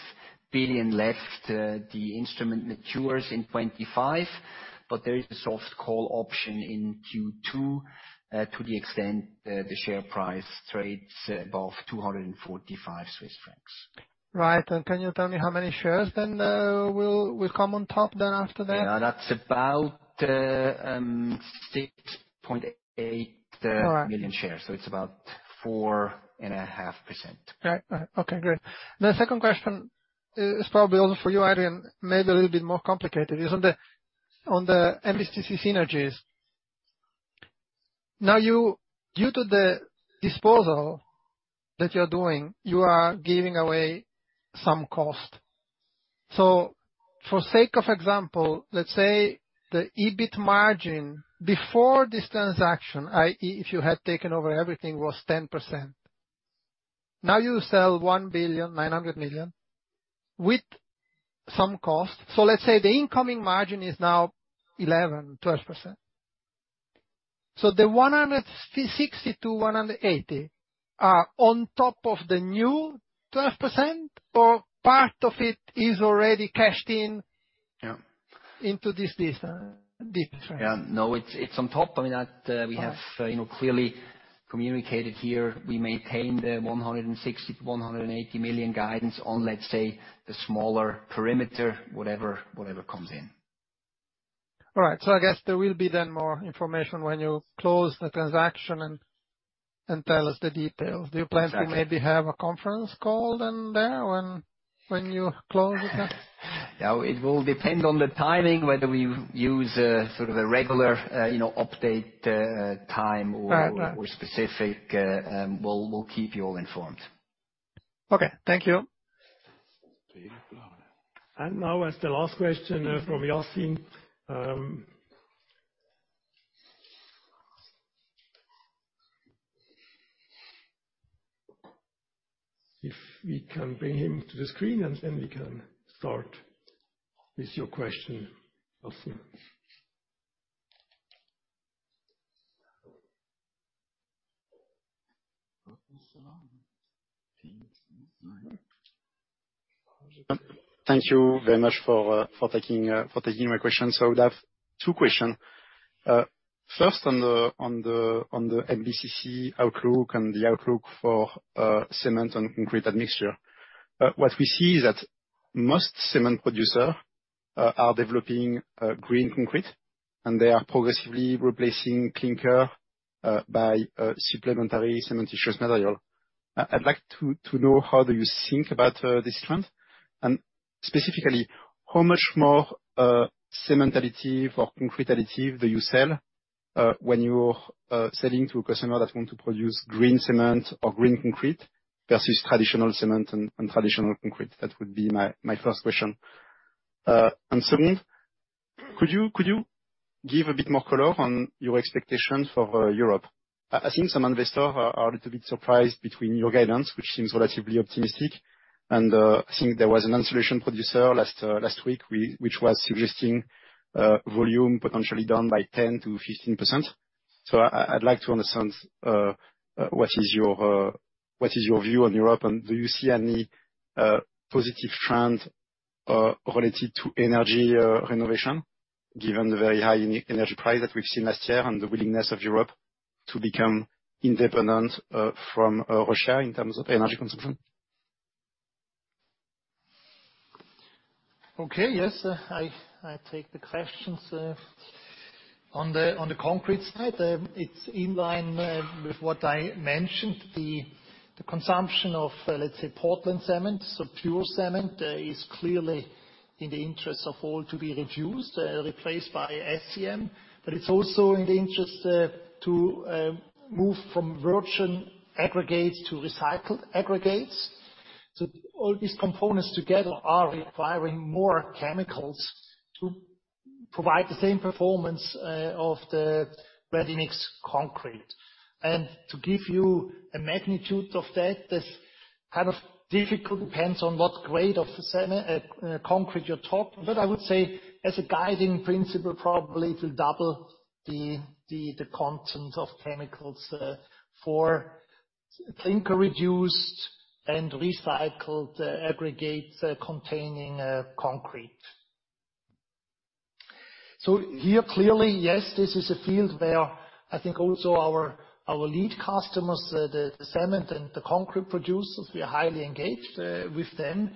billion left. The instrument matures in 2025, there is a soft call option in Q2, to the extent the share price trades above 245 Swiss francs. Right. Can you tell me how many shares then, will come on top then after that? That's about 6.8 All right. million shares. It's about 4.5%. Right. Okay, great. The 2nd question is probably also for you, Adrian, maybe a little bit more complicated. Is on the MBCC synergies. Now, due to the disposal that you're doing, you are giving away some cost. For sake of example, let's say the EBIT margin before this transaction, i.e., if you had taken over everything, was 10%. Now you sell 1.9 billion with some cost. Let's say the incoming margin is now 11% to 12%. The 160 million to 180 million are on top of the new 12%, or part of it is already cashed in? Yeah into this deeper trade. No, it's on top. I mean, that- All right. you know, clearly communicated here, we maintain the 160 million to 180 million guidance on, let's say, the smaller perimeter, whatever comes in. All right. I guess there will be then more information when you close the transaction and tell us the details. Exactly. Do you plan to maybe have a conference call then, when you close the transaction? It will depend on the timing, whether we use a sort of a regular, you know, update, time. Right. Right. or specific, we'll keep you all informed. Okay. Thank you. Now as the last question from Yassine. If we can bring him to the screen and then we can start with your question, Yassine. Thank you very much for taking my question. I would have 2 questions. First on the MBCC outlook and the outlook for cement and concrete admixture. What we see is that most cement producer are developing green concrete, and they are progressively replacing clinker by supplementary cementitious material. I'd like to know how do you think about this trend, and specifically, how much more cement additive or concrete additive do you sell when you're selling to a customer that's going to produce green cement or green concrete versus traditional cement and traditional concrete? That would be my 1st question. 2nd, could you give a bit more color on your expectations for Europe? I think some investors are a little bit surprised between your guidance, which seems relatively optimistic, and I think there was an insulation producer last week which was suggesting volume potentially down by 10% to 15%. I'd like to understand what is your view on Europe, and do you see any positive trend related to energy renovation given the very high energy price that we've seen last year and the willingness of Europe to become independent from Russia in terms of energy consumption? Okay. Yes. I take the questions. On the concrete side, it's in line with what I mentioned. The consumption of, let's say, Portland cement, so pure cement, is clearly in the interest of all to be reduced, replaced by SCM, but it's also in the interest to move from virgin aggregates to recycled aggregates. All these components together are requiring more chemicals to provide the same performance of the ready mix concrete. To give you a magnitude of that's kind of difficult. Depends on what grade of concrete you're talking. I would say as a guiding principle, probably to double the content of chemicals for clinker reduced and recycled aggregates containing concrete. Here, clearly, yes, this is a field where I think also our lead customers, the cement and the concrete producers, we are highly engaged with them.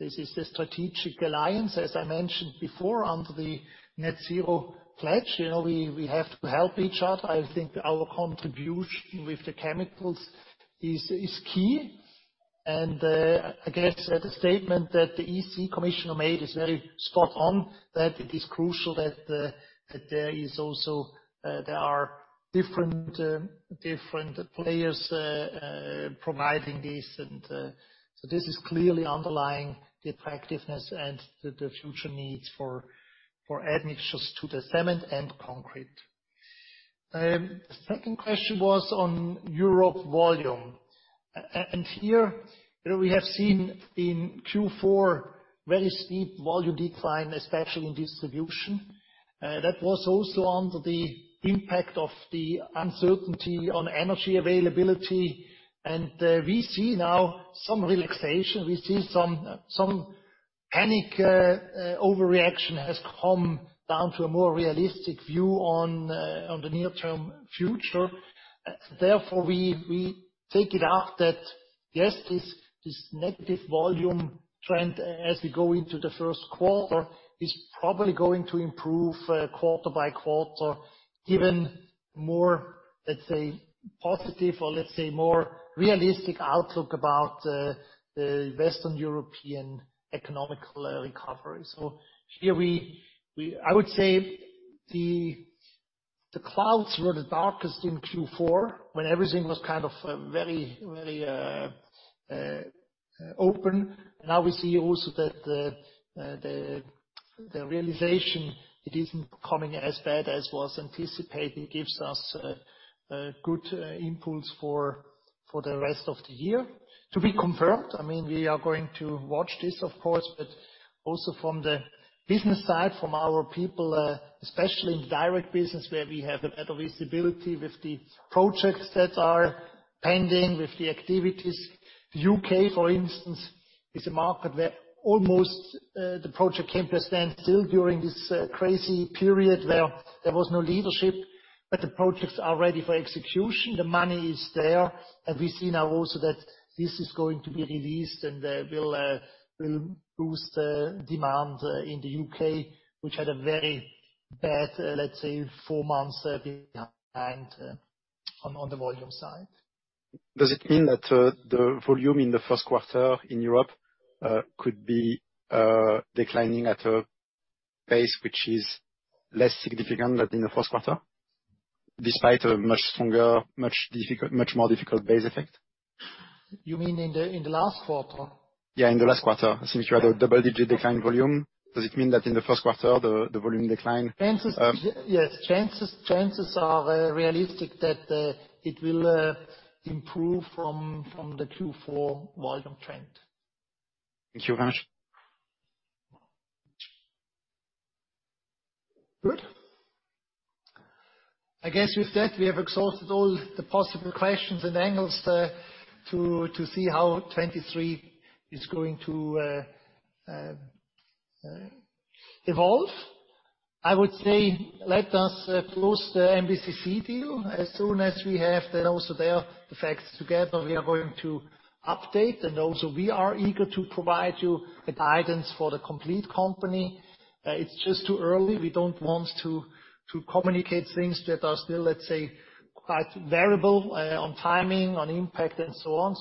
This is the strategic alliance, as I mentioned before, under the net zero pledge. You know, we have to help each other. I think our contribution with the chemicals is key. I guess the statement that the EC commissioner made is very spot on, that it is crucial that there are different players providing this. This is clearly underlying the attractiveness and the future needs for admixtures to the cement and concrete. 2nd question was on Europe volume. Here, you know, we have seen in Q4 very steep volume decline, especially in distribution. That was also under the impact of the uncertainty on energy availability. We see now some relaxation. We see some panic overreaction has calmed down to a more realistic view on the near-term future. Therefore, we take it up that, yes, this negative volume trend as we go into the Q1 is probably going to improve quarter-by-quarter, given more, let's say, positive or let's say more realistic outlook about the Western European economic recovery. Here we I would say the clouds were the darkest in Q4 when everything was kind of very, very open. Now we see also that the realization it isn't coming as bad as was anticipated gives us good inputs for the rest of the year. To be confirmed, I mean, we are going to watch this of course. Also from the business side, from our people, especially in direct business where we have a better visibility with the projects that are pending, with the activities. The UK, for instance, is a market where almost the project came to a standstill during this crazy period where there was no leadership. The projects are ready for execution. The money is there. We see now also that this is going to be released and will boost demand in the UK, which had a very bad, let's say, 4 months behind on the volume side. Does it mean that the volume in the Q1 in Europe could be declining at a pace which is less significant than in the Q1, despite a much stronger, much more difficult base effect? You mean in the last quarter? in the last quarter, since you had a double-digit decline volume. Does it mean that in the Q1 the volume? Chances- Um- Yes. Chances are realistic that it will improve from the Q4 volume trend. Thank you very much. Good. I guess with that, we have exhausted all the possible questions and angles to see how 23 is going to evolve. Let us close the MBCC deal. As soon as we have that also there, the facts together, we are going to update and also we are eager to provide you a guidance for the complete company. It's just too early. We don't want to communicate things that are still, let's say, quite variable on timing, on impact and so on.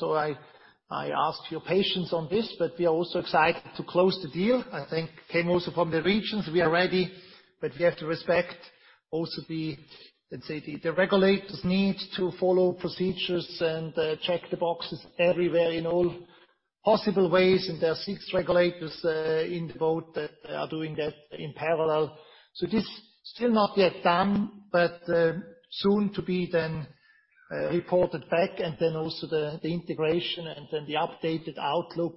I ask your patience on this, but we are also excited to close the deal. I think came also from the regions. We are ready, but we have to respect also the, let's say, regulators need to follow procedures and check the boxes everywhere in all possible ways. There are 6 regulators in the boat that are doing that in parallel. It is still not yet done, but soon to be then reported back and then also the integration and then the updated outlook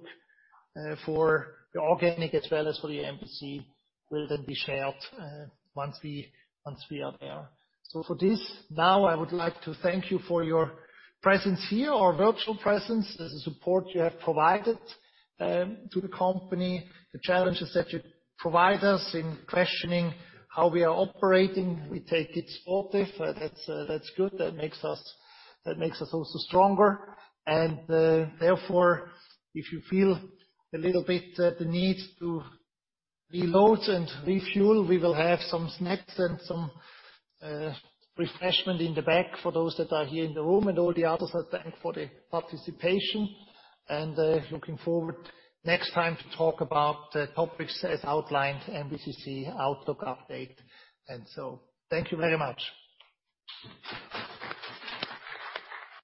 for the organic as well as for the MBCC will then be shared once we, once we are there. For this, now I would like to thank you for your presence here or virtual presence, the support you have provided to the company, the challenges that you provide us in questioning how we are operating. We take it sportive. That's good. That makes us, that makes us also stronger. Therefore, if you feel a little bit the need to reload and refuel, we will have some snacks and some refreshment in the back for those that are here in the room. All the others, thank for the participation and looking forward next time to talk about the topics as outlined, MBCC outlook update. Thank you very much.